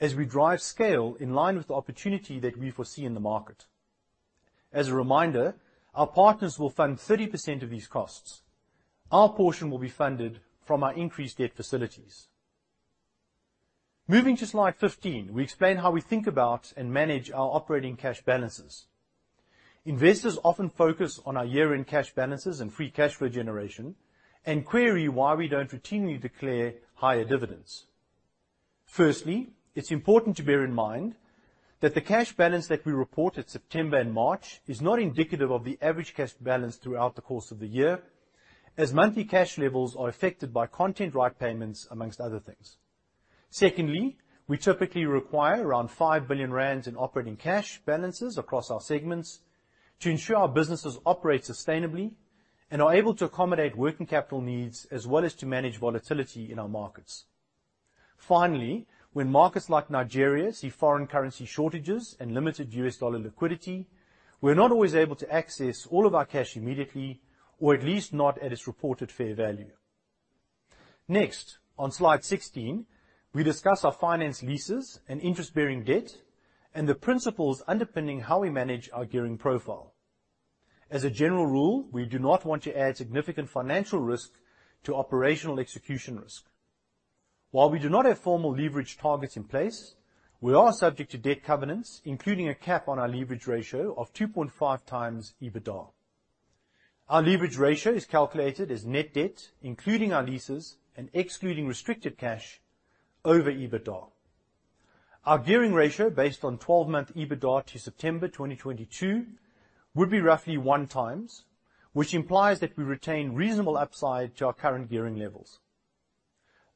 as we drive scale in line with the opportunity that we foresee in the market. As a reminder, our partners will fund 30% of these costs. Our portion will be funded from our increased debt facilities. Moving to slide 15, we explain how we think about and manage our operating cash balances. Investors often focus on our year-end cash balances and free cash flow generation and query why we don't routinely declare higher dividends. Firstly, it's important to bear in mind that the cash balance that we report at September and March is not indicative of the average cash balance throughout the course of the year, as monthly cash levels are affected by content right payments, among other things. Secondly, we typically require around 5 billion rand in operating cash balances across our segments to ensure our businesses operate sustainably and are able to accommodate working capital needs as well as to manage volatility in our markets. Finally, when markets like Nigeria see foreign currency shortages and limited U.S. dollar liquidity, we're not always able to access all of our cash immediately, or at least not at its reported fair value. Next, on slide 16, we discuss our finance leases and interest-bearing debt and the principles underpinning how we manage our gearing profile. As a general rule, we do not want to add significant financial risk to operational execution risk. While we do not have formal leverage targets in place, we are subject to debt covenants, including a cap on our leverage ratio of 2.5x EBITDA. Our leverage ratio is calculated as net debt, including our leases and excluding restricted cash over EBITDA. Our gearing ratio based on 12-month EBITDA to September 2022, would be roughly 1x, which implies that we retain reasonable upside to our current gearing levels.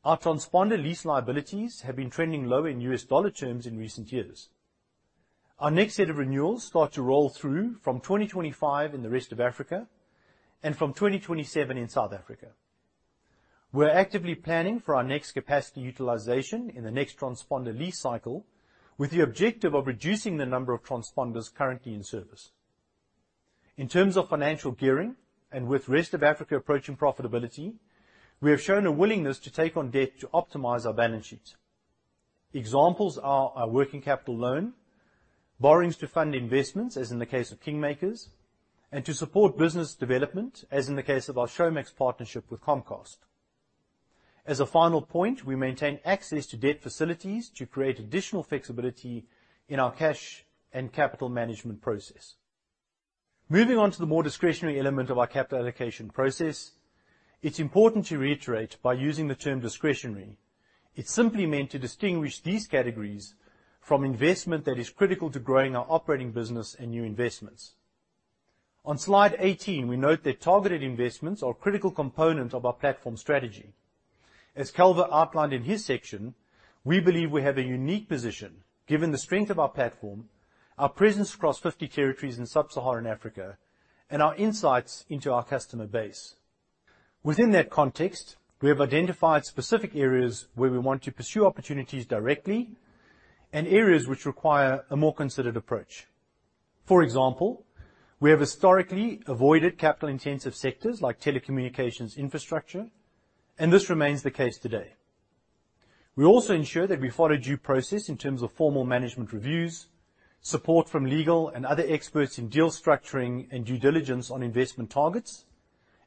Our transponder lease liabilities have been trending low in U.S. dollar terms in recent years. Our next set of renewals start to roll through from 2025 in the rest of Africa and from 2027 in South Africa. We're actively planning for our next capacity utilization in the next transponder lease cycle with the objective of reducing the number of transponders currently in service. In terms of financial gearing and with rest of Africa approaching profitability, we have shown a willingness to take on debt to optimize our balance sheet. Examples are our working capital loan, borrowings to fund investments, as in the case of KingMakers, and to support business development, as in the case of our Showmax partnership with Comcast. As a final point, we maintain access to debt facilities to create additional flexibility in our cash and capital management process. Moving on to the more discretionary element of our capital allocation process, it's important to reiterate by using the term discretionary. It's simply meant to distinguish these categories from investment that is critical to growing our operating business and new investments. On slide 18, we note that targeted investments are a critical component of our platform strategy. As Calvo outlined in his section, we believe we have a unique position given the strength of our platform, our presence across 50 territories in Sub-Saharan Africa, and our insights into our customer base. Within that context, we have identified specific areas where we want to pursue opportunities directly and areas which require a more considered approach. For example, we have historically avoided capital-intensive sectors like telecommunications infrastructure, and this remains the case today. We also ensure that we follow due process in terms of formal management reviews, support from legal and other experts in deal structuring and due diligence on investment targets,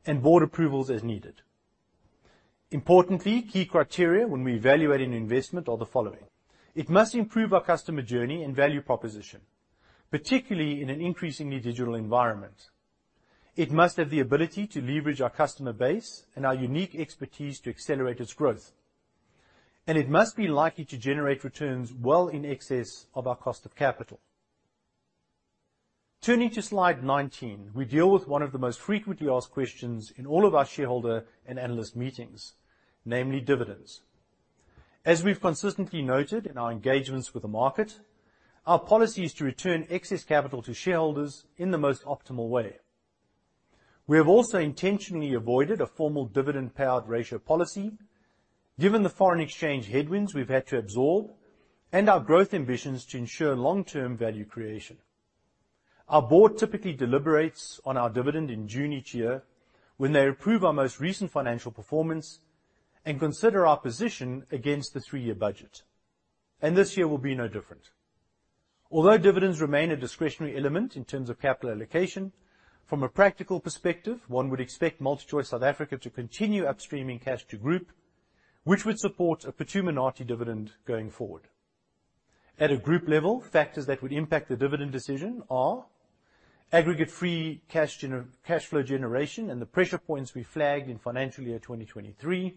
and board approvals as needed. Importantly, key criteria when we evaluate an investment are the following: It must improve our customer journey and value proposition, particularly in an increasingly digital environment. It must have the ability to leverage our customer base and our unique expertise to accelerate its growth, and it must be likely to generate returns well in excess of our cost of capital. Turning to slide 19, we deal with one of the most frequently asked questions in all of our shareholder and analyst meetings, namely dividends. As we've consistently noted in our engagements with the market, our policy is to return excess capital to shareholders in the most optimal way. We have also intentionally avoided a formal dividend payout ratio policy, given the foreign exchange headwinds we've had to absorb and our growth ambitions to ensure long-term value creation. Our board typically deliberates on our dividend in June each year when they approve our most recent financial performance and consider our position against the three-year budget. This year will be no different. Although dividends remain a discretionary element in terms of capital allocation, from a practical perspective, one would expect MultiChoice South Africa to continue upstreaming cash to group, which would support a per turn after dividend going forward. At a group level, factors that would impact the dividend decision are aggregate free cash flow generation and the pressure points we flagged in financial year 2023,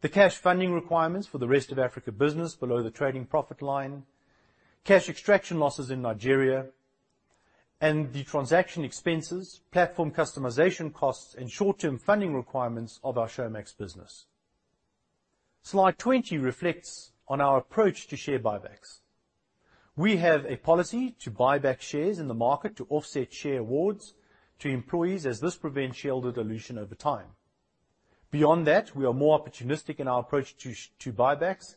the cash funding requirements for the Rest of Africa business below the trading profit line, cash extraction losses in Nigeria, and the transaction expenses, platform customization costs, and short-term funding requirements of our Showmax business. Slide 20 reflects on our approach to share buybacks. We have a policy to buy back shares in the market to offset share awards to employees, as this prevents shareholder dilution over time. Beyond that, we are more opportunistic in our approach to buybacks.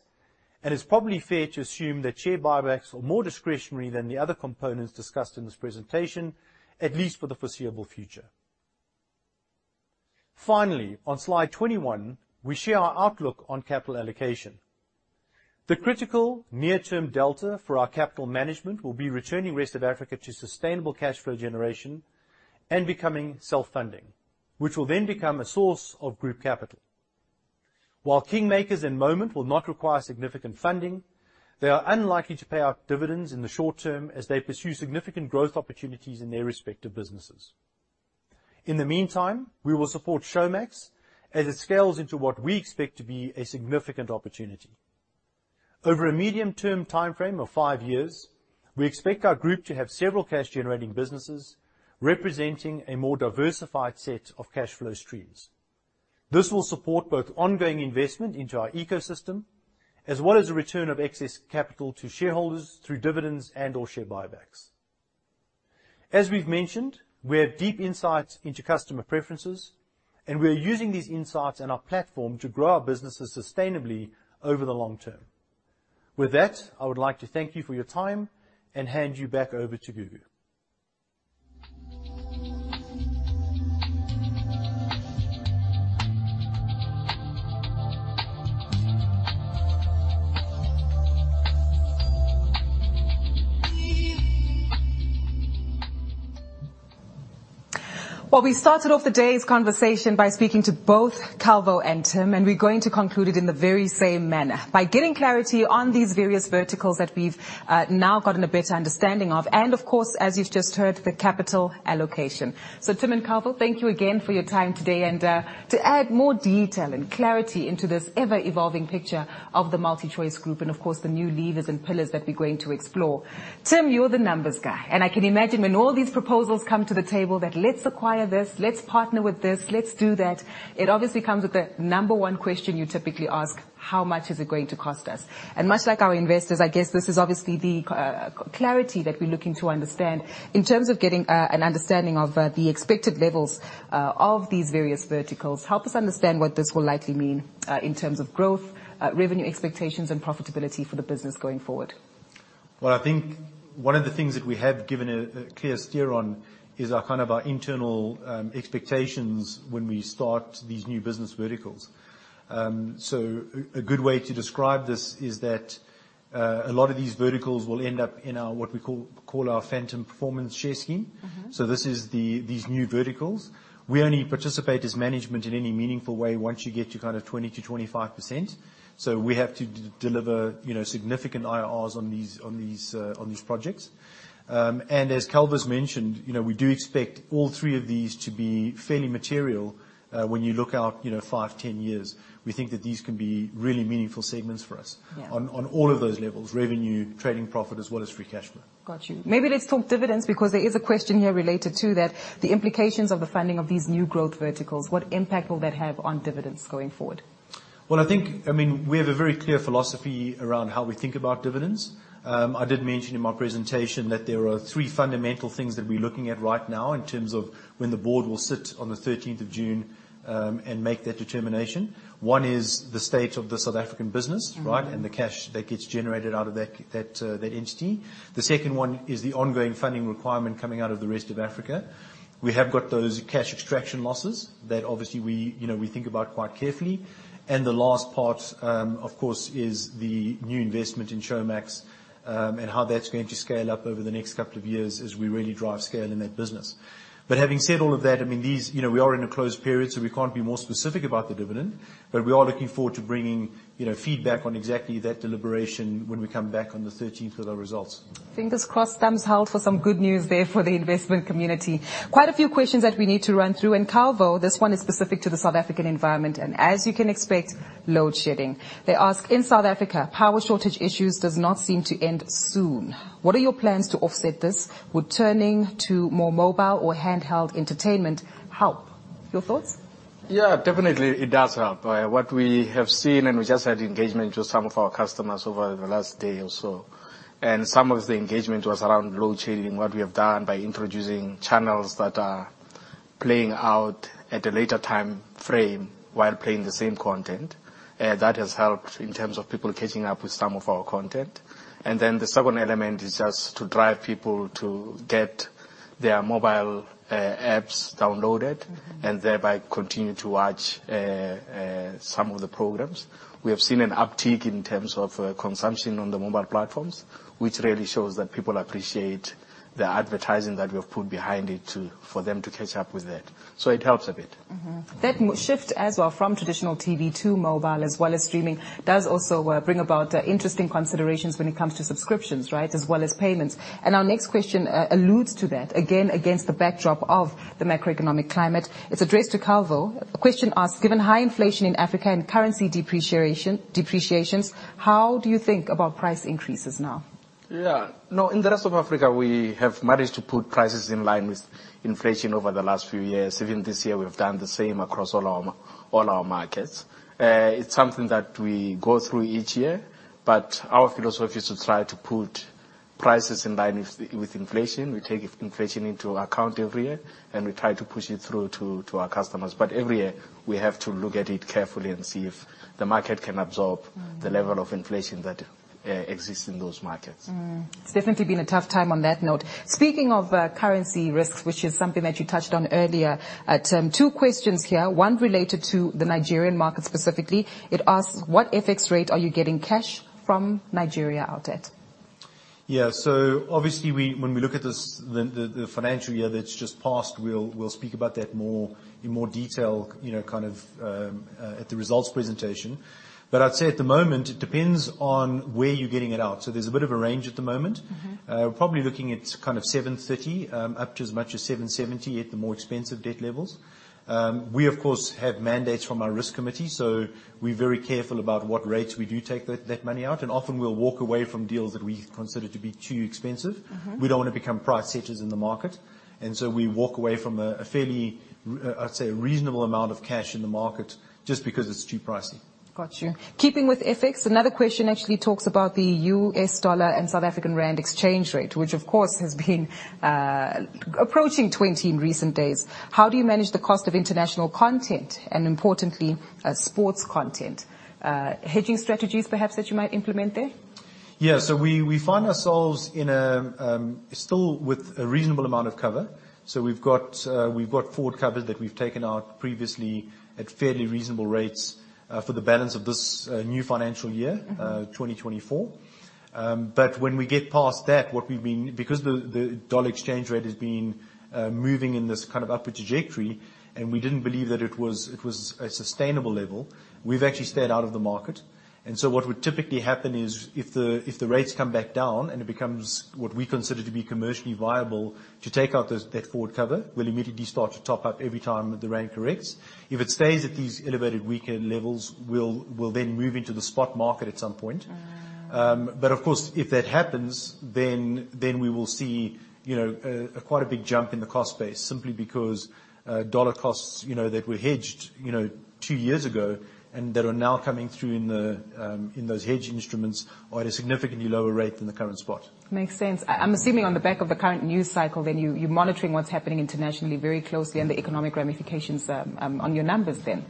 It's probably fair to assume that share buybacks are more discretionary than the other components discussed in this presentation, at least for the foreseeable future. Finally, on slide 21, we share our outlook on capital allocation. The critical near-term delta for our capital management will be returning Rest of Africa to sustainable cash flow generation and becoming self-funding, which will then become a source of group capital. While KingMakers and Moment will not require significant funding, they are unlikely to pay out dividends in the short term as they pursue significant growth opportunities in their respective businesses. In the meantime, we will support Showmax as it scales into what we expect to be a significant opportunity. Over a medium-term timeframe of five years, we expect our group to have several cash-generating businesses representing a more diversified set of cash flow streams. This will support both ongoing investment into our ecosystem as well as the return of excess capital to shareholders through dividends and/or share buybacks. As we've mentioned, we have deep insights into customer preferences, and we are using these insights and our platform to grow our businesses sustainably over the long term. With that, I would like to thank you for your time and hand you back over to Gugu. Well, we started off the day's conversation by speaking to both Calvo and Tim, and we're going to conclude it in the very same manner, by getting clarity on these various verticals that we've now gotten a better understanding of, and of course, as you've just heard, the capital allocation. Tim and Calvo, thank you again for your time today and to add more detail and clarity into this ever-evolving picture of the MultiChoice Group and, of course, the new levers and pillars that we're going to explore. Tim, you're the numbers guy. I can imagine when all these proposals come to the table that, "Let's acquire this, let's partner with this, let's do that," it obviously comes with the number one question you typically ask, "How much is it going to cost us?" Much like our investors, I guess this is obviously the clarity that we're looking to understand. In terms of getting an understanding of the expected levels of these various verticals, help us understand what this will likely mean in terms of growth, revenue expectations, and profitability for the business going forward. Well, I think one of the things that we have given a clear steer on is our, kind of our internal expectations when we start these new business verticals. A good way to describe this is that a lot of these verticals will end up in our, what we call our Phantom Performance Share Scheme. Mm-hmm. This is these new verticals. We only participate as management in any meaningful way once you get to kind of 20%-25%, so we have to deliver, you know, significant IRRs on these, on these, on these projects. As Calvo's mentioned, you know, we do expect all three of these to be fairly material, when you look out, you know, five, 10 years. We think that these can be really meaningful segments for us- Yeah on all of those levels, revenue, trading profit, as well as free cash flow. Got you. Maybe let's talk dividends because there is a question here related to that. The implications of the funding of these new growth verticals, what impact will that have on dividends going forward? Well, I think I mean, we have a very clear philosophy around how we think about dividends. I did mention in my presentation that there are three fundamental things that we're looking at right now in terms of when the board will sit on the 13th of June and make that determination. One is the state of the South African business. Mm-hmm right, and the cash that gets generated out of that entity. The second one is the ongoing funding requirement coming out of the Rest of Africa. We have got those cash extraction losses that obviously we, you know, we think about quite carefully. The last part, of course, is the new investment in Showmax, and how that's going to scale up over the next couple of years as we really drive scale in that business. But having said all of that, I mean, these, you know, we are in a closed period, so we can't be more specific about the dividend, but we are looking forward to bringing, you know, feedback on exactly that deliberation when we come back on the 13th with our results. Fingers crossed, thumbs held for some good news there for the investment community. Quite a few questions that we need to run through. Calvo, this one is specific to the South African environment and, as you can expect, load shedding. They ask, "In South Africa, power shortage issues does not seem to end soon. What are your plans to offset this? Would turning to more mobile or handheld entertainment help?" Your thoughts? Yeah, definitely it does help. What we have seen, and we just had engagement with some of our customers over the last day or so, and some of the engagement was around load shedding, what we have done by introducing channels that are playing out at a later timeframe while playing the same content. That has helped in terms of people catching up with some of our content. The second element is just to drive people to get their mobile apps downloaded. Mm-hmm... and thereby continue to watch some of the programs. We have seen an uptick in terms of consumption on the mobile platforms, which really shows that people appreciate the advertising that we have put behind it to, for them to catch up with that. It helps a bit. Mm-hmm. That shift as well from traditional TV to mobile as well as streaming does also bring about interesting considerations when it comes to subscriptions, right? As well as payments. Our next question alludes to that, again, against the backdrop of the macroeconomic climate. It's addressed to Calvo. The question asks, "Given high inflation in Africa and currency depreciations, how do you think about price increases now? Yeah. In the rest of Africa, we have managed to put prices in line with inflation over the last few years. Even this year we have done the same across all our markets. It's something that we go through each year, but our philosophy is to try to put prices in line with inflation. We take inflation into account every year, and we try to push it through to our customers. Every year we have to look at it carefully and see if the market can absorb. Mm the level of inflation that exists in those markets. Mm. It's definitely been a tough time on that note. Speaking of currency risks, which is something that you touched on earlier, Tim, two questions here, one related to the Nigerian market specifically. It asks, "What FX rate are you getting cash from Nigeria out at? Yeah. Obviously we, when we look at this, the financial year that's just passed, we'll speak about that more, in more detail, you know, kind of, at the results presentation. I'd say at the moment, it depends on where you're getting it out. There's a bit of a range at the moment. Mm-hmm. Probably looking at kind of 730-770 at the more expensive debt levels. We of course, have mandates from our risk committee, so we're very careful about what rates we do take that money out, and often we'll walk away from deals that we consider to be too expensive. Mm-hmm. We don't wanna become price setters in the market. We walk away from a fairly I'd say a reasonable amount of cash in the market just because it's too pricey. Got you. Keeping with FX, another question actually talks about the U.S. dollar and South African and exchange rate, which of course has been approaching 20 in recent days. How do you manage the cost of international content, and importantly, sports content? Hedging strategies perhaps that you might implement there? We find ourselves in a still with a reasonable amount of cover. We've got forward cover that we've taken out previously at fairly reasonable rates, for the balance of this, new financial year. Mm-hmm 2024. When we get past that, Because the dollar exchange rate has been moving in this kind of upward trajectory, and we didn't believe that it was a sustainable level, we've actually stayed out of the market. What would typically happen is if the rates come back down, and it becomes what we consider to be commercially viable to take out that forward cover, we'll immediately start to top up every time the rand corrects. If it stays at these elevated weaker levels, we'll then move into the spot market at some point. Mm. Of course, if that happens, then we will see, you know, a quite a big jump in the cost base, simply because dollar costs, you know, that were hedged, you know, two years ago, and that are now coming through in the in those hedge instruments are at a significantly lower rate than the current spot. Makes sense. I'm assuming on the back of the current news cycle, then you're monitoring what's happening internationally very closely and the economic ramifications on your numbers then.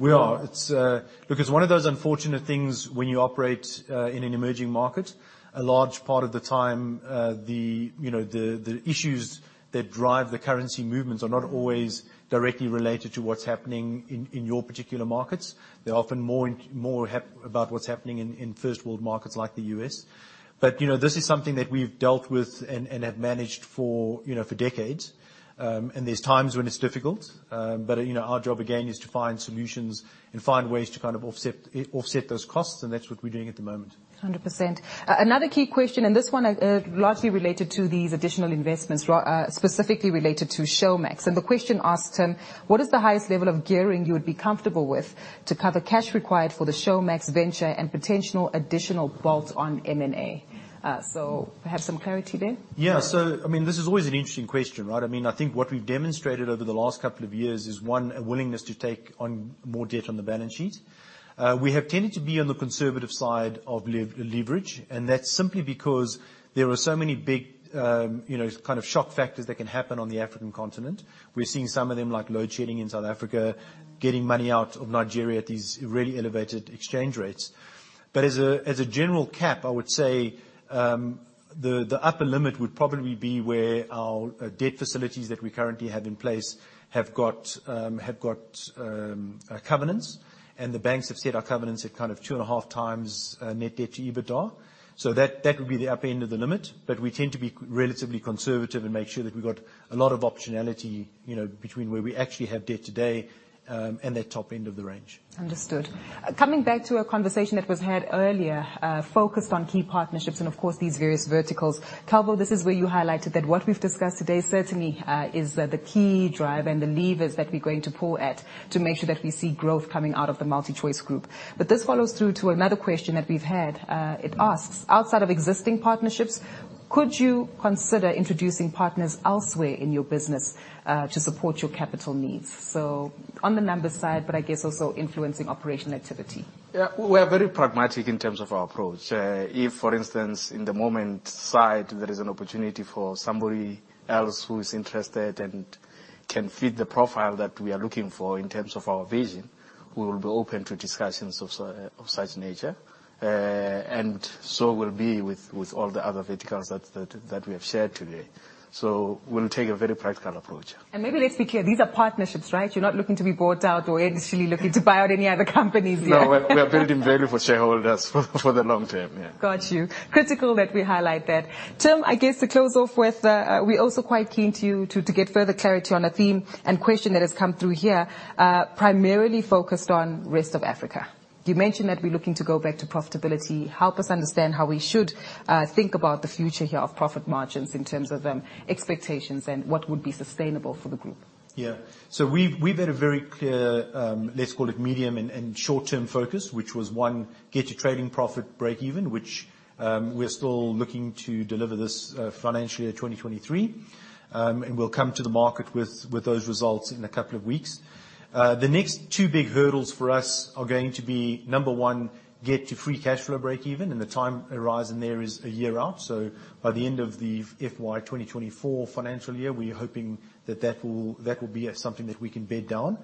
We are. It's. Look, it's one of those unfortunate things when you operate in an emerging market. A large part of the time, you know, the issues that drive the currency movements are not always directly related to what's happening in your particular markets. They're often more about what's happening in first world markets like the U.S. You know, this is something that we've dealt with and have managed for, you know, for decades. There's times when it's difficult. You know, our job again, is to find solutions and find ways to kind of offset those costs, and that's what we're doing at the moment. 100%. Another key question, and this one largely related to these additional investments, specifically related to Showmax, and the question asks, "What is the highest level of gearing you would be comfortable with to cover cash required for the Showmax venture and potential additional bolt-on M&A?" Perhaps some clarity there. Yeah. I mean, this is always an interesting question, right? I mean, I think what we've demonstrated over the last couple of years is, one, a willingness to take on more debt on the balance sheet. We have tended to be on the conservative side of leverage, and that's simply because there are so many big, you know, kind of shock factors that can happen on the African continent. We're seeing some of them like load shedding in South Africa, getting money out of Nigeria at these really elevated exchange rates. As a, as a general cap, I would say, the upper limit would probably be where our debt facilities that we currently have in place have got covenants. The banks have set our covenants at kind of 2.5x net debt to EBITDA. That, that would be the upper end of the limit, but we tend to be relatively conservative and make sure that we've got a lot of optionality, you know, between where we actually have debt today, and that top end of the range. Understood. Coming back to a conversation that was had earlier, focused on key partnerships and of course, these various verticals. Calvo, this is where you highlighted that what we've discussed today certainly, is the key driver and the levers that we're going to pull at to make sure that we see growth coming out of the MultiChoice Group. This follows through to another question that we've had. It asks, "Outside of existing partnerships, could you consider introducing partners elsewhere in your business, to support your capital needs?" So on the numbers side, but I guess also influencing operation activity. Yeah. We're very pragmatic in terms of our approach. If, for instance, in the Moment side, there is an opportunity for somebody else who is interested and can fit the profile that we are looking for in terms of our vision. We will be open to discussions of such nature. We'll be with all the other verticals that we have shared today. We'll take a very practical approach. Maybe let's be clear, these are partnerships, right? You're not looking to be bought out or initially looking to buy out any other companies here. No, we're building value for shareholders for the long term, yeah. Got you. Critical that we highlight that. Tim, I guess to close off with, we're also quite keen to get further clarity on a theme and question that has come through here, primarily focused on rest of Africa. You mentioned that we're looking to go back to profitability. Help us understand how we should think about the future here of profit margins in terms of expectations and what would be sustainable for the Group. Yeah. We've had a very clear, let's call it medium and short-term focus. Which was, one, get to trading profit break even, which we're still looking to deliver this financially at 2023. We'll come to the market with those results in a couple of weeks. The next two big hurdles for us are going to be, number one, get to free cash flow break even, and the time horizon there is a year out. By the end of the FY 2024 financial year, we're hoping that that will be a something that we can bed down.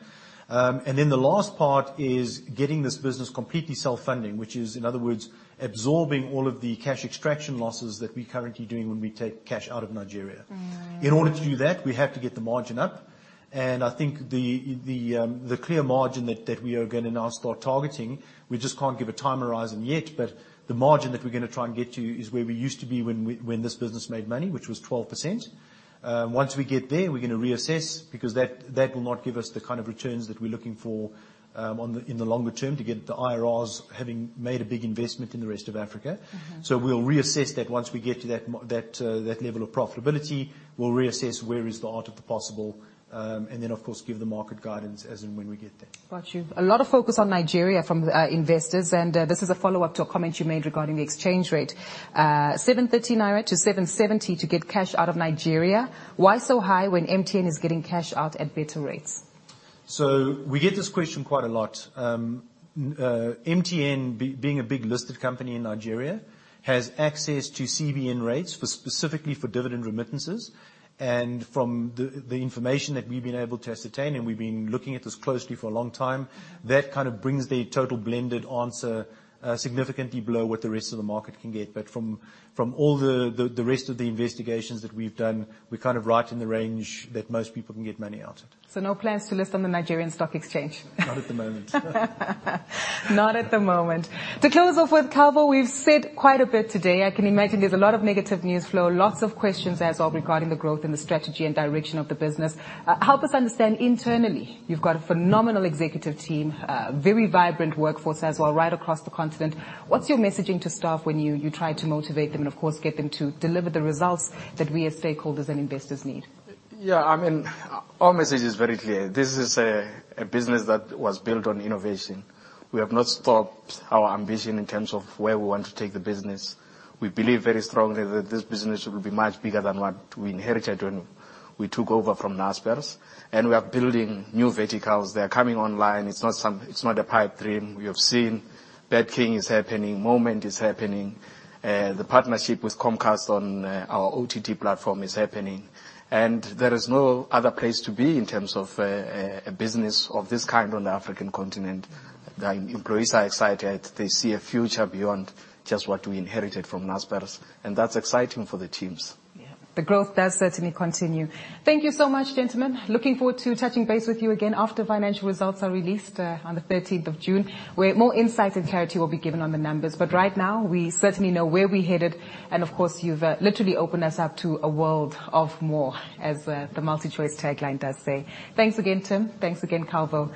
The last part is getting this business completely self-funding, which is, in other words, absorbing all of the cash extraction losses that we're currently doing when we take cash out of Nigeria. Mm-hmm. In order to do that, we have to get the margin up, and I think the clear margin that we are gonna now start targeting, we just can't give a time horizon yet, but the margin that we're gonna try and get to is where we used to be when this business made money, which was 12%. Once we get there, we're gonna reassess, because that will not give us the kind of returns that we're looking for in the longer term to get the IRR having made a big investment in the rest of Africa. Mm-hmm. We'll reassess that once we get to that level of profitability. We'll reassess where is the art of the possible, and then of course give the market guidance as and when we get there. Got you. A lot of focus on Nigeria from investors, and this is a follow-up to a comment you made regarding the exchange rate. 730-770 naira to get cash out of Nigeria, why so high when MTN is getting cash out at better rates? We get this question quite a lot. MTN being a big listed company in Nigeria, has access to CBN rates for specifically for dividend remittances. From the information that we've been able to ascertain, and we've been looking at this closely for a long time, that kind of brings the total blended answer significantly below what the rest of the market can get. From all the rest of the investigations that we've done, we're kind of right in the range that most people can get money out. No plans to list on the Nigerian stock exchange? Not at the moment. Not at the moment. To close off with, Calvo, we've said quite a bit today. I can imagine there's a lot of negative news flow, lots of questions as well regarding the growth and the strategy and direction of the business. Help us understand internally, you've got a phenomenal executive team, very vibrant workforce as well right across the continent. What's your messaging to staff when you try to motivate them and of course get them to deliver the results that we as stakeholders and investors need? Yeah, I mean, our message is very clear. This is a business that was built on innovation. We have not stopped our ambition in terms of where we want to take the business. We believe very strongly that this business will be much bigger than what we inherited when we took over from Naspers. We are building new verticals, they are coming online. It's not a pipe dream. We have seen BetKing is happening, Moment is happening, the partnership with Comcast on our OTT platform is happening. There is no other place to be in terms of a business of this kind on the African continent. The employees are excited. They see a future beyond just what we inherited from Naspers, and that's exciting for the teams. Yeah. The growth does certainly continue. Thank you so much, gentlemen. Looking forward to touching base with you again after financial results are released on the 13th of June, where more insight and clarity will be given on the numbers. Right now, we certainly know where we're headed, and of course you've literally opened us up to a world of more, as the MultiChoice tagline does say. Thanks again, Tim. Thanks again, Calvo.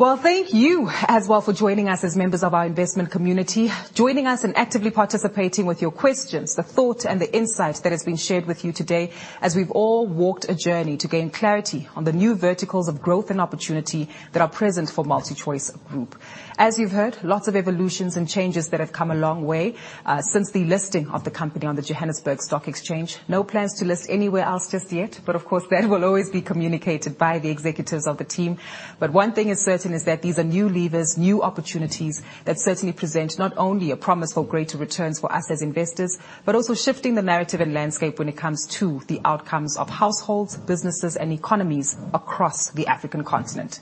Thank you as well for joining us as members of our investment community. Joining us and actively participating with your questions, the thought and the insight that has been shared with you today as we've all walked a journey to gain clarity on the new verticals of growth and opportunity that are present for MultiChoice Group. As you've heard, lots of evolutions and changes that have come a long way, since the listing of the company on the Johannesburg Stock Exchange. No plans to list anywhere else just yet. Of course that will always be communicated by the executives of the team. One thing is certain, is that these are new levers, new opportunities, that certainly present not only a promise for greater returns for us as investors, but also shifting the narrative and landscape when it comes to the outcomes of households, businesses, and economies across the African continent.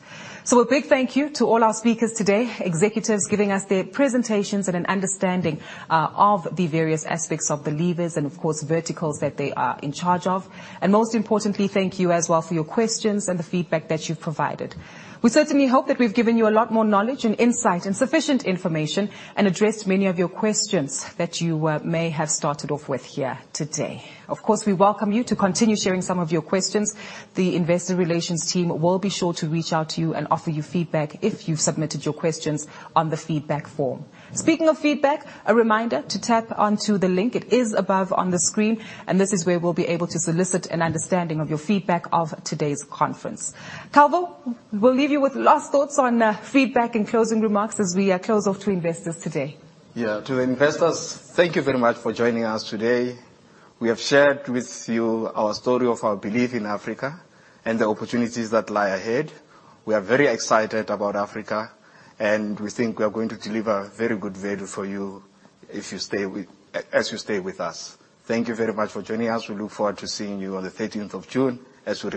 A big thank you to all our speakers today, executives giving us their presentations and an understanding of the various aspects of the levers and of course verticals that they are in charge of. Most importantly, thank you as well for your questions and the feedback that you've provided. We certainly hope that we've given you a lot more knowledge and insight and sufficient information, and addressed many of your questions that you may have started off with here today. Of course, we welcome you to continue sharing some of your questions. The investor relations team will be sure to reach out to you and offer you feedback if you've submitted your questions on the feedback form. Speaking of feedback, a reminder to tap onto the link. It is above on the screen, and this is where we'll be able to solicit an understanding of your feedback of today's conference. Calvo, we'll leave you with last thoughts on feedback and closing remarks as we close off to investors today. Yeah. To investors, thank you very much for joining us today. We have shared with you our story of our belief in Africa and the opportunities that lie ahead. We are very excited about Africa. We think we are going to deliver very good value for you if you stay with us. Thank you very much for joining us. We look forward to seeing you on the 13th of June as we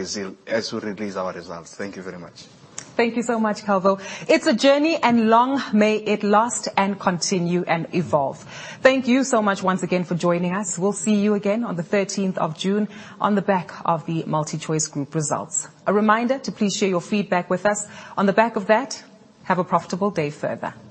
release our results. Thank you very much. Thank you so much, Calvo. It's a journey and long may it last and continue and evolve. Thank you so much once again for joining us. We'll see you again on the 13th of June on the back of the MultiChoice Group results. A reminder to please share your feedback with us. On the back of that, have a profitable day further.